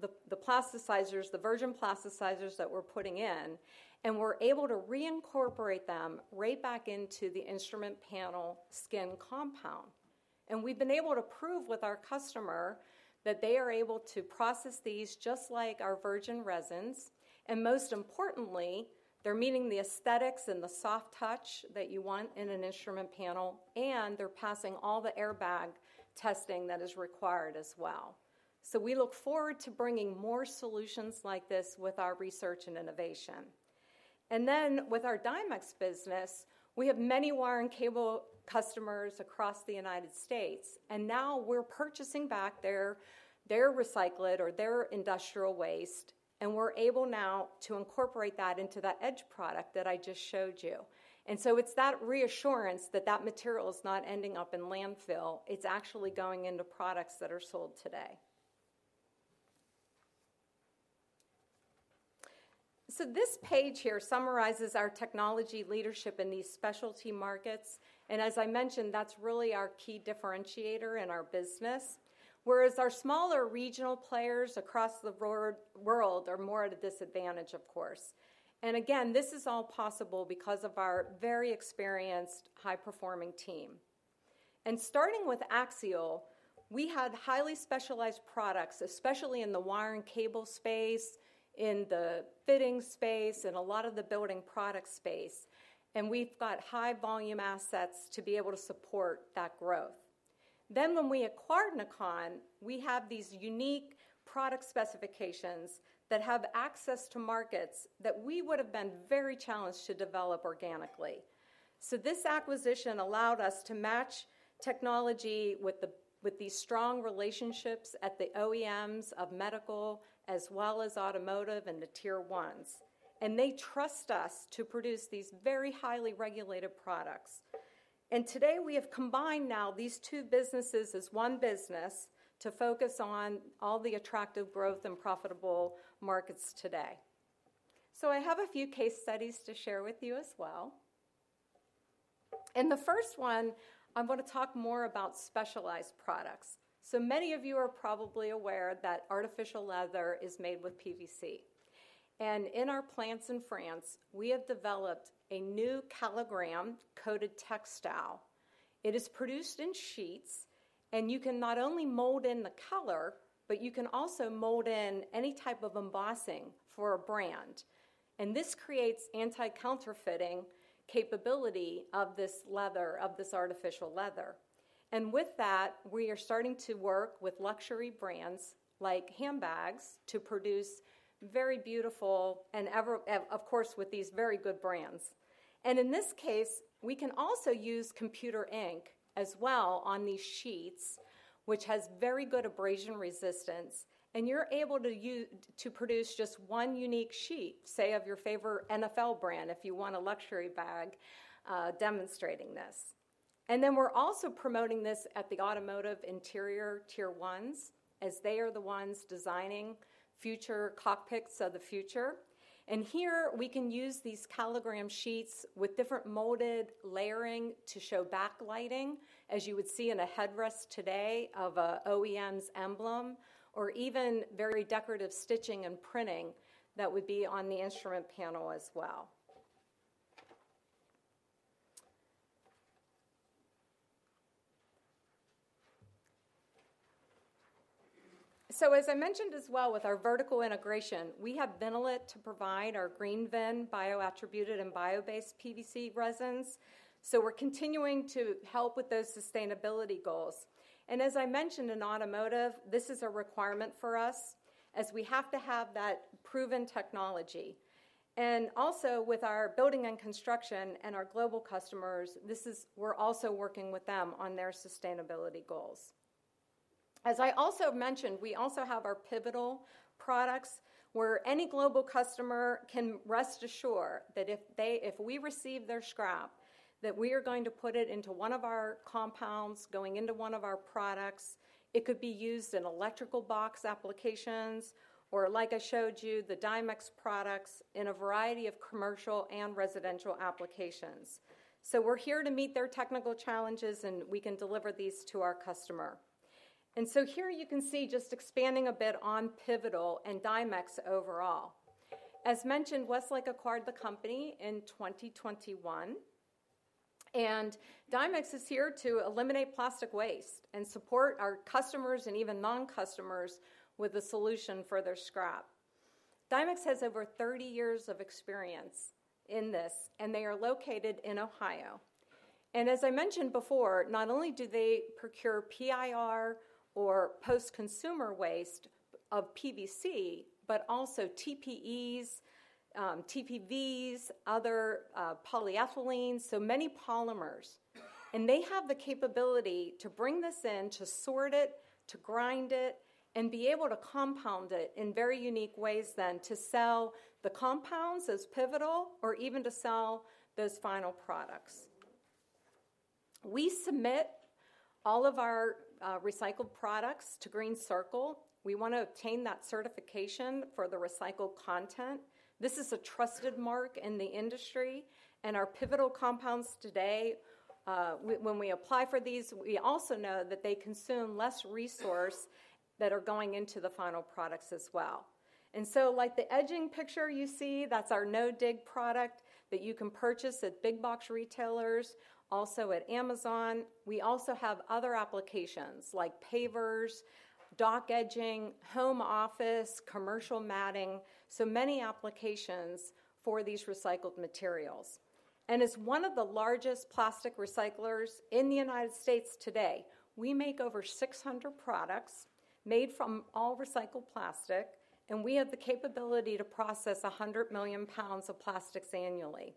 the plasticizers, the virgin plasticizers that we're putting in and we're able to reincorporate them right back into the instrument panel skin compound. We've been able to prove with our customer that they are able to process these just like our virgin resins. Most importantly, they're meeting the aesthetics and the soft touch that you want in an instrument panel. They're passing all the airbag testing that is required as well. So we look forward to bringing more solutions like this with our research and innovation. Then with our Dimex business. We have many wiring cable customers across the United States and now we're purchasing back their recycled or their industrial waste and we're able now to incorporate that into that edge product that I just showed you. So it's that reassurance that that material is not ending up in landfill. It's actually going into products that are sold today. So this page here summarizes our technology leadership in these specialty markets. As I mentioned, that's really our key differentiator in our business. Whereas our smaller regional players across the world are more at a disadvantage, of course. And again, this is all possible because of our very experienced, high performing team. And starting with Axiall, we had highly specialized products, especially in the wire and cable space, in the fitting space, and a lot of the building product space. And we've got high volume assets to be able to support that growth. Then when we acquired Nakan, we have these unique product specifications that have access to markets that we would have been very challenged to develop organically. So this acquisition allowed us to match technology with these strong relationships at the OEMs of medical as well as automotive and the tier 1s. And they trust us us to produce these very highly regulated products. Today we have combined now these two businesses as one business to focus on all the attractive growth and profitable markets today. I have a few case studies to share with you as well. In the first one, I'm going to talk more about specialized products. Many of you are probably aware that artificial leather is made with PVC. In our plants in France we have developed a new Calligram coated textile. It is produced in sheets and you can not only mold in the color, but you can also mold in any type of embossing for a brand. And this creates anti-counterfeiting capability of this leather, of this artificial leather. And with that we are starting to work with luxury brands like handbags to produce very beautiful and of course with these very good brands. In this case we can also use computer ink as well on these sheets which has very good abrasion resistance. You're able to produce just one unique sheet, say of your favorite NFL brand. If you want a luxury bag demonstrating this. Then we're also promoting this at the automotive interior tier ones as they are the ones designing future cockpits of the future. Here we can use these Calligram sheets with different molded layering to show back lighting as you would see in a headrest today of OEM's emblem, or even very decorative stitching and printing that would be on the instrument panel as well. So as I mentioned as well with our vertical integration, we have Ventilate to provide our GreenVin bio-attributed and bio-based PVC resins. So we're continuing to help with those sustainability goals. And as I mentioned, in automotive this is a requirement for us as we have to have that proven technology and also with our building and construction and our global customers, this is we're also working with them on their sustainability goals. As I also mentioned, we also have our Pivotal products where any global customer can rest assured that if we receive their scrap that we are going to put it into one of our compounds going into one of our products. It could be used in electrical box applications or like I showed you, the Dimex products in a variety of commercial and residential applications. So we're here to meet their technical challenges and we can deliver these to our customer. And so here you can see just expanding a bit on Pivotal and Dimex overall. As mentioned, Westlake acquired the company in 2021 and Dimex is here to eliminate plastic waste and support our customers and even non customers with a solution for their scrap. Dimex has over 30 years of experience this and they are located in Ohio. As I mentioned before, not only do they procure PIR or post consumer waste of PVC, but also TPES, TPVs, other polyethylene, so many polymers and they have the capability to bring this in, to sort it, to grind it and be able to compound it in very unique ways. To sell the compounds as Pivotal or even to sell those final products, we submit all of our recycled products to Green Circle. We want to obtain that certification for the recycled content. This is a trusted mark in the industry. And our pivotal compounds today, when we apply for these, we also know that they consume less resource and that are going into the final products as well. And so like the edging picture you see, that's our no dig product that you can purchase at big box retailers. Also at Amazon we also have other applications like pavers, dock edging, home office, commercial matting. So many applications for these recycled materials. And as one of the largest plastic recyclers in the United States today, we make over 600 products made from all recycled plastic. And we have the capability to process 100 million pounds of plastics annually.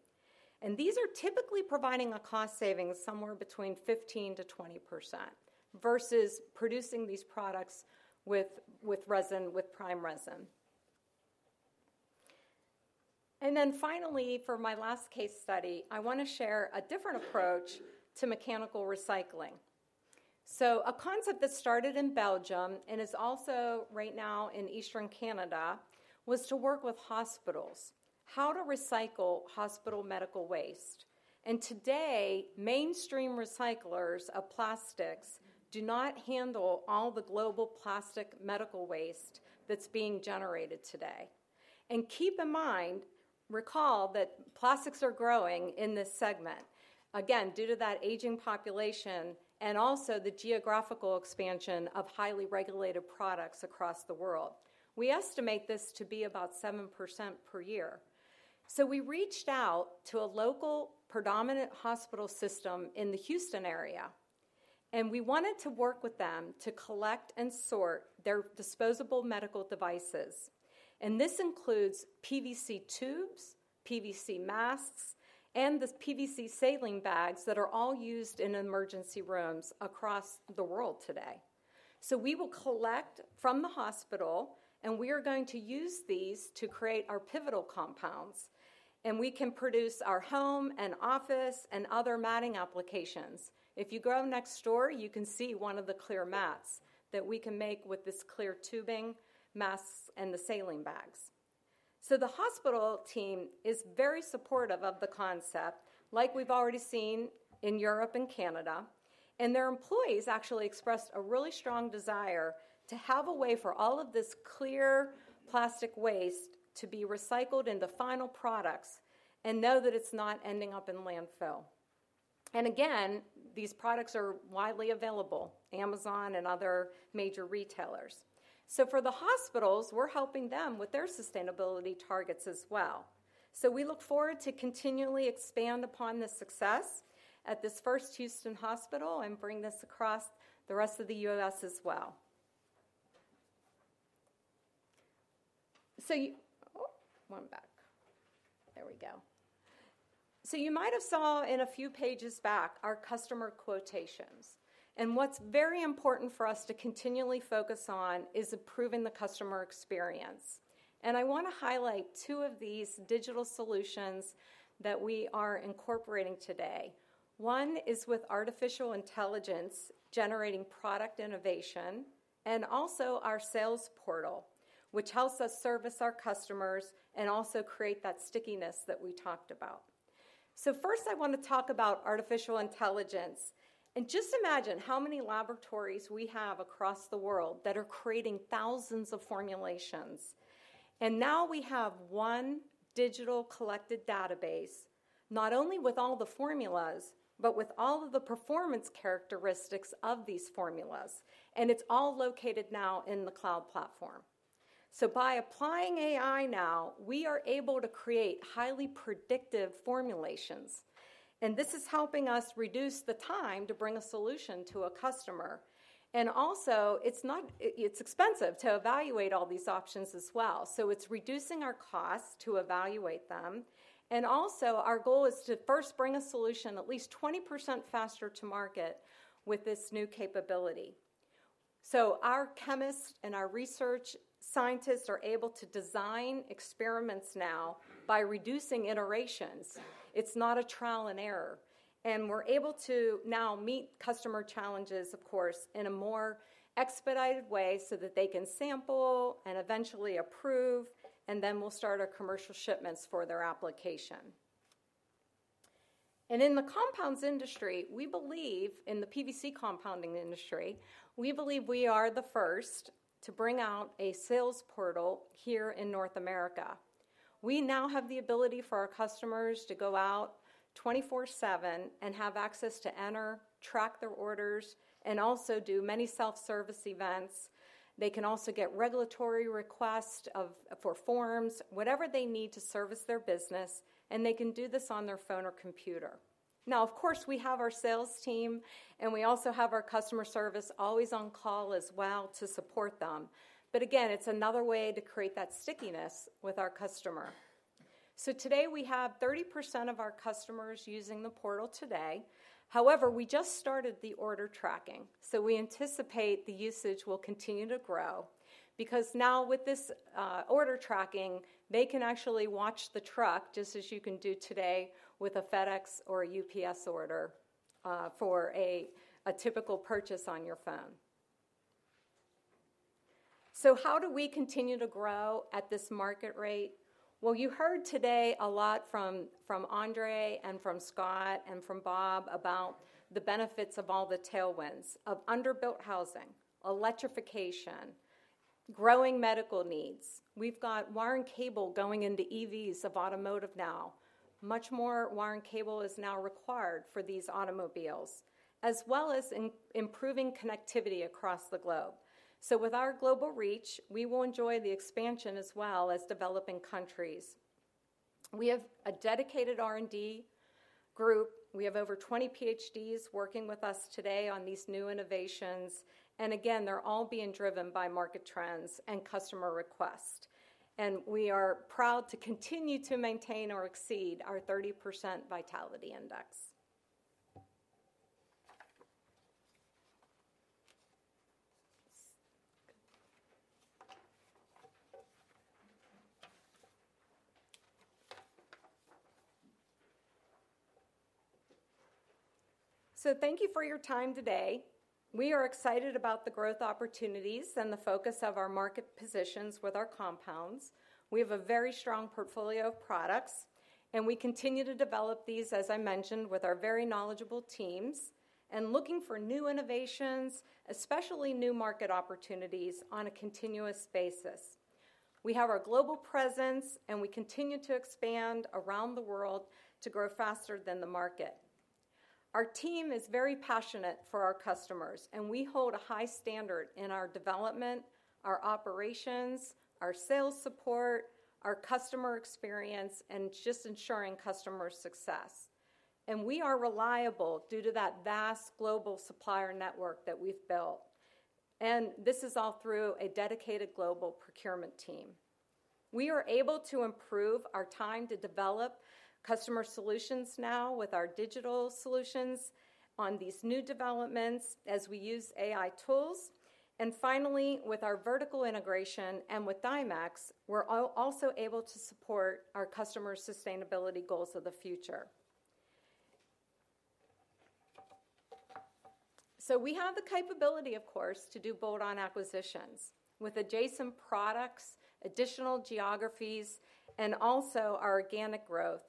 And these are typically providing a cost savings somewhere between 15%-20% versus producing these products with prime resin. And then finally for my last case study, I want to share a different approach to mechanical recycling. So a concept that started in Belgium and is also right now in eastern Canada was to work with hospitals how to recycle hospital medical waste. Today mainstream recyclers of plastics do not handle all the global plastic medical waste that's being generated today. Keep in mind, recall that plastics are growing in this segment, again, due to that aging population and also the geographical expansion of highly regulated products across the world. We estimate this to be about 7% per year. So we reached out to a local predominant hospital system in the Houston area, and we wanted to work with them to collect and sort of their disposable medical devices. This includes PVC tubes, PVC masks, and the PVC saline bags that are all used in emergency rooms across the world today. So we will collect from the hospital, and we are going to use these to create our Pivotal compounds. And we can produce our home and office and other matting applications using. If you go next door, you can see one of the clear mats that we can make with this clear tubing, masks, and the saline bags. So the hospital team is very supportive of the concept, like we've already seen in Europe and Canada. And their employees actually expressed a really strong desire to have a way for all of this clear plastic waste to be recycled into final products and know that it's not ending up in landfill. And again, these products are widely available Amazon and other major retailers. So for the hospitals, we're helping them with their sustainability targets as well. So we look forward to continually expand upon the success at this first Houston hospital and bring this across the rest of the U.S. as well. So one back. There we go. You might have saw in a few pages back our customer quotations. What's very important for us to continually focus on is improving the customer experience. I want to highlight two of these digital solutions that we are incorporating today. One is with artificial intelligence, generating product innovation, and also our sales portal, which helps us service our customers and also create that stickiness that we talked about. First I want to talk about artificial intelligence. Just imagine how many laboratories we have across the world that are creating thousands of formulations. Now we have one digital collected database, not only with all the formulas, but with all of the performance characteristics of these formulas. It's all located now in the cloud platform. So by applying AI now, we are able to create highly predictive formulations. This is helping us reduce the time to bring a solution to a customer. Also it's expensive to evaluate all these options as well. So it's reducing our costs to evaluate them. Also our goal is to first bring a solution at least 20% faster to market with this new capability. Our chemists and our research scientists are able to design experiments now by reducing iterations. It's not a trial and error. We're able to now meet customer challenges of course, in a more expedited way so that they can sample and eventually approve and then we'll start our commercial shipments for their application. In the compounds industry we believe in the PVC compounding industry, we believe we are the first to bring out a sales portal here in North America. We now have the ability for our customers to go out 24/7 and have access to enter, track their orders and also do many self-service events. They can also get regulatory requests and forms, whatever they need to service their business and they can do this on their phone or computer. Now of course we have our sales team and we also have our customer service always on call as well to support them. But again, it's another way to create that stickiness with our customer. So today we have 30% of our customers using the portal. Today, however, we just started the order tracking so we anticipate the usage will continue to grow because now with this order tracking they can actually watch the truck just as you can do today with a FedEx or a UPS order for a typical purchase on your phone. So how do we continue to grow at this market rate? Well, you heard today a lot from Andre and from Scott and from Bob about the benefits of all the tailwinds of underbuilt housing, electrification, growing medical needs. We've got wiring cable going into EVs of automotive now. Much more wiring cable is now required for these automobiles as well as improving connectivity across the globe. So with our global reach we will enjoy the expansion as well as developing countries. We have a dedicated R and D group. We have over 20 PhDs working with us today on these new innovations and again they're all being driven by market trends and customer requests. We are proud to continue to maintain or exceed our 30% vitality index. Thank you for your time today. We are excited about the growth opportunities and the focus of our market positions. With our compounds we have a very strong portfolio of products and we continue to develop these, as I mentioned, with our very knowledgeable teams and looking for new innovations, especially new market opportunities on a continuous basis basis. We have our global presence and we continue to expand around the world to grow faster than the market. Our team is very passionate for our customers and we hold a high standard in our development, our operations, our sales support, our customer experience and just ensuring customer success and we are reliable. Due to that vast global supplier network that we've built and this is all through a dedicated global procurement team, we are able to improve our time to develop customer solutions. Now with our digital solutions on these new developments as we use AI tools. And finally with our vertical integration and with Dimex, we're also able to support our customer sustainability goals of the future. So we have the capability of course to do bolt-on acquisitions with adjacent products, additional geographies and also our organic growth.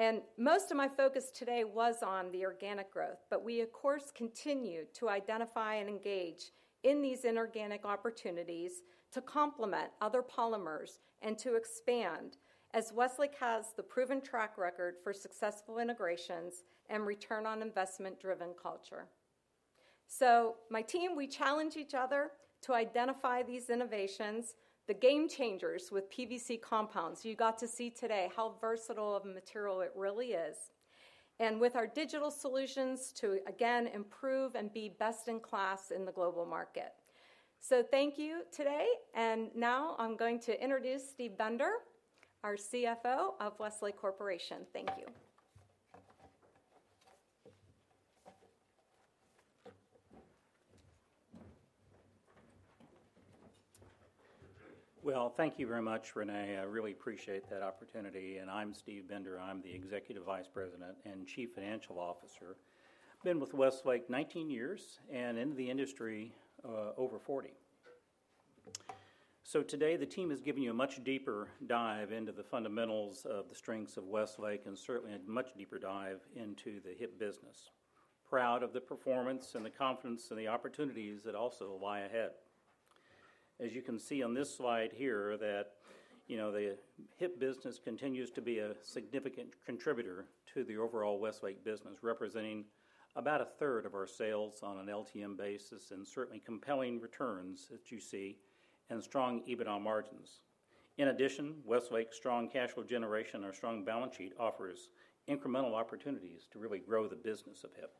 And most of my focus today was on the organic growth. But we of course continue to identify and engage in these inorganic opportunities to complement other polymers and to expand. As Westlake has the proven track record for successful integrations and return on investment driven culture. So my team, we challenge each other to identify these innovations, the game changers with PVC compounds, you got to see today how versatile of a material it really is. And with our digital solutions to again improve and be best in class in the global market. So thank you today and now I'm going to introduce Steve Bender, our CFO of Westlake Corporation. Thank you. Well, thank you very much Renee. I really appreciate that opportunity. And I'm Steve Bender, I'm the Executive Vice President and Chief Financial Officer. Been with Westlake 19 years and in the industry over 40. So today the team has given you a much deeper dive into the fundamentals of the strengths of Westlake and certainly a much deeper dive into the HIP business. Proud of the performance and the confidence and the opportunities that also lie ahead. As you can see on this slide here that you know, the HIP business continues to be a significant contributor to the overall Westlake business, representing about a third of our sales on an LTM basis and certainly compelling returns that you see and strong EBITDA margins. In addition, Westlake's strong cash flow generation, our strong balance sheet offers incremental opportunities to really grow the business of HIP.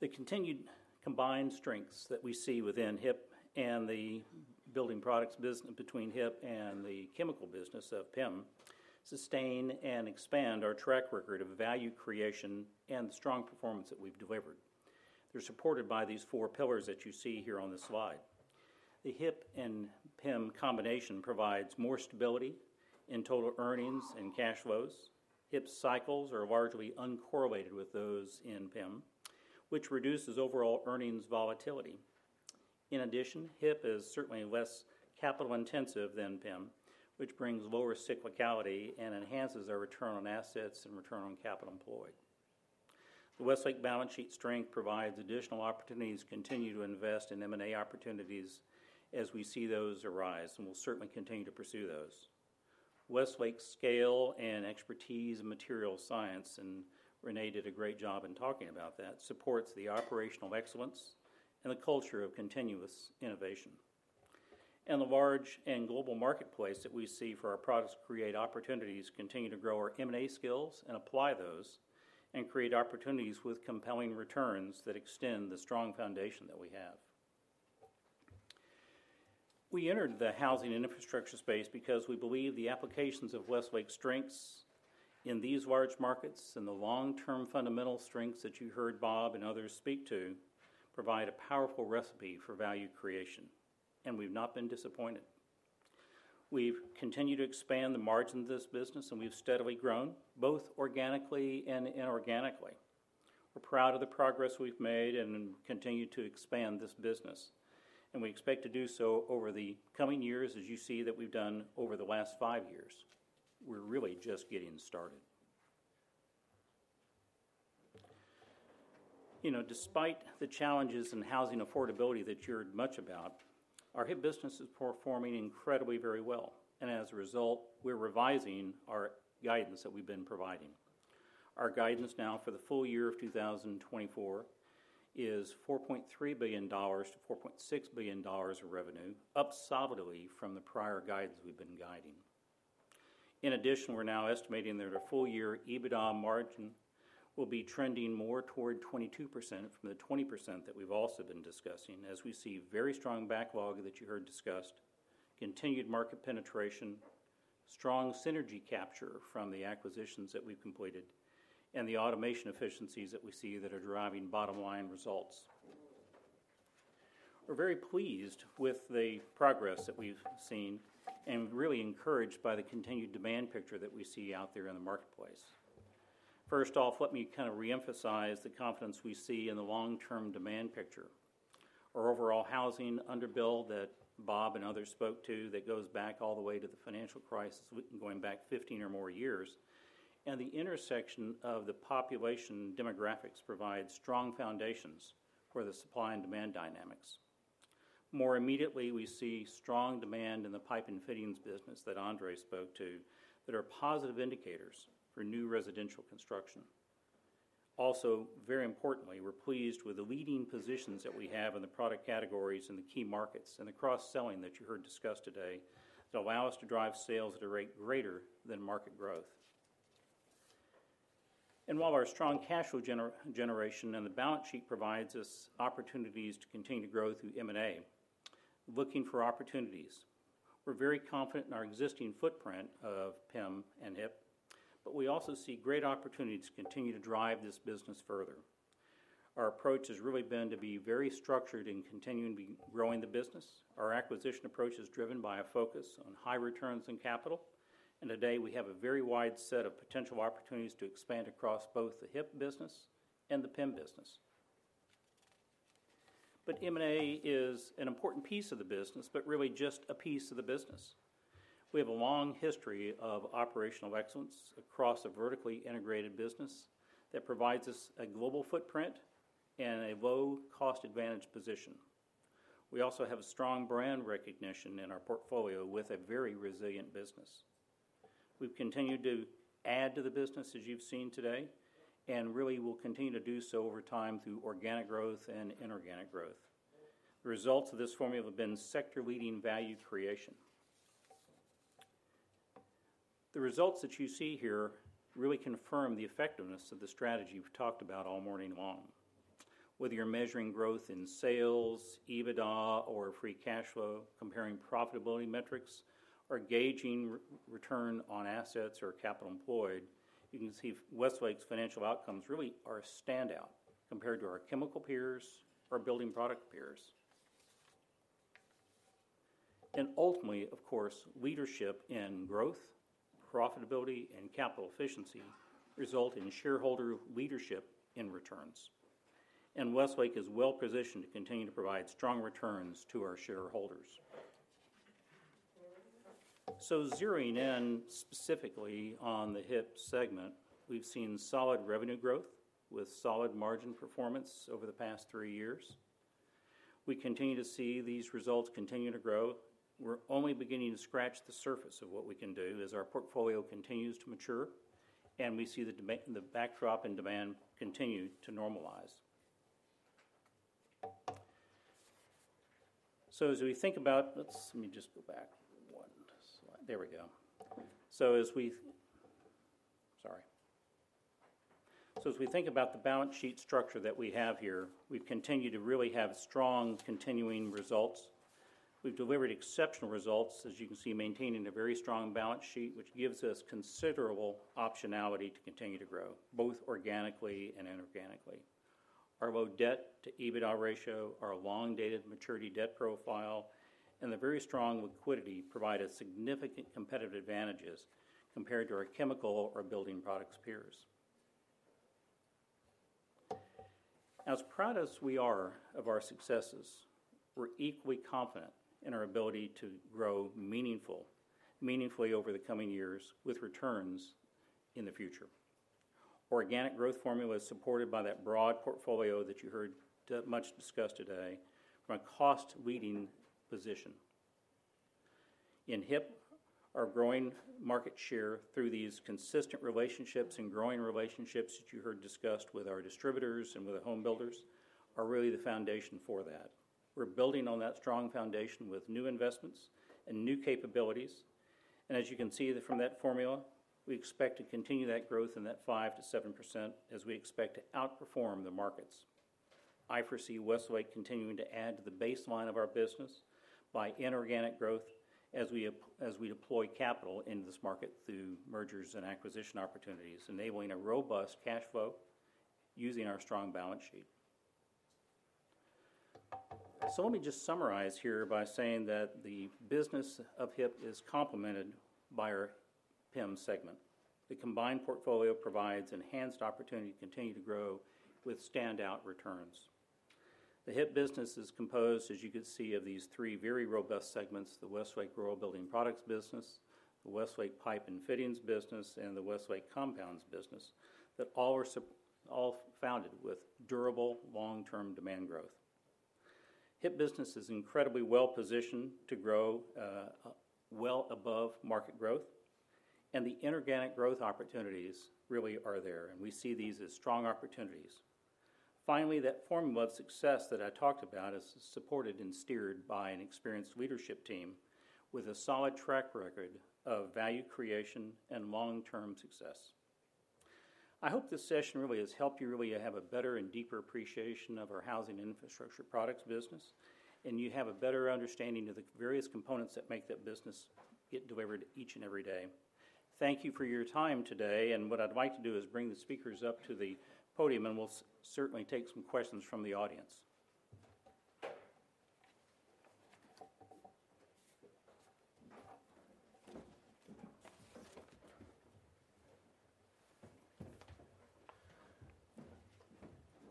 The continued combined strengths that we see within HIP and the building products business between HIP and the chemical business of PEM sustain and expand our track record of value creation and the strong performance that we've delivered. They're supported by these four pillars that you see here on the slide. The HIP and PEM combination provides more stability in total earnings and cash flows. HIP cycles are largely uncorrelated with those in PEM, which reduces overall earnings volatility. In addition, HIP is certainly less capital intensive than PEM, which brings lower cyclicality and enhances our return on assets and return on capital employed. The Westlake balance sheet strength provides additional opportunities to continue to invest in M and A opportunities as we see those arise and we'll certainly continue to pursue those. Westlake's scale and expertise in material science, and Renee did a great job in talking about that, supports the operational excellence and the culture of continuous innovation and the large and global marketplace that we see for our products. Create opportunities, continue to grow our M&A skills and apply those and create opportunities with compelling returns that extend the strong foundation that we have. We entered the housing and infrastructure space because we believe the applications of Westlake's strengths in these large markets and the long-term fundamental strengths that you heard Bob and others speak to provide a powerful recipe for value creation. We've not been disappointed. We've continued to expand the margin of this business and we've steadily grown both organically and inorganically. We're proud of the progress we've made and continue to expand this business and we expect to do so over the coming years. As you see that we've done over the last five years. We're really just getting started. You know, despite the challenges in housing affordability that you heard much about, our hip business is performing incredibly very well. And as a result, we're revising our guidance that we've been providing. Our guidance now for the full year of 2024 is $4.3 billion-$4.6 billion of revenue, up solidly from the prior guidance we been guiding. In addition, we're now estimating that our full-year EBITDA margin will be trending more toward 22% from the 20% that we've also been discussing as we see very strong backlog that you heard discussed, continued market penetration, strong synergy capture from the acquisitions that we've completed and the automation efficiencies that we see that are driving bottom-line results. We're very pleased with the progress that we've seen and really encouraged by the continued demand picture that we see out there in the marketplace. First off, let me kind of re-emphasize the confidence we see in the long-term demand picture. Our overall housing underbuild that Bob and others spoke to that goes back all the way to the financial crisis going back 15 or more years and the intersection of the population demographics provide strong foundations for the supply and demand dynamics. More immediately, we see strong demand in the pipe and fittings business that Andre spoke to that are positive indicators for new residential construction. Also, very importantly, we're pleased with the leading positions that we have in the product categories in the key markets and the cross selling that you heard discussed today that allow us to drive sales at a rate greater than market growth. And while our strong cash flow generation and the balance sheet provides us opportunities to continue to grow through M and A looking for opportunities, we're very confident in our existing footprint of PEM and HIP, but we also see great opportunities to continue to drive this business further. Our approach has really been to be very structured in continuing growing the business. Our acquisition approach is driven by a focus on high returns and capital. Today we have a very wide set of potential opportunities to expand across both the HIP business and the PEM business. But M&A is an important piece of the business, but really just a piece of the business. We have a long history of operational excellence across a vertically integrated business that provides us a global footprint and a low cost advantage position. We also have a strong brand recognition in our portfolio with a very resilient business. We've continued to add to the business as you've seen today, and really will continue to do so over time through organic growth and inorganic growth. The results of this formula have been sector-leading value creation. The results that you see here really confirm the effectiveness of the strategy we've talked about all morning long. Whether you're measuring growth in sales, EBITDA or free cash flow, comparing profitability metrics or gauging return on assets or capital employed, you can see Westlake's financial outcomes really are a standout compared to our chemical peers or building product peers. Ultimately of course, leadership in growth, profitability and capital efficiency result in shareholder leadership in returns. Westlake is well positioned to continue to provide strong returns to our shareholders. Zeroing in specifically on the HIP segment, we've seen solid revenue growth with solid margin performance over the past three years. We continue to see these results continue to grow. We're only beginning to scratch the surface of what we can do as our portfolio continues to mature and we see the backdrop in demand continue to normalize. So as we think about. Let me just go back one slide. There we go. So as we. Sorry. So as we think about the balance sheet structure that we have here, we continue to really have strong continuing results. We've delivered exceptional results. As you can see, maintaining a very strong balance sheet which gives us considerable optionality to continue to grow both organically and inorganically. Our low debt to EBITDA ratio, our long dated maturity debt profile and the very strong liquidity provide us significant competitive advantages compared to our chemical or building products peers. As proud as we are of our successes, we're equally confident in our ability to grow meaningfully over the coming years with returns in the future. Organic growth formula is supported by that broad portfolio that you heard much discussed today from a cost leading position in HIP. Our growing market share through these consistent relationships and growing relationships that you heard discussed with our distributors and with the home builders are really the foundation for that. We're building on that strong foundation with new investments and new capabilities. And as you can see from that formula, we expect to continue that growth in that 5%-7% as we expect to outperform the markets. I foresee Westlake continuing to add to the baseline of our business by inorganic growth as we deploy capital into this market through mergers and acquisition opportunities, enabling a robust cash flow using our strong balance sheet. So let me just summarize here by saying that the business of HIP is complemented by our PEM segment. The combined portfolio provides enhanced opportunity to continue to grow with standout returns. The HIP business is composed, as you can see, of these three very robust segments. The one, the Westlake Royal Building Products business, the Westlake Pipe and Fittings business and the Westlake Compounds business that all founded with durable long-term demand growth. HIP business is incredibly well positioned to grow well above market growth. The inorganic growth opportunities really are there and we see these as strong opportunities. Finally, that form of success that I talked about is supported and steered by an experienced leadership team with a solid track record of value creation and long-term success. I hope this session really has helped you really have a better and deeper appreciation of our housing infrastructure products business. You have a better understanding of the various components that make that business get delivered each and every day. Thank you for your time today, and what I'd like to do is bring the speakers up to the podium, and we'll certainly take some questions from the audience.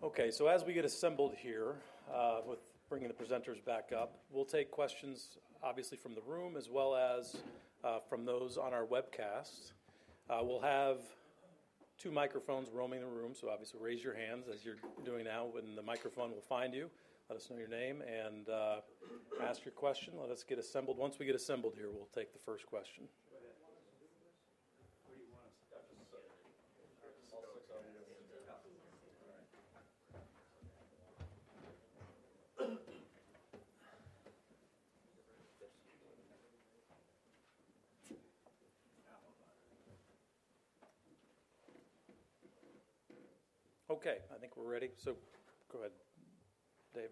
Okay, so as we get assembled here with bringing the presenters back up, we'll take questions obviously from the room as. Well, as for those on our webcasts. We'll have 2 microphones roaming the room. So, obviously, raise your hands as you're doing now, when the microphone will find you. Let us know your name and ask your question. Let us get assembled. Once we get assembled here, we'll take the first question. Okay, I think we're ready. So go ahead, Dave.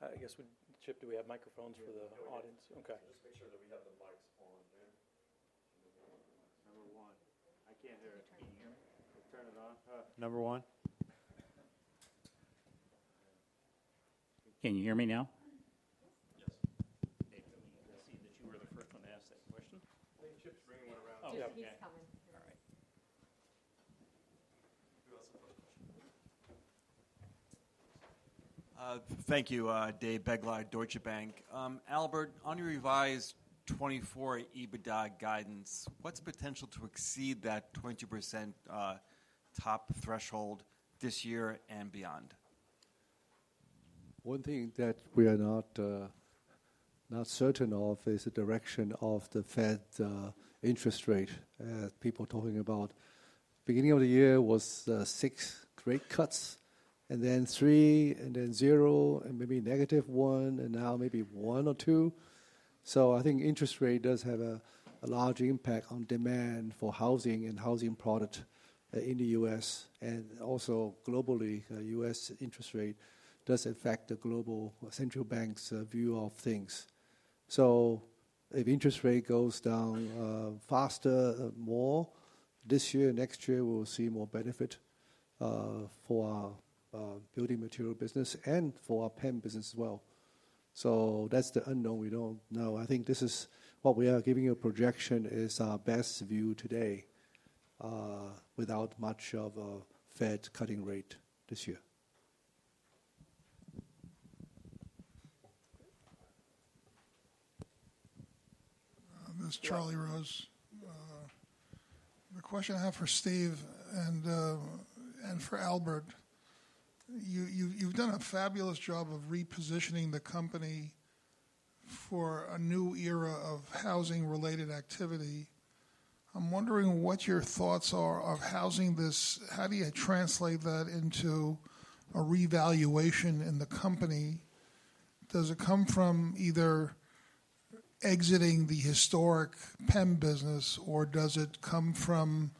I guess, Chip, do we have microphones for the audience? Okay, just make sure that we have the mics on there. Number one, I can't hear it. Can you hear me? Turn it on. Number one. Can you hear me now? He's coming. Thank you. Dave Begley, Deutsche Bank. Albert, on your revised 2024 EBITDA guidance, what's the potential to exceed that 20% top threshold this year and beyond? One thing that we are not, not certain of is the direction of the Fed interest rate. People talking about beginning of the year was 6 rate cuts and then 3 and then 0 and maybe -1 and now maybe 1 or 2. So I think interest rate does have a a large impact on demand for housing and housing product in the U.S. and also globally. U.S. interest rate does affect the global central bank's view of things. So if interest rate goes down faster, more this year, next year we will see more benefit for building material business and for our PEM business as well. So that's the unknown we don't know. I think this is what we are giving you. A projection is our best view today without much of a Fed cutting rate this year. This is Charlie Rose. The question I have for Steve and for Albert. You've done a fabulous job of repositioning. The company for a new era of housing-related activity. I'm wondering what your thoughts are of housing this. How do you translate that into a. Valuation in the company? Does it come from either exiting the? Historical PEM business or does it come from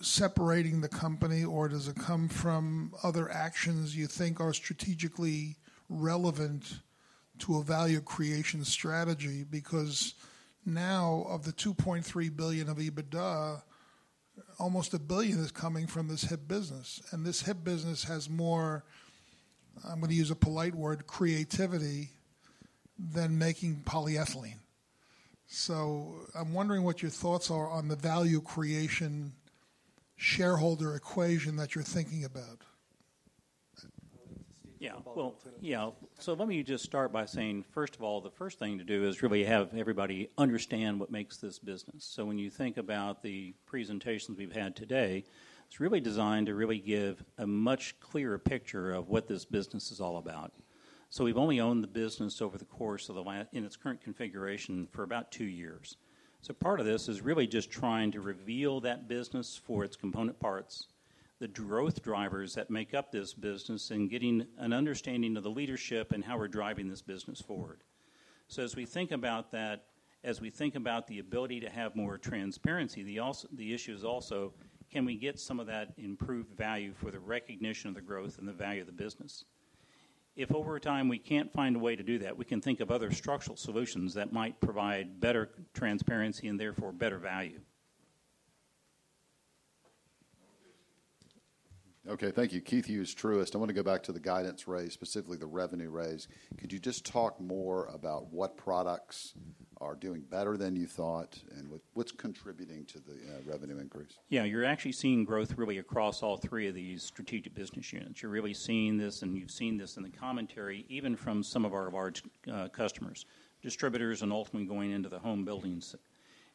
separating the company or does it come from other actions you think are? Strategically relevant to a value creation strategy? Because now of the $2.3 billion of EBITDA, almost $1 billion is coming from. This HIP business and this HIP business. Has more, I'm going to use a polite word, creativity than making polyethylene. I'm wondering what your thoughts are. On the value creation shareholder equation that you're thinking about. So let me just start by saying first of all, the first thing to do is really have everybody understand what makes this business. So when you think about the presentations we've had today, it's really designed to really give a much clearer picture of what this business is all about. So we've only owned the business over the course of the last in its current configuration for about two years. So part of this is really just trying to reveal that business for its component parts, the growth drivers that make up this business and getting an understanding of the leadership and how we're driving this business forward. So as we think about that, as we think about the ability to have more transparency, the issue is also can we get some of that improved value from for the recognition of the growth and the value of the business. If over time we can't find a way to do that, we can think of other structural solutions that might provide better transparency and therefore better value. Okay, thank you. Keith Hughes, Truist. I want to go back to the. Guidance raise, specifically the revenue raise. Could you just talk more about what products are doing better than you thought? And what's contributed to the revenue increase? Yeah, you're actually seeing growth really across all three of these strategic business units. You're really seeing this and you've seen this in the commentary even from some of our large customers, distributors and ultimately going into the home builders.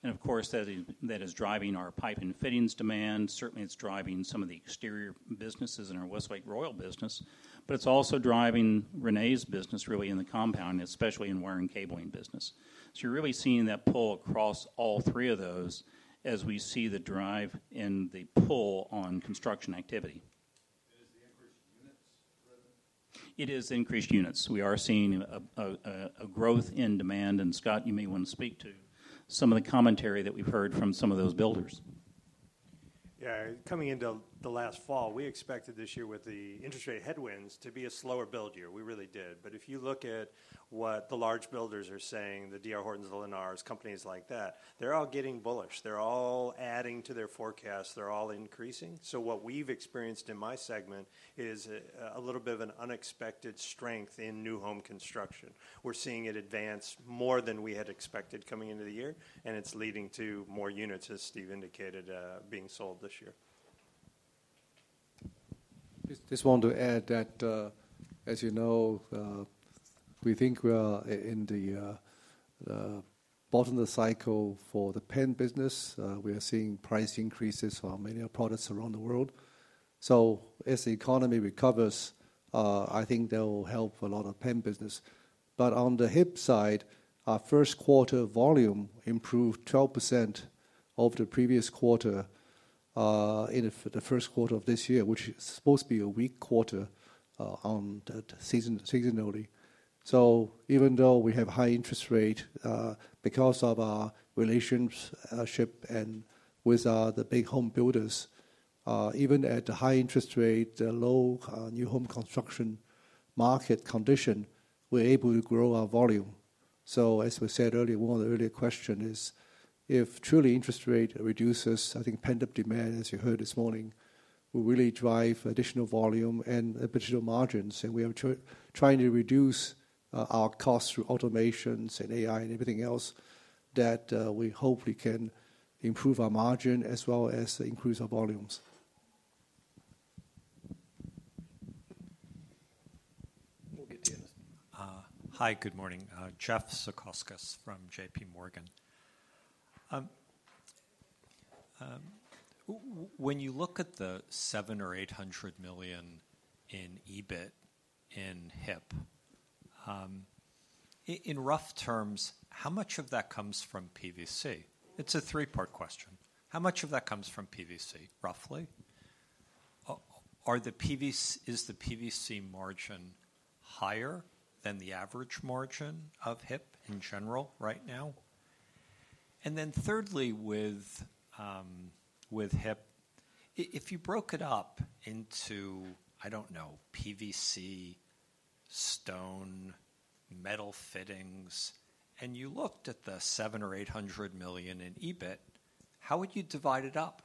And of course that is driving our pipe and fittings demand. Certainly it's driving some of the exterior businesses in our Westlake Royal business. But it's also driving Renee's business really in the compound, especially in wiring, cabling business. So you're really seeing that pull across all three of those. As we see the drive in the pull on construction activity, it is increased units. We are seeing a growth in demand. And Scott, you may want to speak to some of the commentary that we've heard from some of those builders. Yeah. Coming into the last fall we expected this year with the interest rate headwinds to be a slower build year. We really did. But if you look at what the large builders are saying, the D.R. Hortons, the Lennars, companies like that, they're all getting bullish. They're all adding to their forecast, they're all increasing. So what we've experienced in my segment is a little bit of an unexpected strength in new home construction. We're seeing it advance more than we had expected coming into the year and it's leading to more units, as Steve indicated, being sold this year. Just want to add that as you know we think we are in the bottom of the cycle for the PEM business. We are seeing price increases for many products around the world. So as the economy recovers, I think that will help a lot of PEM business. But on the HIP side, our first quarter volume improved 12% over the previous quarter in the first quarter of this year, which is supposed to be a weak quarter seasonally. So even though we have high interest rate because of our relationship and with the big home builders, even at high interest rate, low new home construction market condition, we're able to grow our volume. So as we said earlier, one of the earlier question is if truly interest rate reduces, I think pent up demand as you heard this morning, will really drive additional volume and additional margins. We are trying to reduce our cost through automations and AI and everything else that we hope we can improve our margin as well as increase our volumes. Hi, good morning. Jeffrey Zekauskas from J.P. Morgan. When you look at the 7 or. $800 million in EBIT in HIP. In rough terms, how much of that comes from PVC? It's a three part question. How much of that comes from PVC roughly? Are the PVC, is the PVC margin. Higher than the average margin of HIP. In general right now? And then thirdly, with, with HIP, if you broke it up into, I don't know, PVC, stone, metal, fittings, and you looked at the $700 million or $800 million in EBITDA, how would you divide it up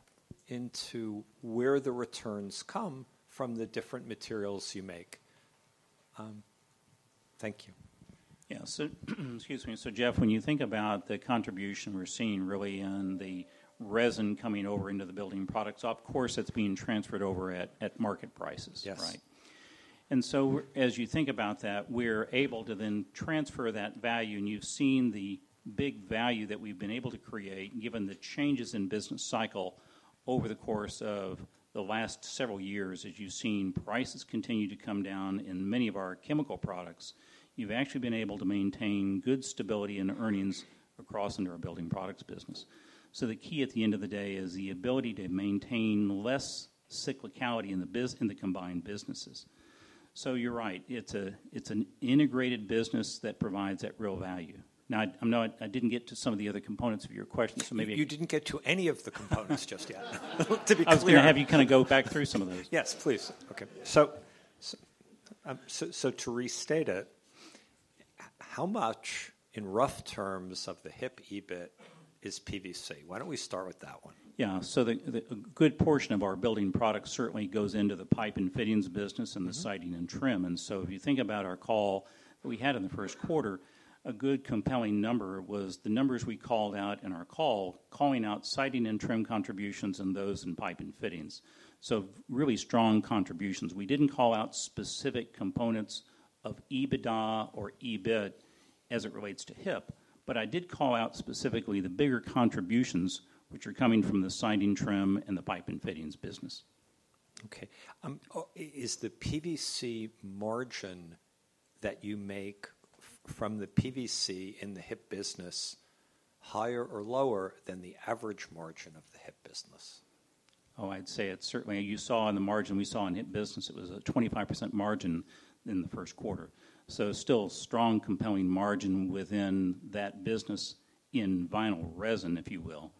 into where the returns come from, the different materials you make? Thank you. Yes. Excuse me. So, Jeff, when you think about the contribution we're seeing really in the resin coming over into the building products, of course it's being transferred over at market prices. Right. And so as you think about that, we're able to then transfer that value and we've seen the big value that we've been able to create. Given the changes in business cycle over the course of the last several years, as you've seen prices continue to come down in many of our chemical products, you've actually been able to maintain good stability in earnings across into our building products business. So the key at the end of the day is the ability to maintain less cyclicality in the combined businesses. So. So you're right. It's an integrated business that provides that real value. Now I know I didn't get to some of the other components of your question, so maybe you didn't get to. Any of the components just yet. To be clear, I'm going to have you kind of go back through some of those. Yes, please. Okay, so to restate it, how much in rough terms of the HIP, EBIT is PVC? Why don't we start with that one? Yeah, so a good portion of our building product certainly goes into the pipe and fittings business and the siding and trim. And so if you think about our call we had in the first quarter, a good compelling number was the numbers we called out in our call calling out siding and trim contributions and those in pipe and fittings. So really strong contributions. We didn't call out specific components of EBITDA or EBIT as it relates to HIP, but I did call out specifically the bigger contributions which are coming from the siding, trim and the pipe and fittings business. Okay, is the PVC margin that you make from the PVC in the HIP business higher or lower than the average margin of the HIP business? Oh, I'd say it's certainly. You saw, in the margin we saw in HIP business, it was a 25% margin in the first quarter. So still strong compelling margin within that business in vinyl resin if you will.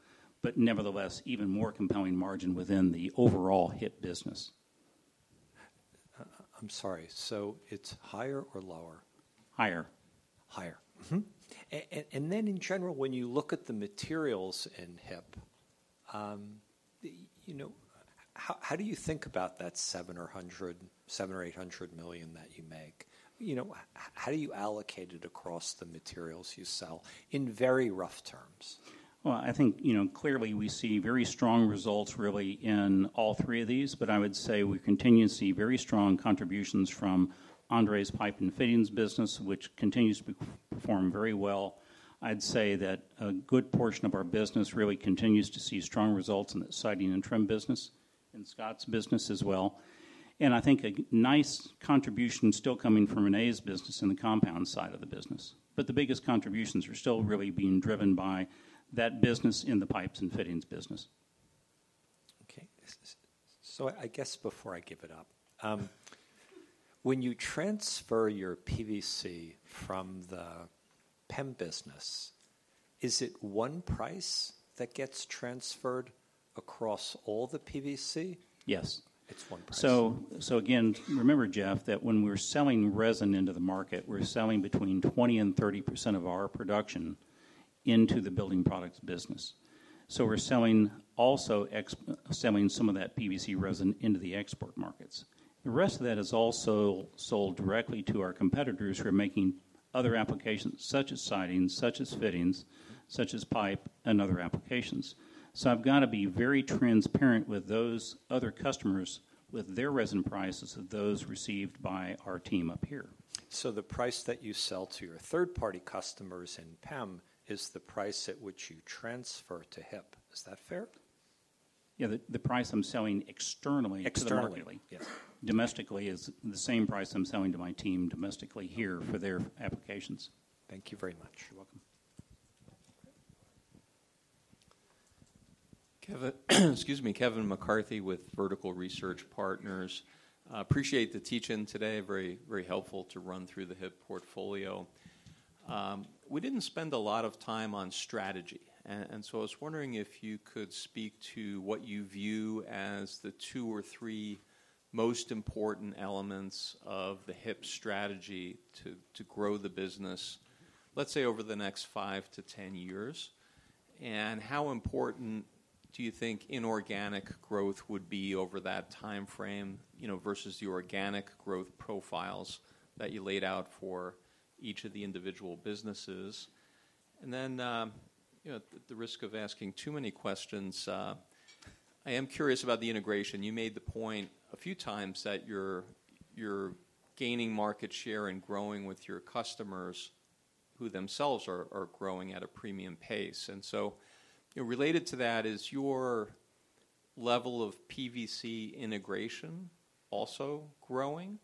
But nevertheless even more compelling margin within the overall HIP business. I'm sorry, so it's higher or lower? Higher, higher. And then in general, when you look at the materials in HIP, you know, how do you think about that $700 million or $800 million that you make? You know, how do you allocate it across the materials you sell in very rough terms? Well, I think, you know, clearly we see very strong results really in all three of these. But I would say we continue to see very strong contributions from Andre's pipe and fittings business, which continues to perform very well. I'd say that a good portion of our business really continues to see strong results in the siding and trim business, in Scott's business as well. And I think a nice contribution still coming from Renee's business in the compound side of the business. But the biggest contributions are still really being driven by that business in the pipes and fittings business. Okay, so I guess before I give it up, when you transfer your PVC from the PEM business, is it one price that gets transferred across all—all the PVC? Yes, it's one. So again, remember Jeff, that when we're selling resin into the market, we're selling between 20%-30% of our production into the building products business. So we're selling, also selling some of that PVC resin into the export markets. The rest of that is also sold directly to our competitors who are making other applications such as sidings, such as fittings, such as pipe and other applications. So I've got to be very transparent with those other customers with their resin prices of those received by our team up here. The price that you sell to your third party customers in PEM is the price at which you transfer to HIP. Is that fair? Yeah. The price I'm selling externally, externally, domestically, is the same price I'm selling to my team domestically here for their applications. Thank you very much. You're welcome. Excuse me. Kevin McCarthy with Vertical Research Partners. Appreciate the teach in today. Very, very helpful to run through the HIP portfolio. We didn't spend a lot of time on strategy. I was wondering if you could speak to what you view as the two or three most important elements? Of the HIP strategy to grow the business, let's say over the next 5-10 years. How important do you think inorganic? Growth would be over that time frame, you know, versus the organic growth profiles that you laid out for each of the individual businesses? And then, the risk of asking too many questions. I am curious about the integration. You made the point a few times. That you're gaining market share and growing with your customers who themselves are growing at a premium pace. And so related to that, is your level of PVC integration also growing?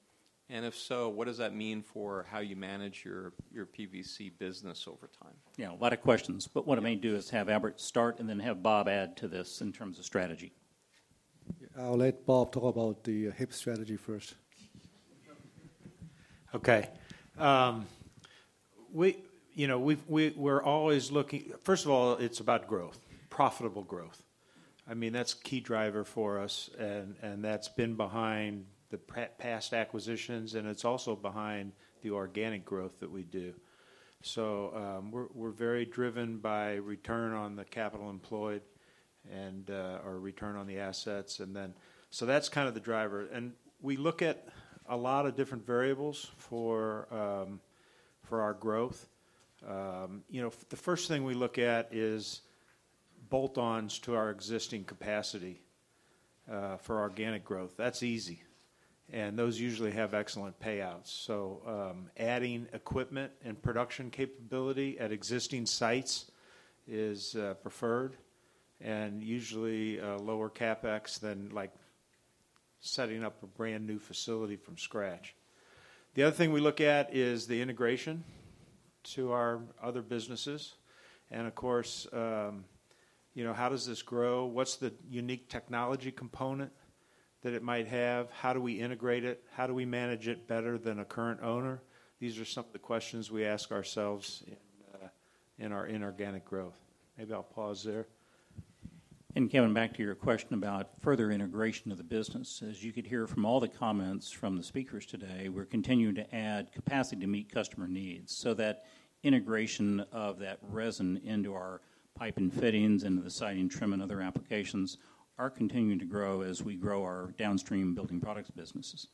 And if so, what does that mean for how you manage your PVC business over time? You know, a lot of questions, but what I may do is have Albert start and then have Bob add to this in terms of strategy. I'll let Bob talk about the HIP strategy first. Okay. We, you know, we're always looking. First of all, it's about growth, profitable growth. I mean that's key driver for us and that's been behind the past acquisitions and it's also behind the organic growth that we do. So we're very driven by return on the capital employed and our return on the assets. And then so that's kind of the driver. And we look at a lot of different variables for our growth. You know, the first thing we look at is bolt-ons to our existing capacity for organic growth. That's easy. And those usually have excellent payouts. So adding equipment and production capability at existing sites is preferred and usually lower CapEx than like setting up a brand new facility from scratch. The other thing we look at is the integration to our other businesses. And of course, you know, how does this grow? What's the unique technology component that it might have? How do we integrate it? How do we manage it better than a current owner? These are some of the questions we ask ourselves in our inorganic growth. Maybe I'll pause there. Kevin, back to your question about further integration of the business. As you could hear from all the comments from the speakers today, we're continuing to add capacity to meet customer needs. That integration of that resin into our pipe and fittings into the siding trim and other applications are continuing to grow as we grow our downstream building products businesses.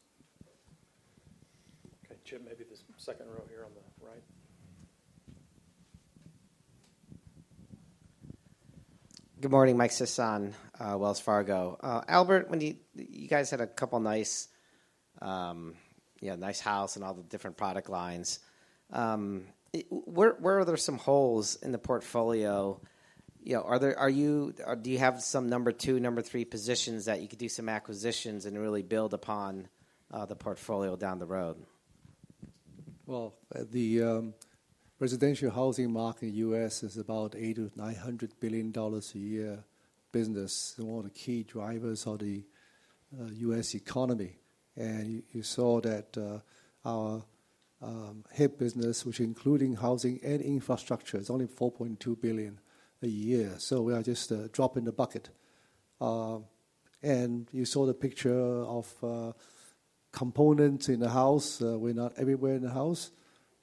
Okay, Jim, maybe this second row here on the right. Good morning. Mike Sisson, Wells Fargo. Albert, when you, you guys had a. Couple nice, you know, nice house and. All the different product lines. Where are. there some holes in the portfolio? Do you have some number 2, number? Three positions that you could do some. Acquisitions and really build upon the portfolio down the road? Well, the residential housing market in the U.S. is about $800-$900 billion a year business, one of the key drivers of the U.S. economy. You saw that our HIP business, which includes housing and infrastructure, is only $4.2 billion a year. So we are just a drop in the bucket. You saw the picture of components in the house. We're not everywhere in the house,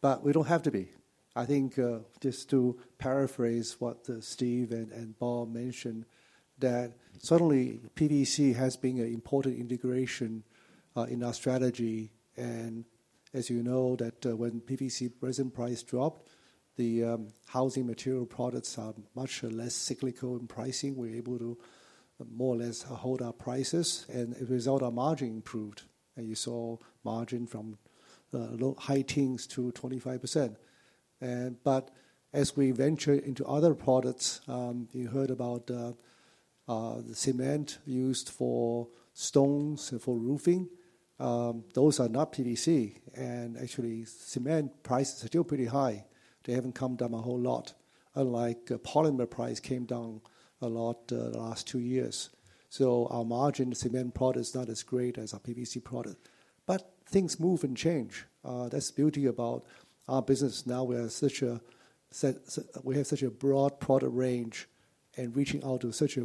but we don't have to be, I think. Just to paraphrase what Steve and Bob mentioned, certainly PVC has been an important ingredient in our strategy. As you know, when PVC resin prices dropped, the housing materials products are much less cyclical in pricing. We're able to more or less hold our prices and as a result our margins improved, and you saw margins from high teens to 25%. But as we venture into other products, you heard about the cement used for stones for roofing. Those are not PVC, and actually cement prices are still pretty high. They haven't come down a whole lot. Unlike polymer price came down a lot the last two years. So our margin cement product is not as great as our PVC product. But things move and change. That's the beauty about our business now we have such a broad product range and reaching out to such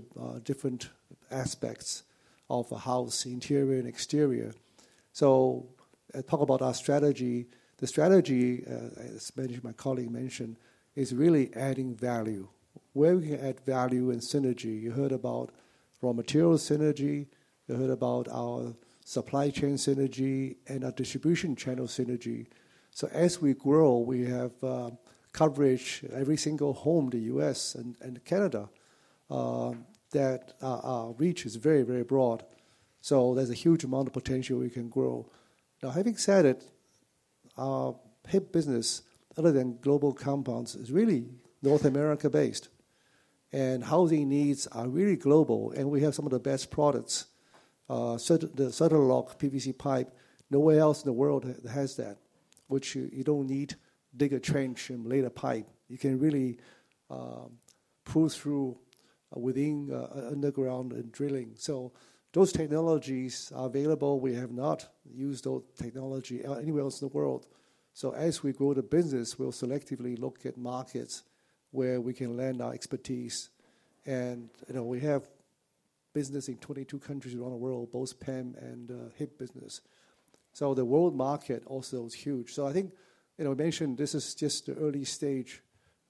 different aspects of a house, interior and exterior. So talk about our strategy. The strategy as my colleague mentioned is really adding value where we can add value and synergy. You heard about raw material synergy, you heard about our supply chain synergy and our distribution channel synergy. So as we grow, we have coverage every single home, the U.S. and Canada, that our reach is very, very broad. So there's a huge amount of potential we can grow. Now having said it, our HIP business other than global compounds is really North America based and housing needs are really global and we have some of the best products. The Certa-Lok PVC pipe, nowhere else in the world has that which you don't need. Dig a trench and lay the pipe, you can really pull through underground and drilling. So those technologies are available. We have not used those technology anywhere else in the world. So as we grow the business, we'll selectively look at markets where we can lend our expertise. And we have business in 22 countries around the world, both PEM and HIP business. So the world market also is huge. So I think we mentioned this is just the early stage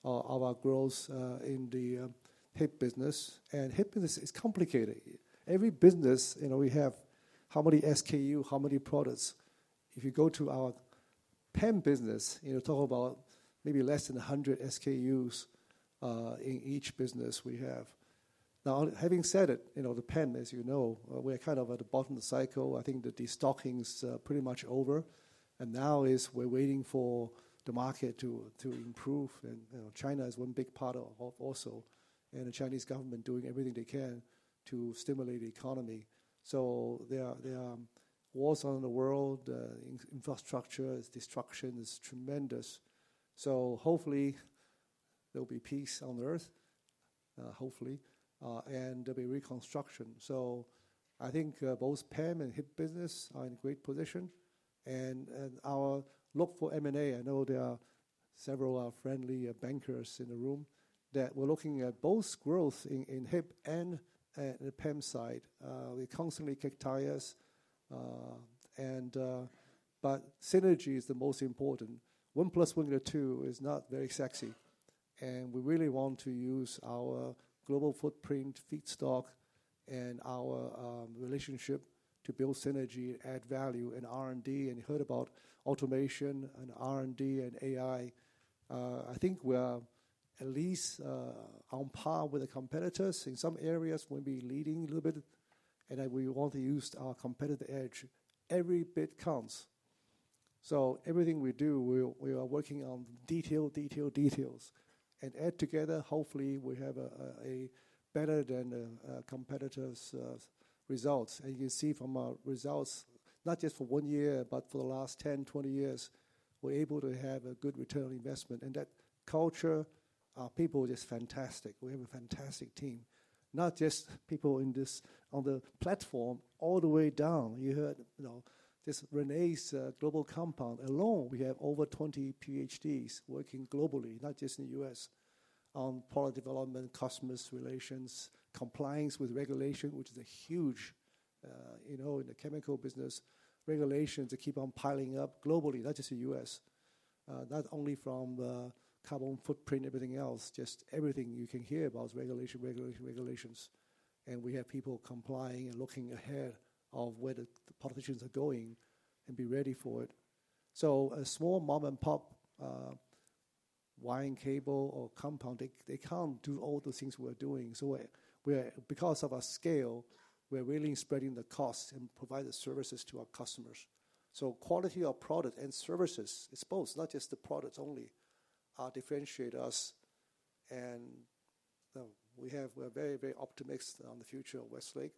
of our growth in the HIP business. And HIP business is complicated. Every business we have how many SKU, how many products. If you go to our PEM business, you know, talk about maybe less than 100 SKUs in each business we have. Now having said it, you know the PEM as you know we're kind of at the bottom of the cycle. I think the destocking is pretty much over and now is we're waiting for the market to improve and you know China is one big part of also and the Chinese government doing everything they can to stimulate the economy. So so there are wars on the world. Infrastructure destruction is tremendous. So hopefully there will be peace on earth hopefully and there'll be reconstruction. So I think both PEM and HIP businesses are in great position and we're looking for M&A. I know there are several friendly bankers in the room that we're looking at both growth in HIP and the PEM side. We constantly kick tires. But synergy is the most important. One plus one equals two is not very sexy and we really want to use our global footprint, feedstock, and our relationships to build synergy, add value in R&D. And you heard about automation and R&D and AI. I think we are at least on par with the competitors in some areas. We'll be leading a little bit and we want to use our competitive edge. Every bit counts. So everything we do we are working on detail, detail, details and add together. Hopefully we have better than competitors' results. You can see from our results not just for one year but for the last 10, 20 years we're able to have a good return on investment. That culture our people is fantastic. We have a fantastic team. Not just people in this on the platform all the way down. You heard this. Renee's Global Compounds alone we have over 20 PhDs working globally, not just in the US on product development, customer relations, compliance with regulation which is a huge in the chemical business. Regulations that keep on piling up globally. Not just the US not only from carbon footprint, everything else, just everything you can hear about regulation, regulation, regulations. We have people complying and looking ahead of where the politicians are going and be ready for it. So a small mom and pop vinyl, cable or compound, they can't do all the things we're doing. So because of our scale we're really spreading the cost and provide the services to our customers. So quality of product and services, it's both not just the products only differentiate us and we have, we're very, very optimistic on the future of Westlake.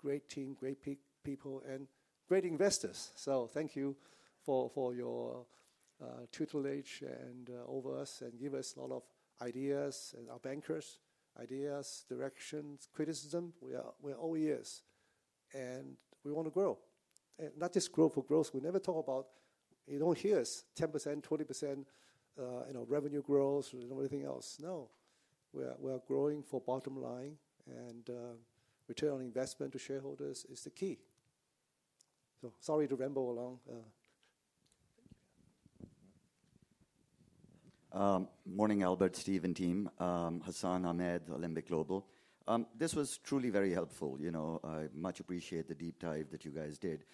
Great team, great people and great investors. So thank you for, for your tutelage and over us and give us a lot of ideas and our bankers ideas, directions, criticism, we're all ears. And we want to grow and not just grow for growth. We never talk about. You don't hear us 10%, 20% revenue growth, everything else. No, we are growing for bottom line and return on investment to shareholders is the key. So sorry to ramble along. Thank you. Morning, Albert, Steve, and team. Hassan Ahmed, Alembic Global. This was truly very helpful. You know, I much appreciate the deep dive that you guys did.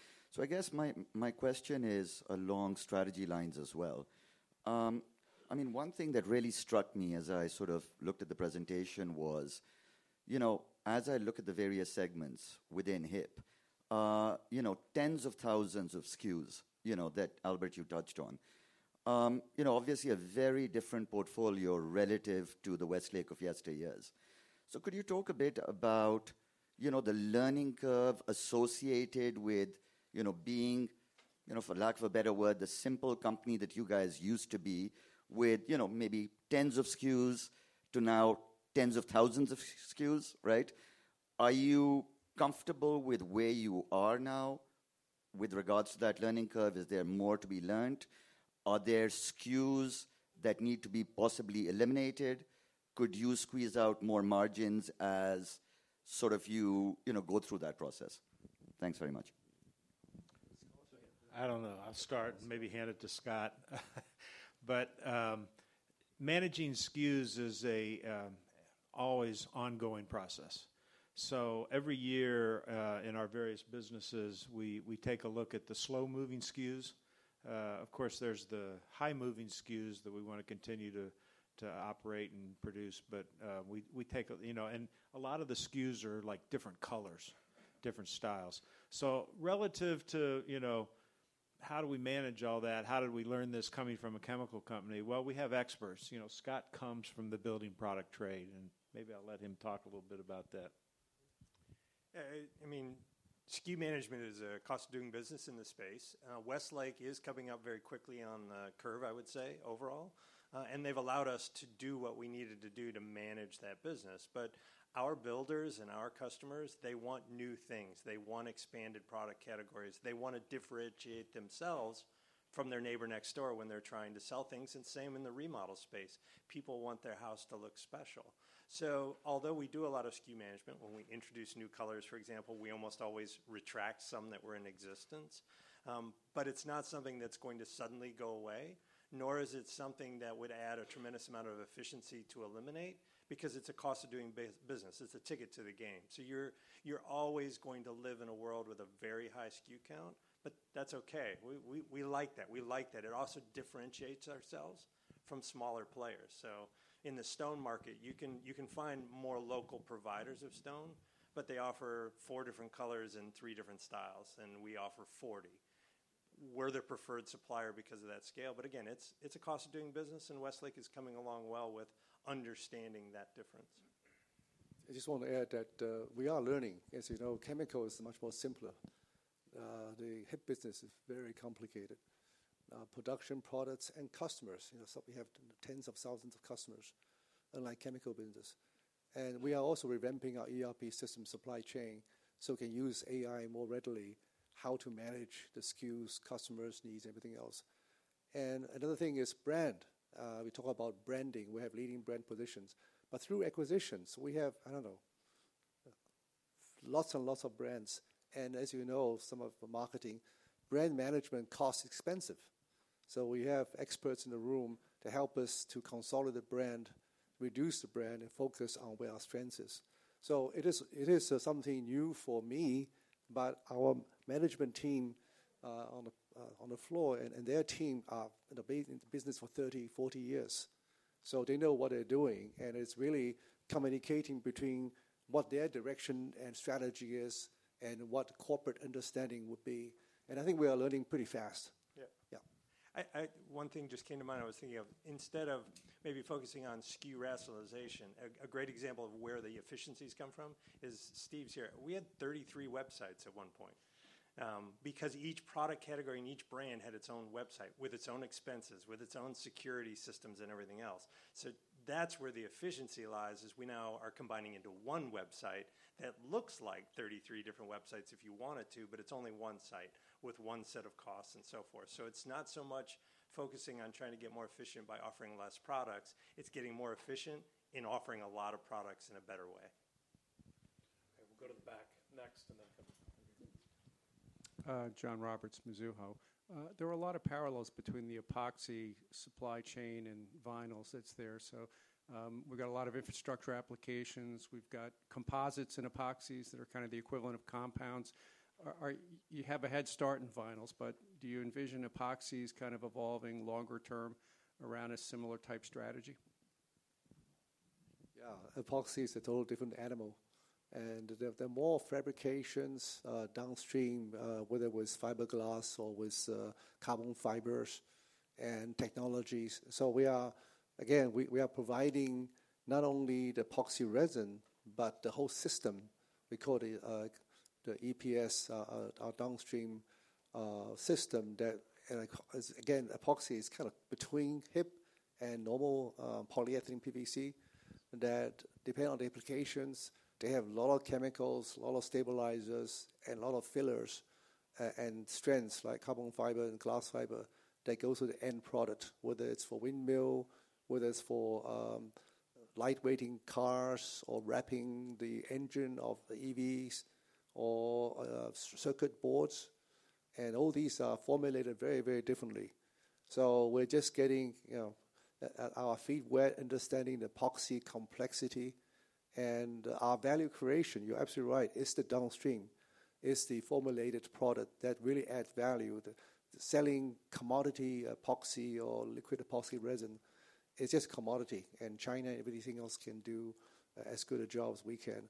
I guess my question is. Along strategy lines as well. I mean, one thing that really struck. Me as I sort of looked at. The presentation was, you know, as I look at the various segments within HIP, you know, tens of thousands of SKUs that Albert, you touched on, obviously a very different portfolio relative to the Westlake of yesterday. So could you talk a bit about the learning curve associated with being, for lack of a better word, the simple company that you guys used to be with, maybe tens of SKUs to now tens of thousands of SKUs? Right. Are you comfortable with where you are now with regards to that learning curve? Is there more to be learned? Are there SKUs that need to be possibly eliminated? Could you squeeze out more margins as sort of you go through that process? Thanks very much. I don't know. I'll start, maybe hand it to Scott. But managing SKUs is always an ongoing process. So every year in our various businesses, we take a look at the slow moving SKUs. Of course, there's the high moving SKUs that we want to continue to operate and produce. But we take, you know, and a lot of the SKUs are like different colors, different styles. So relative to, you know, how do we manage all that? How did we learn this coming from a chemical company? Well, we have experts, you know, Scott comes from the building product trade, and maybe I'll let him talk a little bit about that. I mean, SKU management is a cost of doing business in this space. Westlake is coming up very quickly on the curve, I would say, overall, and they've allowed us to do what we needed to do to manage that business. But our builders and our customers, they want new things. They, they want expanded product categories. They want to differentiate themselves from their neighbor next door when they're trying to sell things. And same in the remodel space. People want their house to look special. So although we do a lot of SKU management, when we introduce new colors, for example, we almost always retract some that were in existence. But it's not something that's going to suddenly go away, nor is it something that would add a tremendous amount of efficiency to eliminate, because it's a cost of doing business. It's a ticket to the game. So you're always going to live in a world with a very high SKU count. But that's okay. We like that. We like that. It also differentiates ourselves from smaller players. So in the stone market, you can find more local providers of stone, but they offer four different colors and three different styles. And we offer 40. We're the preferred supplier because of that scale. But again, it's a cost of doing business. And Westlake is coming along well with understanding that difference. I just want to add that we are learning, as you know, chemicals are much more simpler. The HIP business is very complicated, production products and customers, you know, so we have tens of thousands of customers, unlike chemical business. And we are also revamping our ERP system supply chain so we can use AI more readily. How to manage the SKUs customers, needs, everything else. And another thing is brand. We talk about branding, we have leading brand positions, but through acquisitions we have, I don't know, lots and lots of brands and as you know, some of the marketing, brand management costs expensive. So we have experts in the room to help us to consolidate brand, reduce the brand and focus on where our strength is. So it is something new for me. But our management team on the floor and their team are in business for 30, 40 years. So they know what they're doing and it's really communicating between what their direction and strategy is and what corporate understanding would be. And I think we are learning pretty fast. One thing just came to mind. I was thinking of, instead of maybe focusing on SKU rationalization, a great example of where the efficiencies come from is Steve's here. We had 33 websites at one point because each product category and each brand had its own website with its own expenses, with its own security systems and everything else. So that's where the efficiency lies, is we now are combining into one website that looks like 33 different websites if you wanted to, but it's only one site with one set of costs and so forth. So it's not so much focusing on trying to get more efficient by offering less products, it's getting more efficient in offering a lot of products in a better way. We'll go to the back next and. Then. John Roberts, Mizuho. There are a. Lot of parallels between the epoxy supply chain and vinyls that's there. So we've got a lot of infrastructure applications. We've got composites and epoxies that are kind of the equivalent of compounds. You have a head start in vinyls. Do you envision epoxies kind of evolving longer term around a similar type strategy? Yeah, epoxy is a total different animal and there are more fabrications downstream, whether it was fiberglass or with carbon fibers and technologies. So we are again, we are providing not only the epoxy resin but the whole system. We call it the EPS downstream system. That again, epoxy is kind of between HIP and normal polyethylene, PVC. That depends on the applications. They have a lot of chemicals, a lot of stabilizers, and a lot of fillers and strengths like carbon fiber and glass fiber that goes to the end product, whether it's for windmill, whether it's for lightweighting cars or, or wrapping the engine of EVs or circuit boards. And all these are formulated very, very differently. So we're just getting our feet wet, understanding the epoxy complexity and our value creation. You're absolutely right. It's the downstream. It's the formulated product that really adds value. Selling commodity epoxy or liquid epoxy resin. It's just commodity and China. Everything else can do as good a job as we can.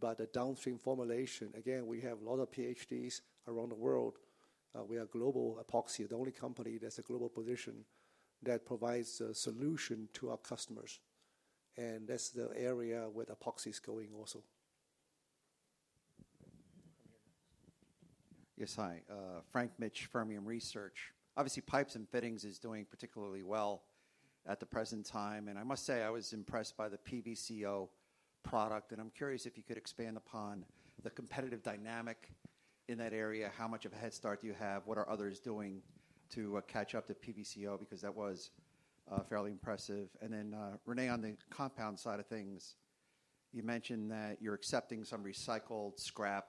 But the downstream formulation, again, we have a lot of PhDs around the world. We are global epoxy, the only company that's a global position that provides a solution to our customers. And that's the area where the epoxy is going also. Yes. Hi, Frank. Mitsch, Fermium Research. Obviously, pipes and fittings is doing particularly well at the present time. I must say I was impressed. By the PVCO product. I'm curious if you could expand. Upon the competitive dynamic in that area. How much of a head start do you have? What are others doing to catch up to PVCO? Because that was fairly impressive. And then, Renee, on the compound side of things, you mentioned that you're accepting. Some recycled scrap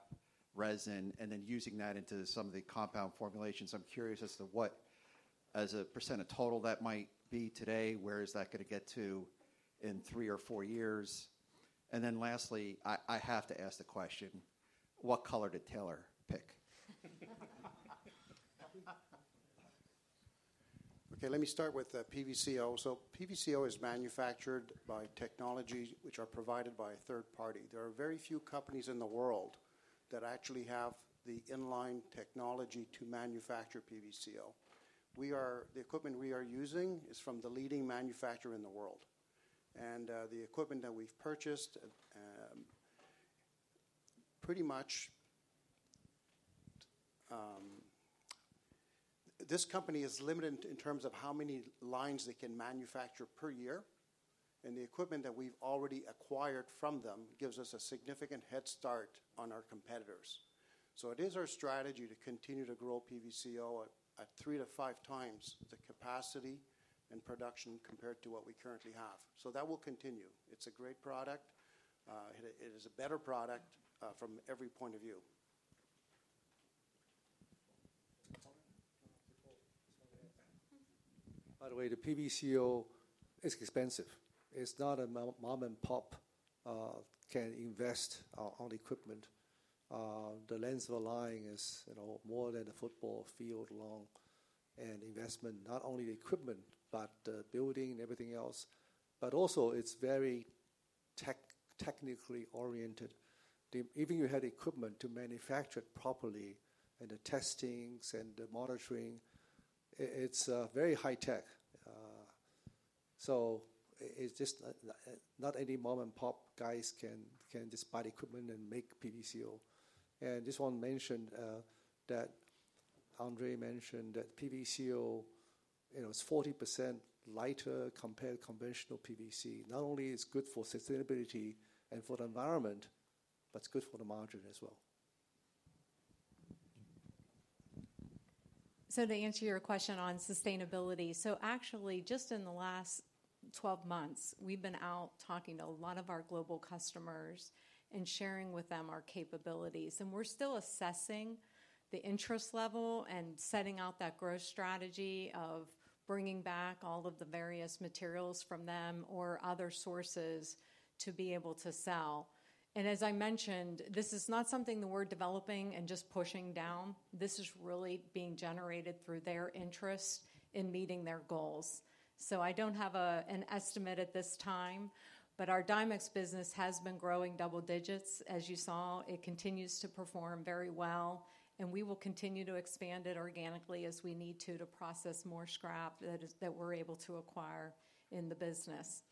resin and then using. That into some of the compound formulations. I'm curious as to what, as a. percent of total that might be today. Where is that going to get to? In 3 or 4 years? And then lastly, I have to ask. The question, what color did Taylor pick? Okay, let me start with PVCO. So PVCO is manufactured by technology, which are provided by a third party. There are very few companies in the world that actually have the inline technology to manufacture PVCO. We are. The equipment we are using is from the leading manufacturer in the world. And the equipment that we've purchased, pretty much. This company is limited in terms of how many lines they can manufacture per year. And the equipment that we've already acquired from them gives us a significant head start on our competitors. So it is our strategy to continue to grow PVCO at 3-5 times the capacity and production compared to what we currently have. So that will continue. It's a great product. It is a better product from every point of view. By the way, the PVCO is expensive. It's not a mom and pop can invest on equipment. The length of the line is more than a football field long. Investment, not only the equipment, but building and everything else, but also it's very technically oriented. Even you had equipment to manufacture it properly and the testings and the monitoring, it's very high tech. So it's just not any mom and pop guys can just buy equipment and make PVCO. And this one mentioned that Andre mentioned that PVCO is 40% lighter compared to conventional PVC. Not only is good for sustainability and for the environment, but it's good for the margin as well. So to answer your question on sustainability. So actually just in the last 12 months we've been out talking to a lot of our global customers and sharing with them our capabilities and we're still assessing the interest level and setting out that growth strategy of bringing back all of the various materials from them or other sources to be able to sell. And as I mentioned, this is not something that we're developing and just pushing down. This is really being generated through their interest in meeting their goals. So I don't have an estimate at this time, but our Dimex business has been growing double digits as you saw. It continues to perform very well and we will continue to expand it organically as we need to to process more scrap that we're able to acquire in the business.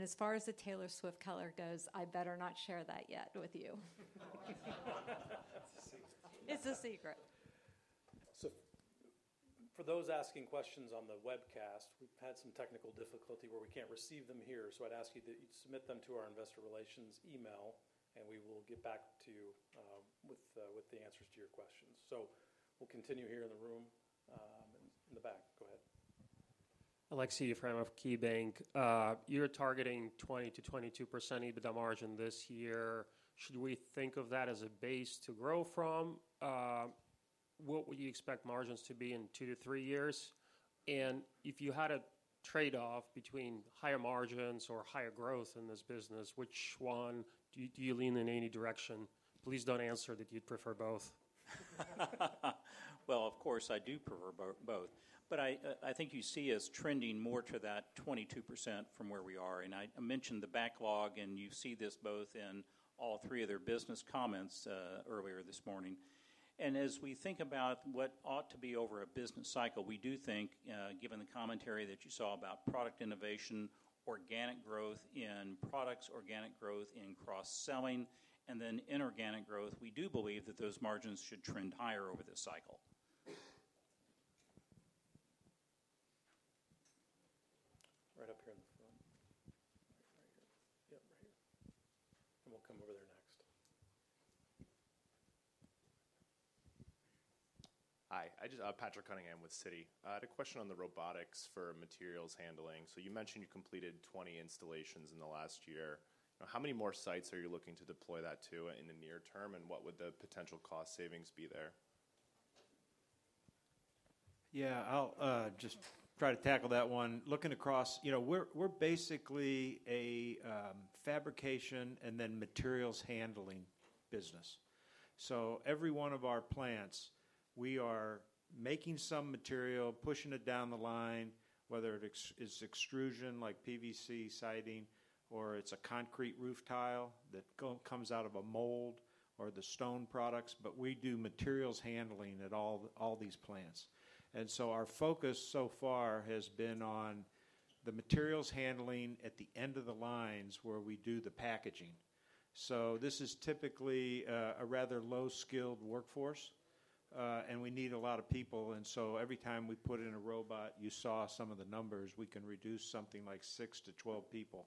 As far as the Taylor Swift color goes, I better not share that yet with you. It's a secret. So for those asking questions on the webcast, we've had some technical difficulty where we can't receive them here. So I'd ask you that you submit them to our investor relations email and we will get back to you with the answers to your questions. So we'll continue here in the room in the back. Go ahead. Aleksey Yefremov of KeyBank, you're targeting 20. To 22% EBITDA margin this year. Should we think of that as a? Base to grow from? What would you expect margins to be? In two to three years? And if you had a trade off. Between high margins or higher growth in. This business, which one do you lean in any direction? Please don't answer that. You'd prefer both? Well, of course I do prefer both, but I think you see us trending more to that 22% from where we are. I mentioned the backlog and you see this both in all three of their business comments earlier this morning. As we think about what ought to be over a business cycle, we do think, given the commentary that you saw about product innovation, organic growth in products, organic growth in cross selling and then inorganic growth. We do believe that those margins should trend higher over this cycle. Right up here in the front. We'll come over there next. Hi, Patrick Cunningham with Citi. I had a question on the robotics for materials handling. So you mentioned you completed 20 installations. In the last year. How many more sites are you looking? To deploy that to in the near term? What would the potential cost savings be there? Yeah, I'll just try to tackle that one. Looking across, you know, we're basically a fabrication and then materials handling business. So every one of our plants we are making some material, pushing it down the line, whether it is extrusion like PVC siding or it's a concrete roof tile that comes out of a mold or the stone products. But we do materials handling at all these plants. And so our focus so far has been on the materials handling at the end of the lines where we do the packaging. So this is typically a rather low skilled workforce and we need a lot of people. And so every time we put in a robot, you saw some of the numbers, we can reduce something like 6-12 people.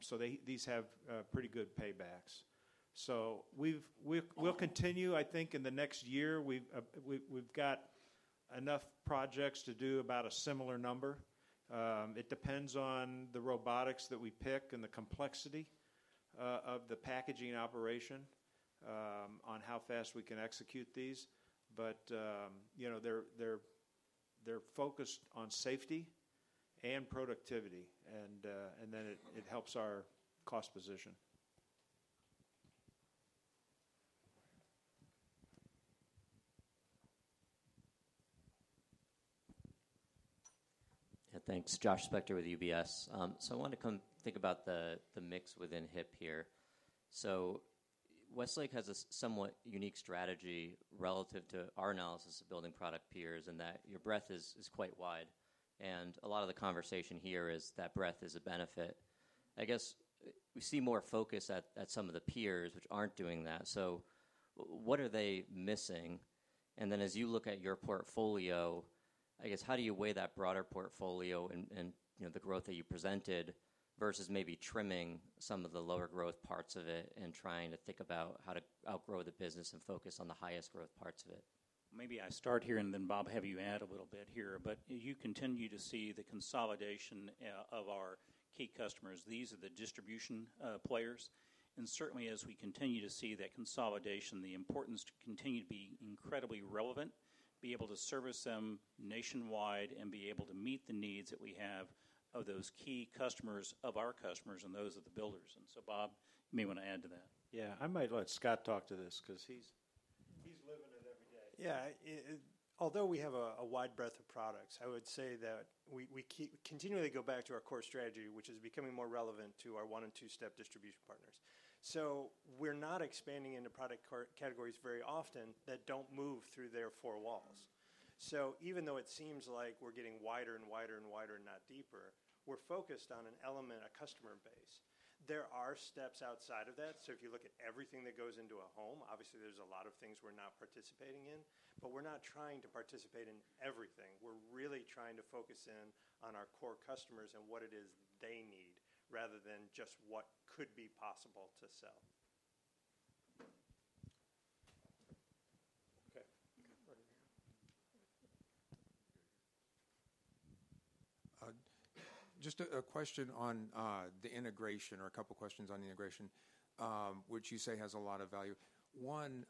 So these have pretty good paybacks. So we'll continue, I think in the next year. We've got enough projects to do about a similar number. It depends on the robotics that we pick and the complexity of the packaging operation, on how fast we can execute these. But you know, they're focused on safety and productivity and then it helps our cost position. Thanks. Josh Specter with UBS. So I wanted to come think about. The mix within HIP here. Westlake has a somewhat unique strategy relative to our analysis of building product peers and that your breadth is quite wide. A lot of the conversation here is that breadth is a benefit. I guess we see more focus at. Some of the peers which aren't doing that. So what are they missing? And then as you look at your. Portfolio, I guess how do you weigh? That broader portfolio and the growth that you presented versus maybe trimming some of the lower growth parts of it and trying to think about how to outgrow the business and focus on the highest. Growth parts of it. Maybe I start here and then Bob, have you add a little bit here. But you continue to see the consolidation of our key customers. These are the distribution players, and certainly as we continue to see that consolidation, the importance to continue to be incredibly relevant, be able to service them nationwide, and be able to meet the needs that we have of those key customers of our customers. And those of the builders. And so, Bob, you may want to add to that. Yeah, I might let Scott talk to this because he's living it every day. Yeah. Although we have a wide breadth of products, I would say that we continually go back to our core strategy, which is becoming more relevant to our one and two stack distribution partners. So we're not expanding into product categories very often that don't move through their four walls. So even though it seems like we're getting wider and wider and wider, not deeper, we're focused on an element, a customer base. There are steps outside of that. So if you look at everything that goes into a home, obviously there's a lot of things we're not participating in, but we're not trying to participate in everything. We're really trying to focus in on our core customers and what it is they need rather than just what could be possible to sell. Just a question on the integration or a couple questions on the integration which you say has a lot of value. One,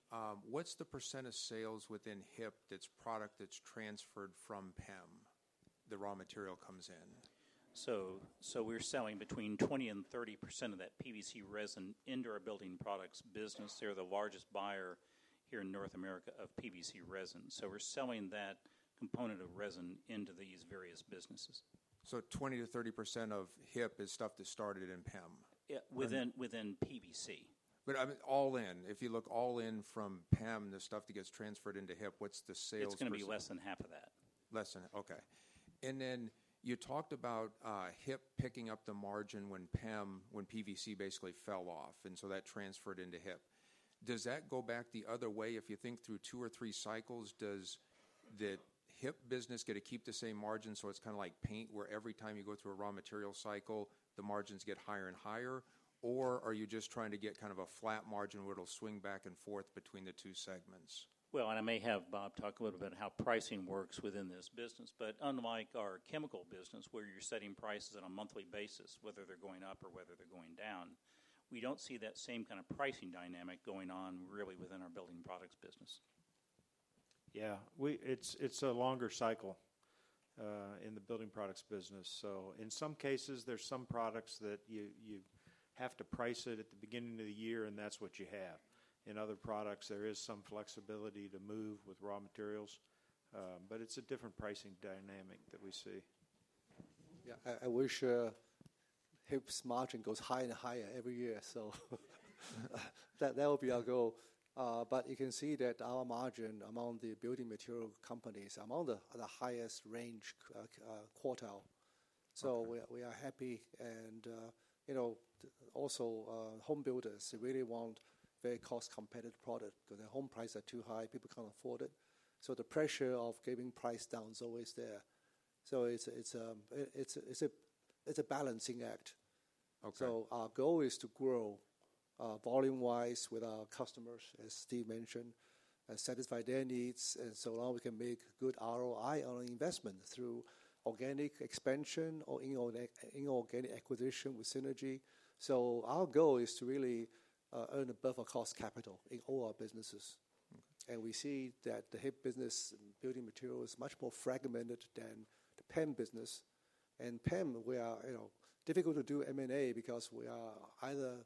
what's the % of sales within. HIP to that's product that's transferred from PEM? The raw material comes in. So we're selling between 20% and 30% of that PVC resin into our building products business. They're the largest buyer here in North America of PVC resin. So we're selling that component of resin into these various businesses. 20%-30% of HIP is. Stuff that started in PEM within PBC, but all in. If you look all in from PEM, the stuff that gets transferred into HIP, what's the sales? It's going to be less than half of that lesson. Okay. And then you talked about HIP picking. Up the margin when PEM, when PVC basically fell off. And so that transferred into HIP. Does that go back the other way? If you think through two or three cycles, does the HIP business get to keep the same margin? So it's kind of like paint, where every time you go through a raw material cycle, the margins get higher and higher. Or are you just trying to get. Kind of a flat margin where it'll. Swing back and forth between the two segments? Well, and I may have Bob talk a little bit how pricing works within this business. But unlike our chemical business, where you're setting prices on a monthly basis, whether they're going up or whether they're going down, we don't see that same kind of pricing dynamic going on really within our building products business. Yeah, it's a longer cycle in the building products business. So in some cases there's some products that you have to price it at the beginning of the year and that's what you have. In other products there is some flexibility to move with raw materials but it's a different pricing dynamic that we see. I wish HIP's margin goes higher and higher every year so that will be our goal. But you can see that our margin among the building material companies among the highest range quartile. So we are happy. And you know also home builders really want very cost competitive product because their home prices are too high. People can't afford it. So the pressure of giving price down is always there. So it's a balancing act. So our goal is to grow volume wise with our customers, as Steve mentioned, satisfy their needs and so long we can make good ROI on investment through organic expansion or inorganic acquisition with synergy. So our goal is to really earn above our cost capital in all our businesses. And we see that the HIP business building material is much more fragmented than the PEM business. PEM we are difficult to do M&A because we are either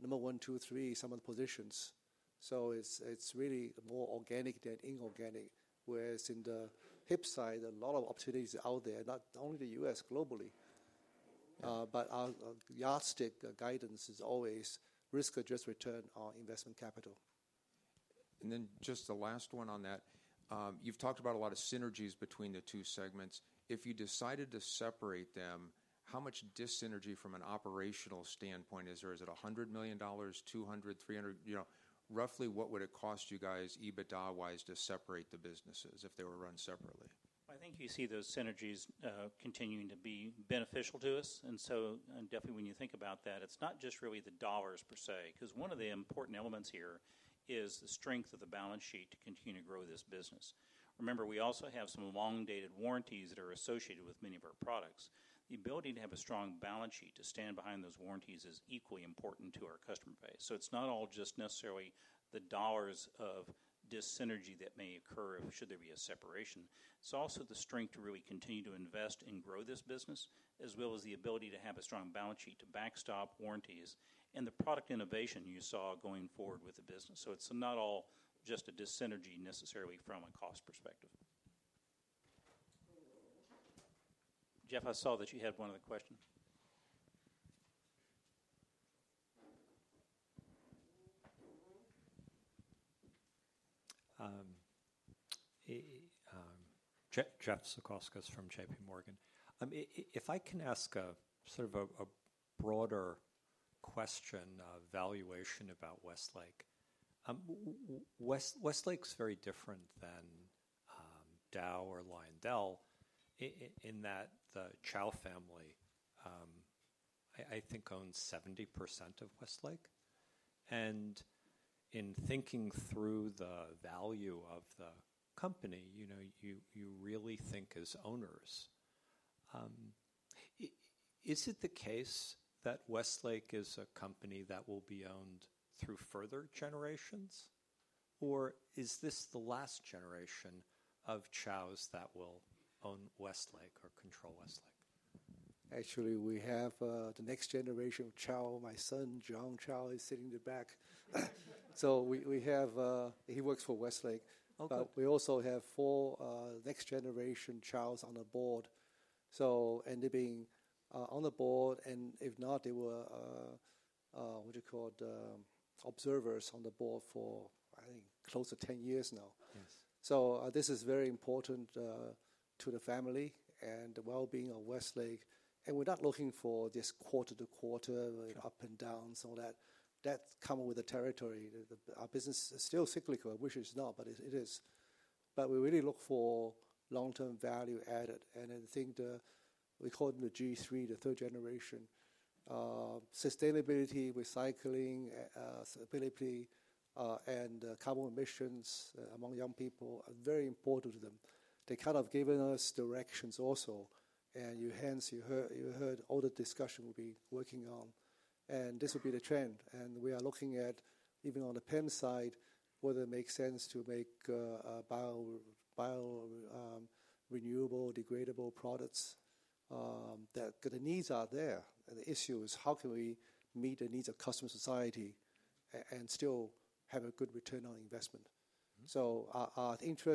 number 1, 2, 3 some of the positions. So it's really more organic than inorganic. Whereas in the HIP side a lot of opportunities out there, not only the U.S. globally but our yardstick guidance is always risk-adjusted return on investment capital. Then just the last one on that. You've talked about a lot of synergies between the two segments if you decided to separate them. How much dis-synergy from an operational standpoint is? Or is it $100 million? $200 million? $300 million? You know, roughly what would it cost. You guys, EBITDA-wise, to separate the businesses if they were run separately? I think you see those synergies continuing to be beneficial to us. So definitely when you think about that, it's not just really the dollars per se because one of the important elements here is the strength of the balance sheet to continue to grow this business. Remember, we also have some long-dated warranties that are associated with many of our products. The ability to have a strong balance sheet to stand behind those warranties is equally important to our customer base. So it's not all just necessarily the dollars of dyssynergy that may occur should there be a separation. It's also the strength to really continue to invest and grow this business as well as the ability to have a strong balance sheet to backstop warranties and the product innovation you saw going forward with the business. So it's not all just a dis-synergy necessarily from a cost perspective. Jeff, I saw that you had one other question. Jeffrey Zekauskas from J.P. Morgan. If I can ask sort of a broader question. Valuation about Westlake. Westlake's very different than Dow or Lyondell in that the Chao family, I think, owns 70% of Westlake. And in thinking through the value of the company, you really think as owners, is it the case that Westlake is a company that will be owned through further generations, or is this the last generation of Chao that will own Westlake or control Westlake? Actually, we have the next generation of Chao. My son John Chao is sitting in the back. So we have. He works for Westlake, but we also have four next generation Chaos on the board. So. They've been on the board, and if not, they were what you call observers on the board for, I think, close to 10 years now. So this is very important to the family and the well-being of Westlake. We're not looking for this quarter-to-quarter ups and downs, all that that come with the territory. Our business is still cyclical, which is not, but it is. But we really look for long-term value added, and I think we call them the G3, the third generation. Sustainability, recycling and carbon emissions among young people are very important to them. They kind of given us directions also, and you heard all the discussion we'll be working on, and this will be the trend, and we are looking at, even on the PEM side, whether it makes sense to make biorenewable, degradable products. The needs are there. The issue is how can we meet the needs of customer society and still have a good return on investment? So our interests.